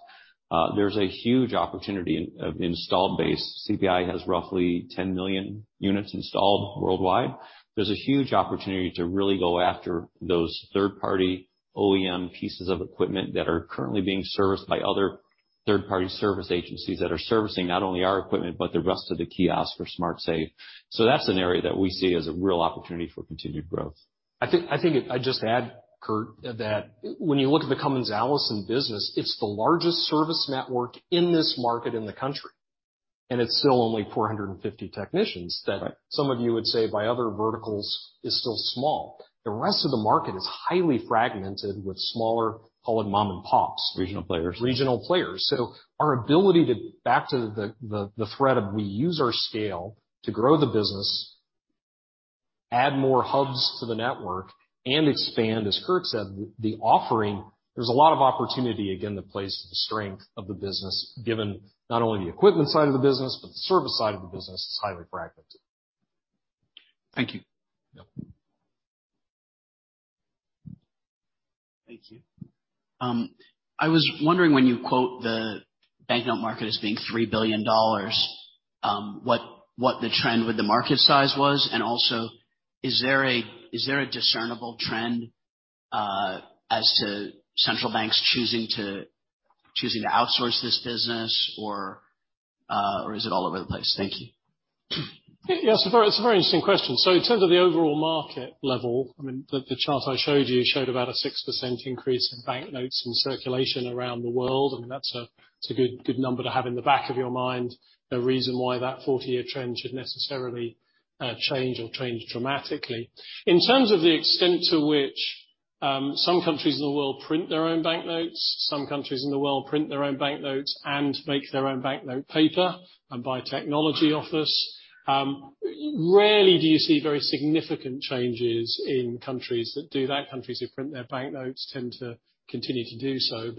there's a huge opportunity of installed base. CPI has roughly 10 million units installed worldwide. There's a huge opportunity to really go after those third-party OEM pieces of equipment that are currently being serviced by other third-party service agencies that are servicing not only our equipment, but the rest of the kiosk or smart safe. That's an area that we see as a real opportunity for continued growth. I think I'd just add, Kurt, that when you look at the Cummins Allison business, it's the largest service network in this market in the country, and it's still only 450 technicians. Right. Some of you would say by other verticals is still small. The rest of the market is highly fragmented with smaller call it mom and pops. Regional players. Regional players. Our ability to back to the thread of we use our scale to grow the business, add more hubs to the network and expand, as Kurt said, the offering, there's a lot of opportunity, again, that plays to the strength of the business, given not only the equipment side of the business, but the service side of the business is highly fragmented. Thank you. Yeah. Thank you. I was wondering when you quote the banknote market as being $3 billion, what the trend with the market size was? Is there a discernible trend as to central banks choosing to outsource this business or is it all over the place? Thank you. Yeah, it's a very interesting question. In terms of the overall market level, I mean, the chart I showed you showed about a 6% increase in banknotes in circulation around the world, and that's a good number to have in the back of your mind. No reason why that 40-year trend should necessarily change or change dramatically. In terms of the extent to which some countries in the world print their own banknotes, some countries in the world print their own banknotes and make their own banknote paper and buy technology off us, rarely do you see very significant changes in countries that do that. Countries who print their banknotes tend to continue to do so.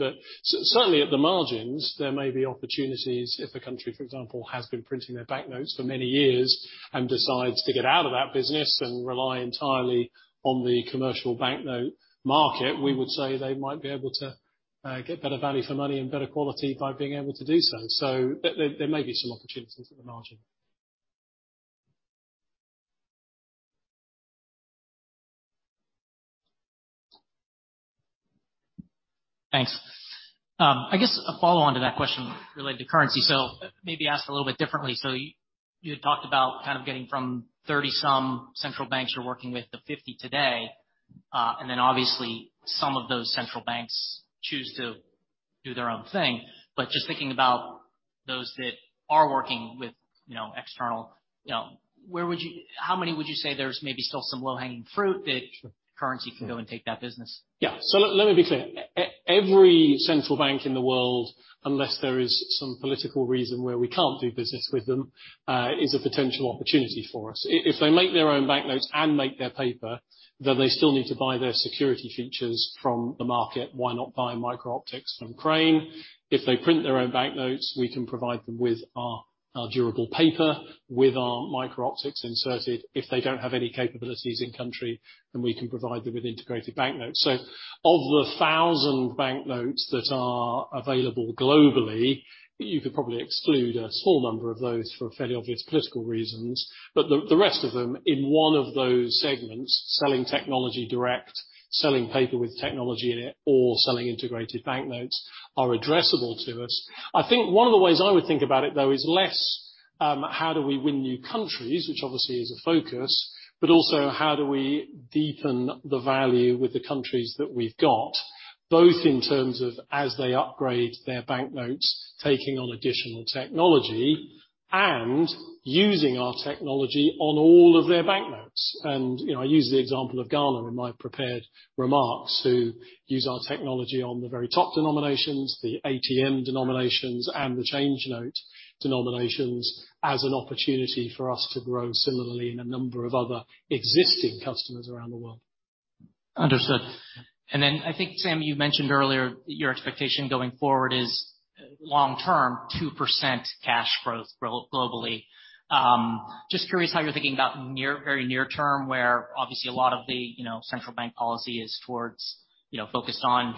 Certainly at the margins, there may be opportunities if a country, for example, has been printing their banknotes for many years and decides to get out of that business and rely entirely on the commercial banknote market. We would say they might be able to get better value for money and better quality by being able to do so. There may be some opportunities at the margin. Thanks. I guess a follow-on to that question related to currency, maybe asked a little bit differently. You had talked about kind of getting from 30-some central banks you're working with to 50 today, and then obviously some of those central banks choose to do their own thing. Just thinking about those that are working with, you know, external, you know, how many would you say there's maybe still some low-hanging fruit that Currency can go and take that business? Let me be clear. Every central bank in the world, unless there is some political reason where we can't do business with them, is a potential opportunity for us. If they make their own banknotes and make their paper, then they still need to buy their security features from the market, why not buy micro-optics from Crane? If they print their own banknotes, we can provide them with our durable paper with our micro-optics inserted. If they don't have any capabilities in country, then we can provide them with integrated banknotes. Of the 1,000 banknotes that are available globally, you could probably exclude a small number of those for fairly obvious political reasons. The rest of them, in one of those segments, selling technology direct, selling paper with technology in it, or selling integrated banknotes are addressable to us. I think one of the ways I would think about it, though, is less how do we win new countries, which obviously is a focus, but also how do we deepen the value with the countries that we've got, both in terms of as they upgrade their banknotes, taking on additional technology and using our technology on all of their banknotes. You know, I use the example of Ghana in my prepared remarks, who use our technology on the very top denominations, the ATM denominations, and the change note denominations as an opportunity for us to grow similarly in a number of other existing customers around the world. Understood. I think, Sam, you mentioned earlier your expectation going forward is long-term 2% cash growth globally. Just curious how you're thinking about very near term, where obviously a lot of the, you know, central bank policy is towards, you know, focused on,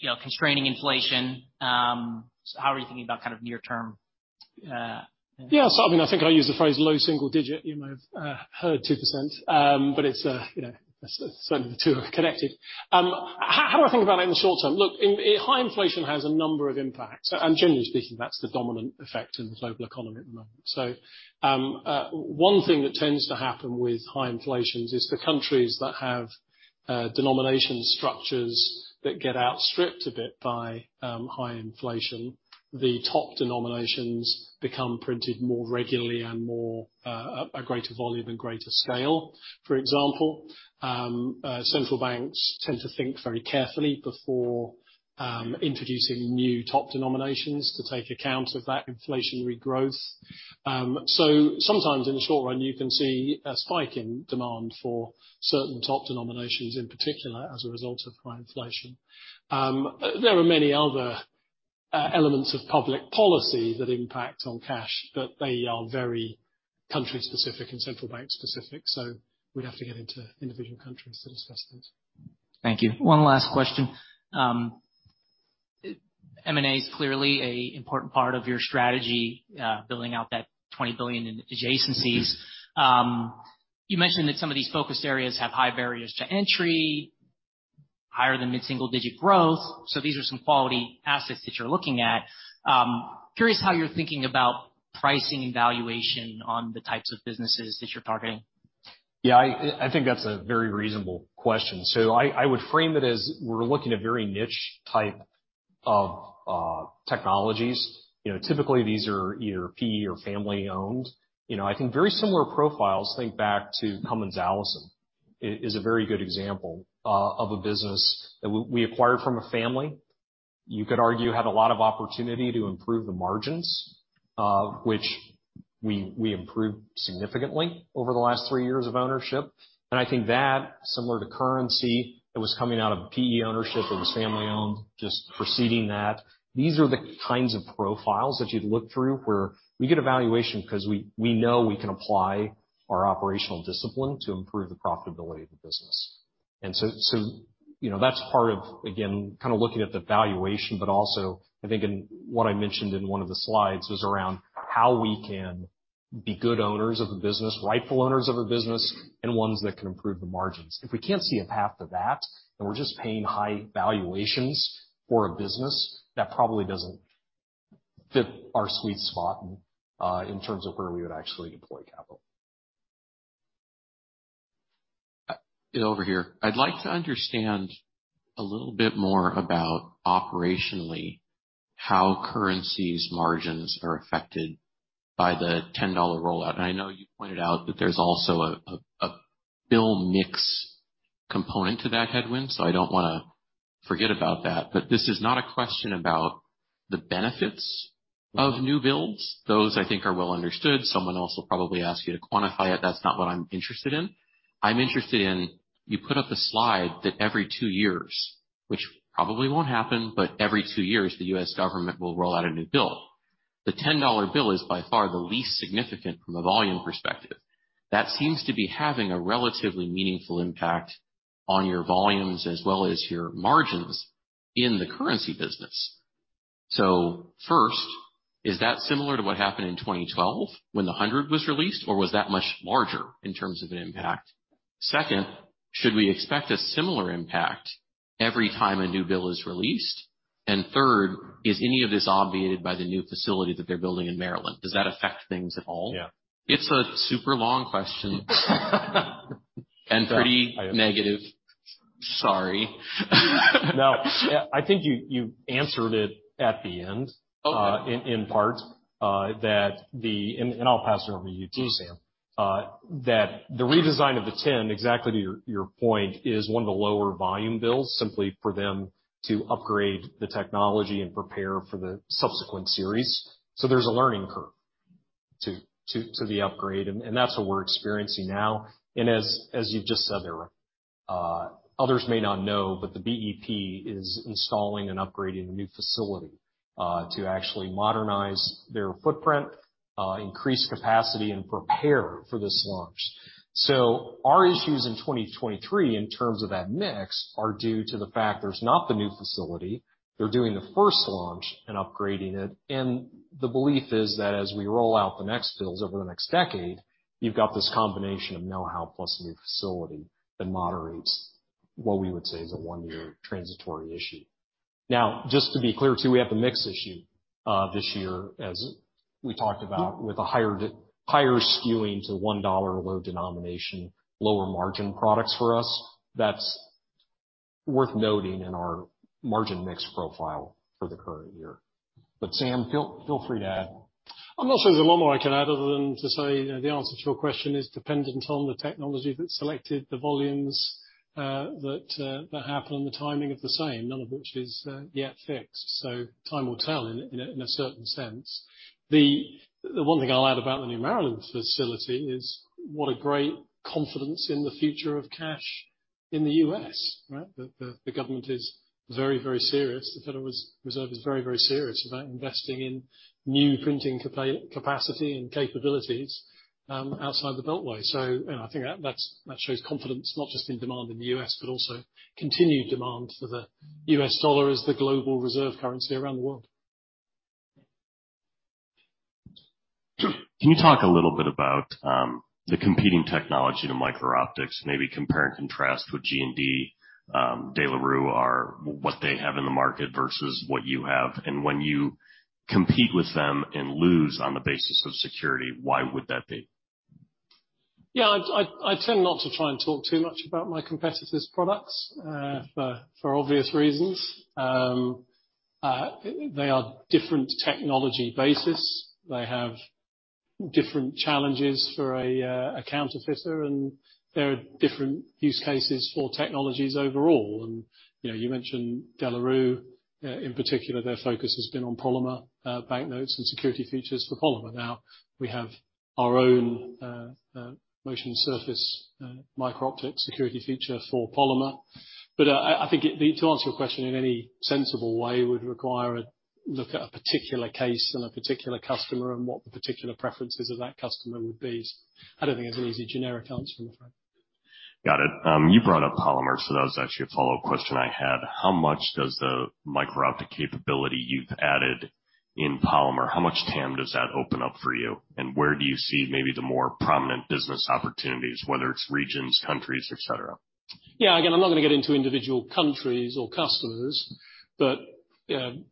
you know, constraining inflation. How are you thinking about kind of near term, yeah? I mean, I think I used the phrase low single digit. You might have heard 2%. It's, you know, certainly the two are connected. How do I think about it in the short term? Look, high inflation has a number of impacts, and generally speaking, that's the dominant effect in the global economy at the moment. One thing that tends to happen with high inflations is the countries that have denomination structures that get outstripped a bit by high inflation. The top denominations become printed more regularly and more a greater volume and greater scale. Central banks tend to think very carefully before introducing new top denominations to take account of that inflationary growth. Sometimes in the short run, you can see a spike in demand for certain top denominations, in particular as a result of high inflation. There are many other elements of public policy that impact on cash, but they are very country-specific and central bank-specific, so we'd have to get into individual countries to discuss those. Thank you. One last question. M&A is clearly a important part of your strategy, building out that $20 billion in adjacencies. You mentioned that some of these focused areas have high barriers to entry, higher than mid-single digit growth, so these are some quality assets that you're looking at. Curious how you're thinking about pricing and valuation on the types of businesses that you're targeting. Yeah. I think that's a very reasonable question. I would frame it as we're looking at very niche type of technologies. You know, typically these are either PE or family-owned. You know, I think very similar profiles, think back to Cummins Allison is a very good example of a business that we acquired from a family. You could argue had a lot of opportunity to improve the margins, which we improved significantly over the last three years of ownership. I think that similar to Currency, it was coming out of PE ownership, it was family-owned, just proceeding that these are the kinds of profiles that you'd look through where we get a valuation 'cause we know we can apply our operational discipline to improve the profitability of the business. You know, that's part of, again, kind of looking at the valuation, but also I think in what I mentioned in one of the slides was around how we can be good owners of a business, rightful owners of a business, and ones that can improve the margins. If we can't see a path to that, then we're just paying high valuations for a business that probably doesn't fit our sweet spot in terms of where we would actually deploy capital. Over here. I'd like to understand a little bit more about operationally how Currency's margins are affected by the $10 rollout. I know you pointed out that there's also a bill mix component to that headwind, so I don't wanna forget about that. This is not a question about the benefits of new builds. Those I think are well understood. Someone else will probably ask you to quantify it. That's not what I'm interested in. I'm interested in, you put up a slide that every two years, which probably won't happen, but every two years, the U.S. government will roll out a new bill. The $10 bill is by far the least significant from a volume perspective. That seems to be having a relatively meaningful impact on your volumes as well as your margins in the Currency business. First, is that similar to what happened in 2012 when the 100 was released, or was that much larger in terms of an impact? Second, should we expect a similar impact every time a new bill is released? Third, is any of this obviated by the new facility that they're building in Maryland? Does that affect things at all? Yeah. It's a super long question. Pretty negative. Sorry. No, I think you answered it at the end. Okay. in part. That the... I'll pass it over to you too, Sam. That the redesign of the 10, exactly to your point, is one of the lower volume bills, simply for them to upgrade the technology and prepare for the subsequent series. There's a learning curve to the upgrade, and that's what we're experiencing now. As you've just said there, others may not know, but the BEP is installing and upgrading a new facility to actually modernize their footprint, increase capacity and prepare for this launch. Our issues in 2023 in terms of that mix are due to the fact there's not the new facility, they're doing the first launch and upgrading it. The belief is that as we roll out the next bills over the next decade, you've got this combination of know-how plus new facility that moderates what we would say is a 1-year transitory issue. Now, just to be clear, too, we have the mix issue this year, as we talked about with a higher skewing to $1 low denomination, lower margin products for us. That's worth noting in our margin mix profile for the current year. Sam, feel free to add. I'm not sure there's a lot more I can add other than to say the answer to your question is dependent on the technology that's selected, the volumes, that happen, the timing of the same, none of which is yet fixed. Time will tell in a certain sense. The one thing I'll add about the new Maryland facility is what a great confidence in the future of cash in the U.S., right? The government is very, very serious. The Federal Reserve is very, very serious about investing in new printing capacity and capabilities outside the Beltway. you know, I think that shows confidence, not just in demand in the U.S., but also continued demand for the U.S. dollar as the global reserve currency around the world. Can you talk a little bit about the competing technology to micro-optics, maybe compare and contrast with G+D, De La Rue or what they have in the market versus what you have? When you compete with them and lose on the basis of security, why would that be? Yeah, I tend not to try and talk too much about my competitors' products, for obvious reasons. They are different technology basis. They have different challenges for a counterfeiter, and there are different use cases for technologies overall. You know, you mentioned De La Rue. In particular, their focus has been on polymer banknotes and security features for polymer. Now, we have our own MOTION SURFACE micro-optic security feature for polymer. I think to answer your question in any sensible way would require a look at a particular case and a particular customer and what the particular preferences of that customer would be. I don't think there's an easy generic answer from the front. Got it. You brought up polymer, that was actually a follow-up question I had. How much does the micro-optic capability you've added in polymer, how much TAM does that open up for you? Where do you see maybe the more prominent business opportunities, whether it's regions, countries, et cetera? Again, I'm not gonna get into individual countries or customers, but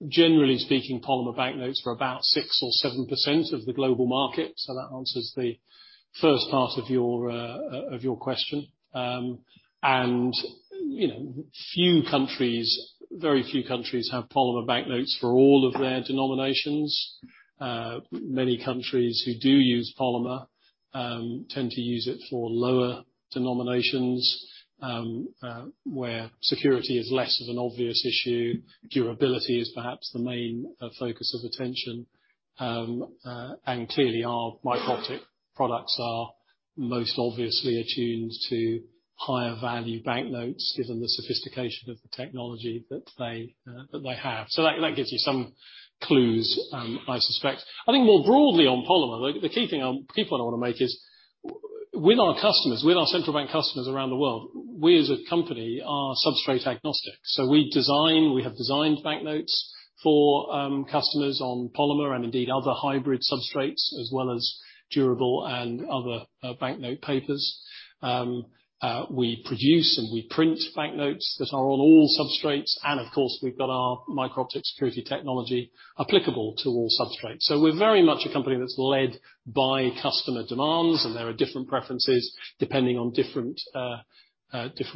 generally speaking, polymer banknotes are about 6% or 7% of the global market, so that answers the first part of your question. You know, few countries, very few countries have polymer banknotes for all of their denominations. Many countries who do use polymer, tend to use it for lower denominations, where security is less of an obvious issue. Durability is perhaps the main focus of attention. Clearly our micro-optic products are most obviously attuned to higher value banknotes, given the sophistication of the technology that they have. That gives you some clues, I suspect. I think more broadly on polymer, the key point I wanna make is with our customers, with our central bank customers around the world, we as a company are substrate agnostic. We design, we have designed banknotes for customers on polymer and indeed other hybrid substrates, as well as durable and other banknote papers. We produce and we print banknotes that are on all substrates, and of course, we've got our micro-optic security technology applicable to all substrates. We're very much a company that's led by customer demands, and there are different preferences depending on different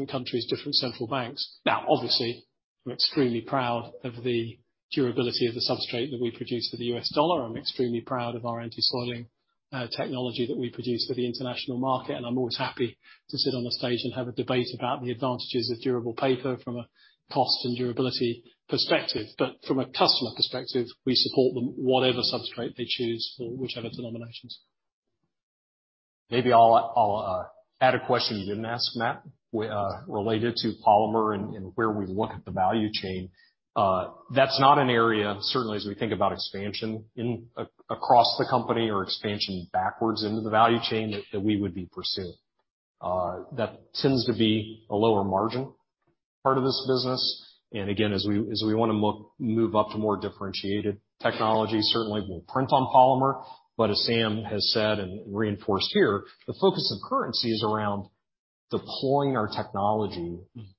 countries, different central banks. Obviously, I'm extremely proud of the durability of the substrate that we produce for the U.S. dollar. I'm extremely proud of our anti-soiling technology that we produce for the international market. I'm always happy to sit on a stage and have a debate about the advantages of durable paper from a cost and durability perspective. From a customer perspective, we support them whatever substrate they choose for whichever denominations. Maybe I'll add a question you didn't ask, Matt, related to polymer and where we look at the value chain. That's not an area, certainly as we think about expansion in across the company or expansion backwards into the value chain that we would be pursuing. That tends to be a lower margin part of this business. Again, as we wanna move up to more differentiated technology, certainly we'll print on polymer. As Sam has said and reinforced here, the focus of currency is around deploying our technology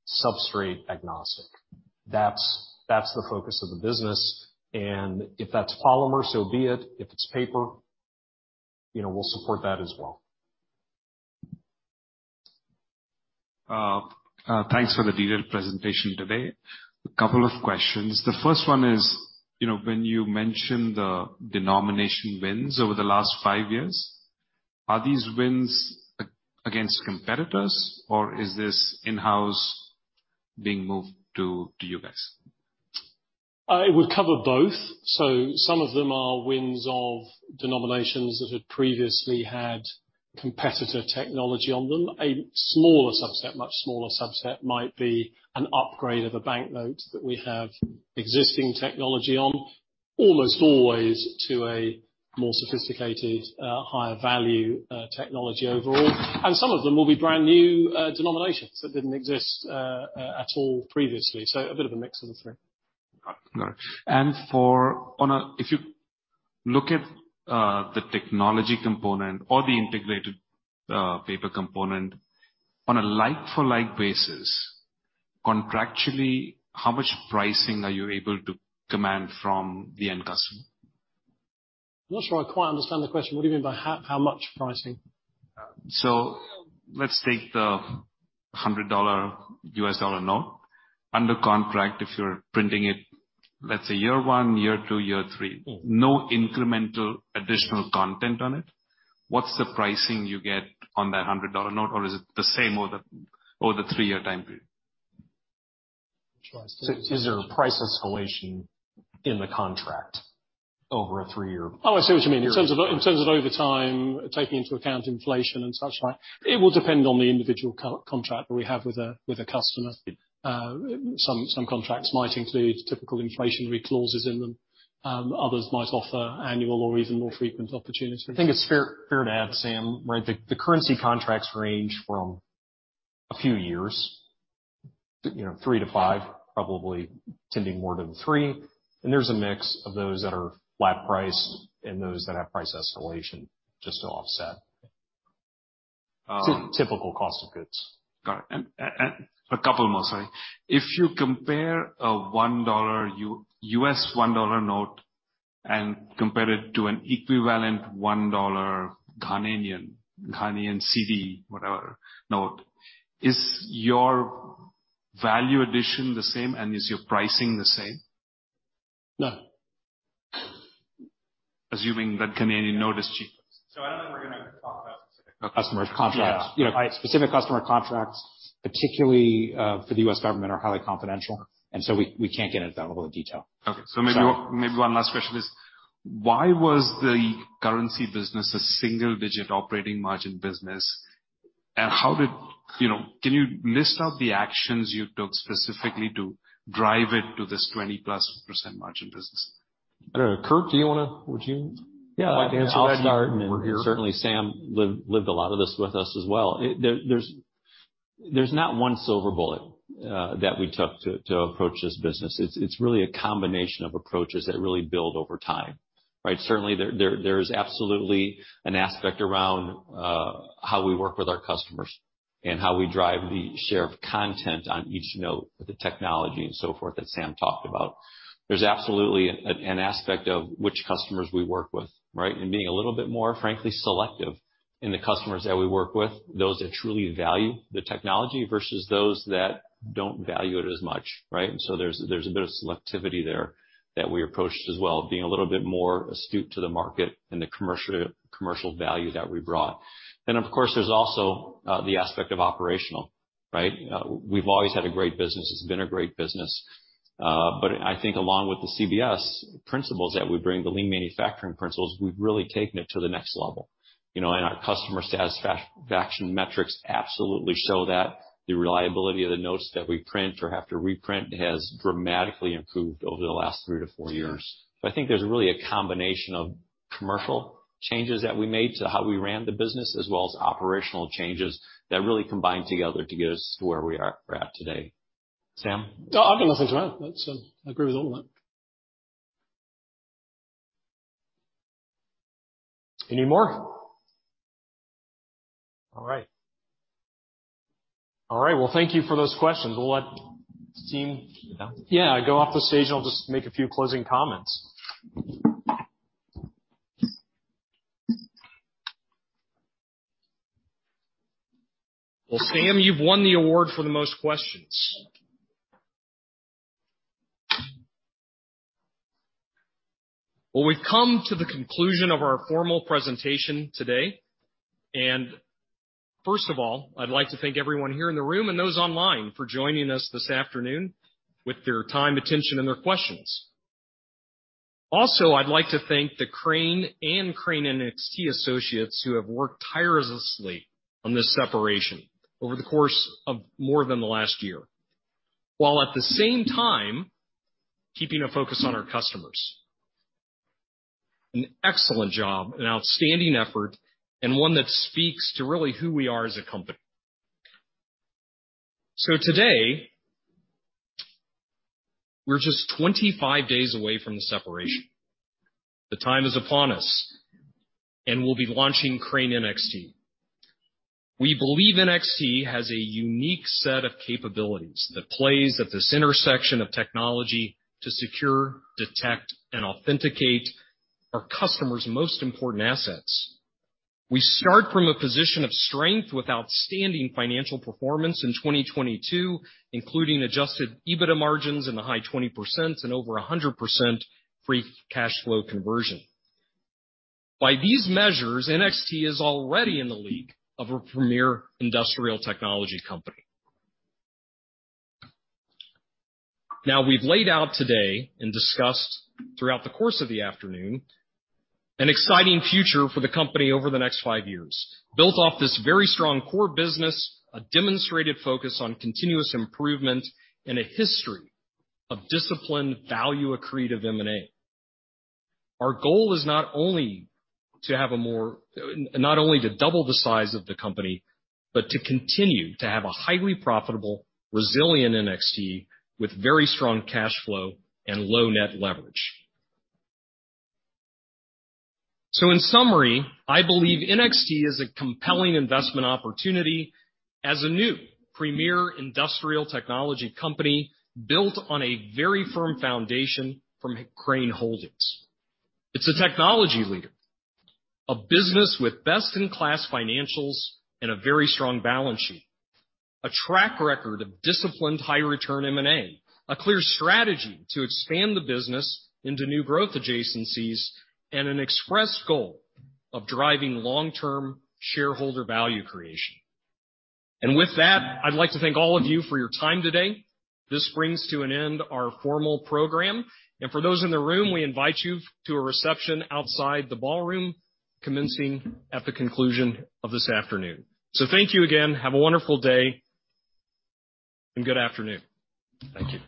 substrate agnostic. That's the focus of the business. If that's polymer, so be it. If it's paper, you know, we'll support that as well. Thanks for the detailed presentation today. A couple of questions. The first one is, you know, when you mention the denomination wins over the last five years, are these wins against competitors or is this in-house being moved to you guys? It would cover both. Some of them are wins of denominations that had previously had competitor technology on them. A smaller subset, much smaller subset might be an upgrade of a banknote that we have existing technology on, almost always to a more sophisticated, higher value, technology overall. Some of them will be brand-new, denominations that didn't exist, at all previously. A bit of a mix of the three. Got it. If you look at the technology component or the integrated paper component on a like-for-like basis, contractually, how much pricing are you able to command from the end customer? I'm not sure I quite understand the question. What do you mean by how much pricing? Let's take the $100 U.S. dollar note. Under contract, if you're printing it, let's say year one, year two, year three. Mm-hmm. No incremental additional content on it. What's the pricing you get on that $100 note? Or is it the same over the three-year time period? Is there a price escalation in the contract over a three-year- Oh, I see what you mean. In terms of over time, taking into account inflation and such like. It will depend on the individual co-contract that we have with a customer. Some contracts might include typical inflationary clauses in them, others might offer annual or even more frequent opportunities. I think it's fair to add, Sam, right, the currency contracts range from a few years, you know, three to five, probably tending more to the three. There's a mix of those that are flat price and those that have price escalation just to offset, typical cost of goods. Got it. A couple more, sorry. If you compare a $1 U.S. $1 note and compare it to an equivalent $1 Ghanaian cedi, whatever note, is your value addition the same and is your pricing the same? No. Assuming that Ghanaian note is cheap. I don't think we're gonna talk about specific customer contracts. Yeah. You know, specific customer contracts, particularly, for the U.S. government, are highly confidential, and so we can't get into that level of detail. Okay. Maybe one last question is why was the currency business a single-digit operating margin business? You know, can you list out the actions you took specifically to drive it to this 20+% margin business? I don't know. Kurt, would you like to answer that? I'll start, certainly Sam lived a lot of this with us as well. There's not one silver bullet that we took to approach this business. It's really a combination of approaches that really build over time, right? Certainly there's absolutely an aspect around how we work with our customers and how we drive the share of content on each note with the technology and so forth that Sam talked about. There's absolutely an aspect of which customers we work with, right? Being a little bit more, frankly, selective in the customers that we work with, those that truly value the technology versus those that don't value it as much, right? There's a bit of selectivity there that we approached as well, being a little bit more astute to the market and the commercial value that we brought. Of course, there's also the aspect of operational, right? We've always had a great business. It's been a great business. I think along with the CBS principles that we bring, the lean manufacturing principles, we've really taken it to the next level. You know, our customer satisfaction metrics absolutely show that the reliability of the notes that we print or have to reprint has dramatically improved over the last three to four years. I think there's really a combination of commercial changes that we made to how we ran the business, as well as operational changes that really combined together to get us to where we're at today. Sam? I've got nothing to add. That's, I agree with all that. Any more? All right. All right, well, thank you for those questions. We'll let the team- Yeah. Yeah, go off the stage. I'll just make a few closing comments. Well, Sam, you've won the award for the most questions. Well, we've come to the conclusion of our formal presentation today. First of all, I'd like to thank everyone here in the room and those online for joining us this afternoon with their time, attention, and their questions. Also, I'd like to thank the Crane and Crane NXT associates who have worked tirelessly on this separation over the course of more than the last year, while at the same time keeping a focus on our customers. An excellent job, an outstanding effort, one that speaks to really who we are as a company. We're just 25 days away from the separation. The time is upon us. We'll be launching Crane NXT. We believe NXT has a unique set of capabilities that plays at this intersection of technology to secure, detect, and authenticate our customers' most important assets. We start from a position of strength with outstanding financial performance in 2022, including adjusted EBITDA margins in the high 20% and over 100% free cash flow conversion. By these measures, NXT is already in the league of a premier industrial technology company. We've laid out today and discussed throughout the course of the afternoon an exciting future for the company over the next five years, built off this very strong core business, a demonstrated focus on continuous improvement, and a history of disciplined value accretive M&A. Our goal is not only to have a more not only to double the size of the company, but to continue to have a highly profitable, resilient NXT with very strong cash flow and low net leverage. In summary, I believe NXT is a compelling investment opportunity as a new premier industrial technology company built on a very firm foundation from Crane Holdings. It's a technology leader, a business with best-in-class financials and a very strong balance sheet, a track record of disciplined high return M&A, a clear strategy to expand the business into new growth adjacencies, and an express goal of driving long-term shareholder value creation. With that, I'd like to thank all of you for your time today. This brings to an end our formal program. For those in the room, we invite you to a reception outside the ballroom commencing at the conclusion of this afternoon. Thank you again. Have a wonderful day, and good afternoon. Thank you.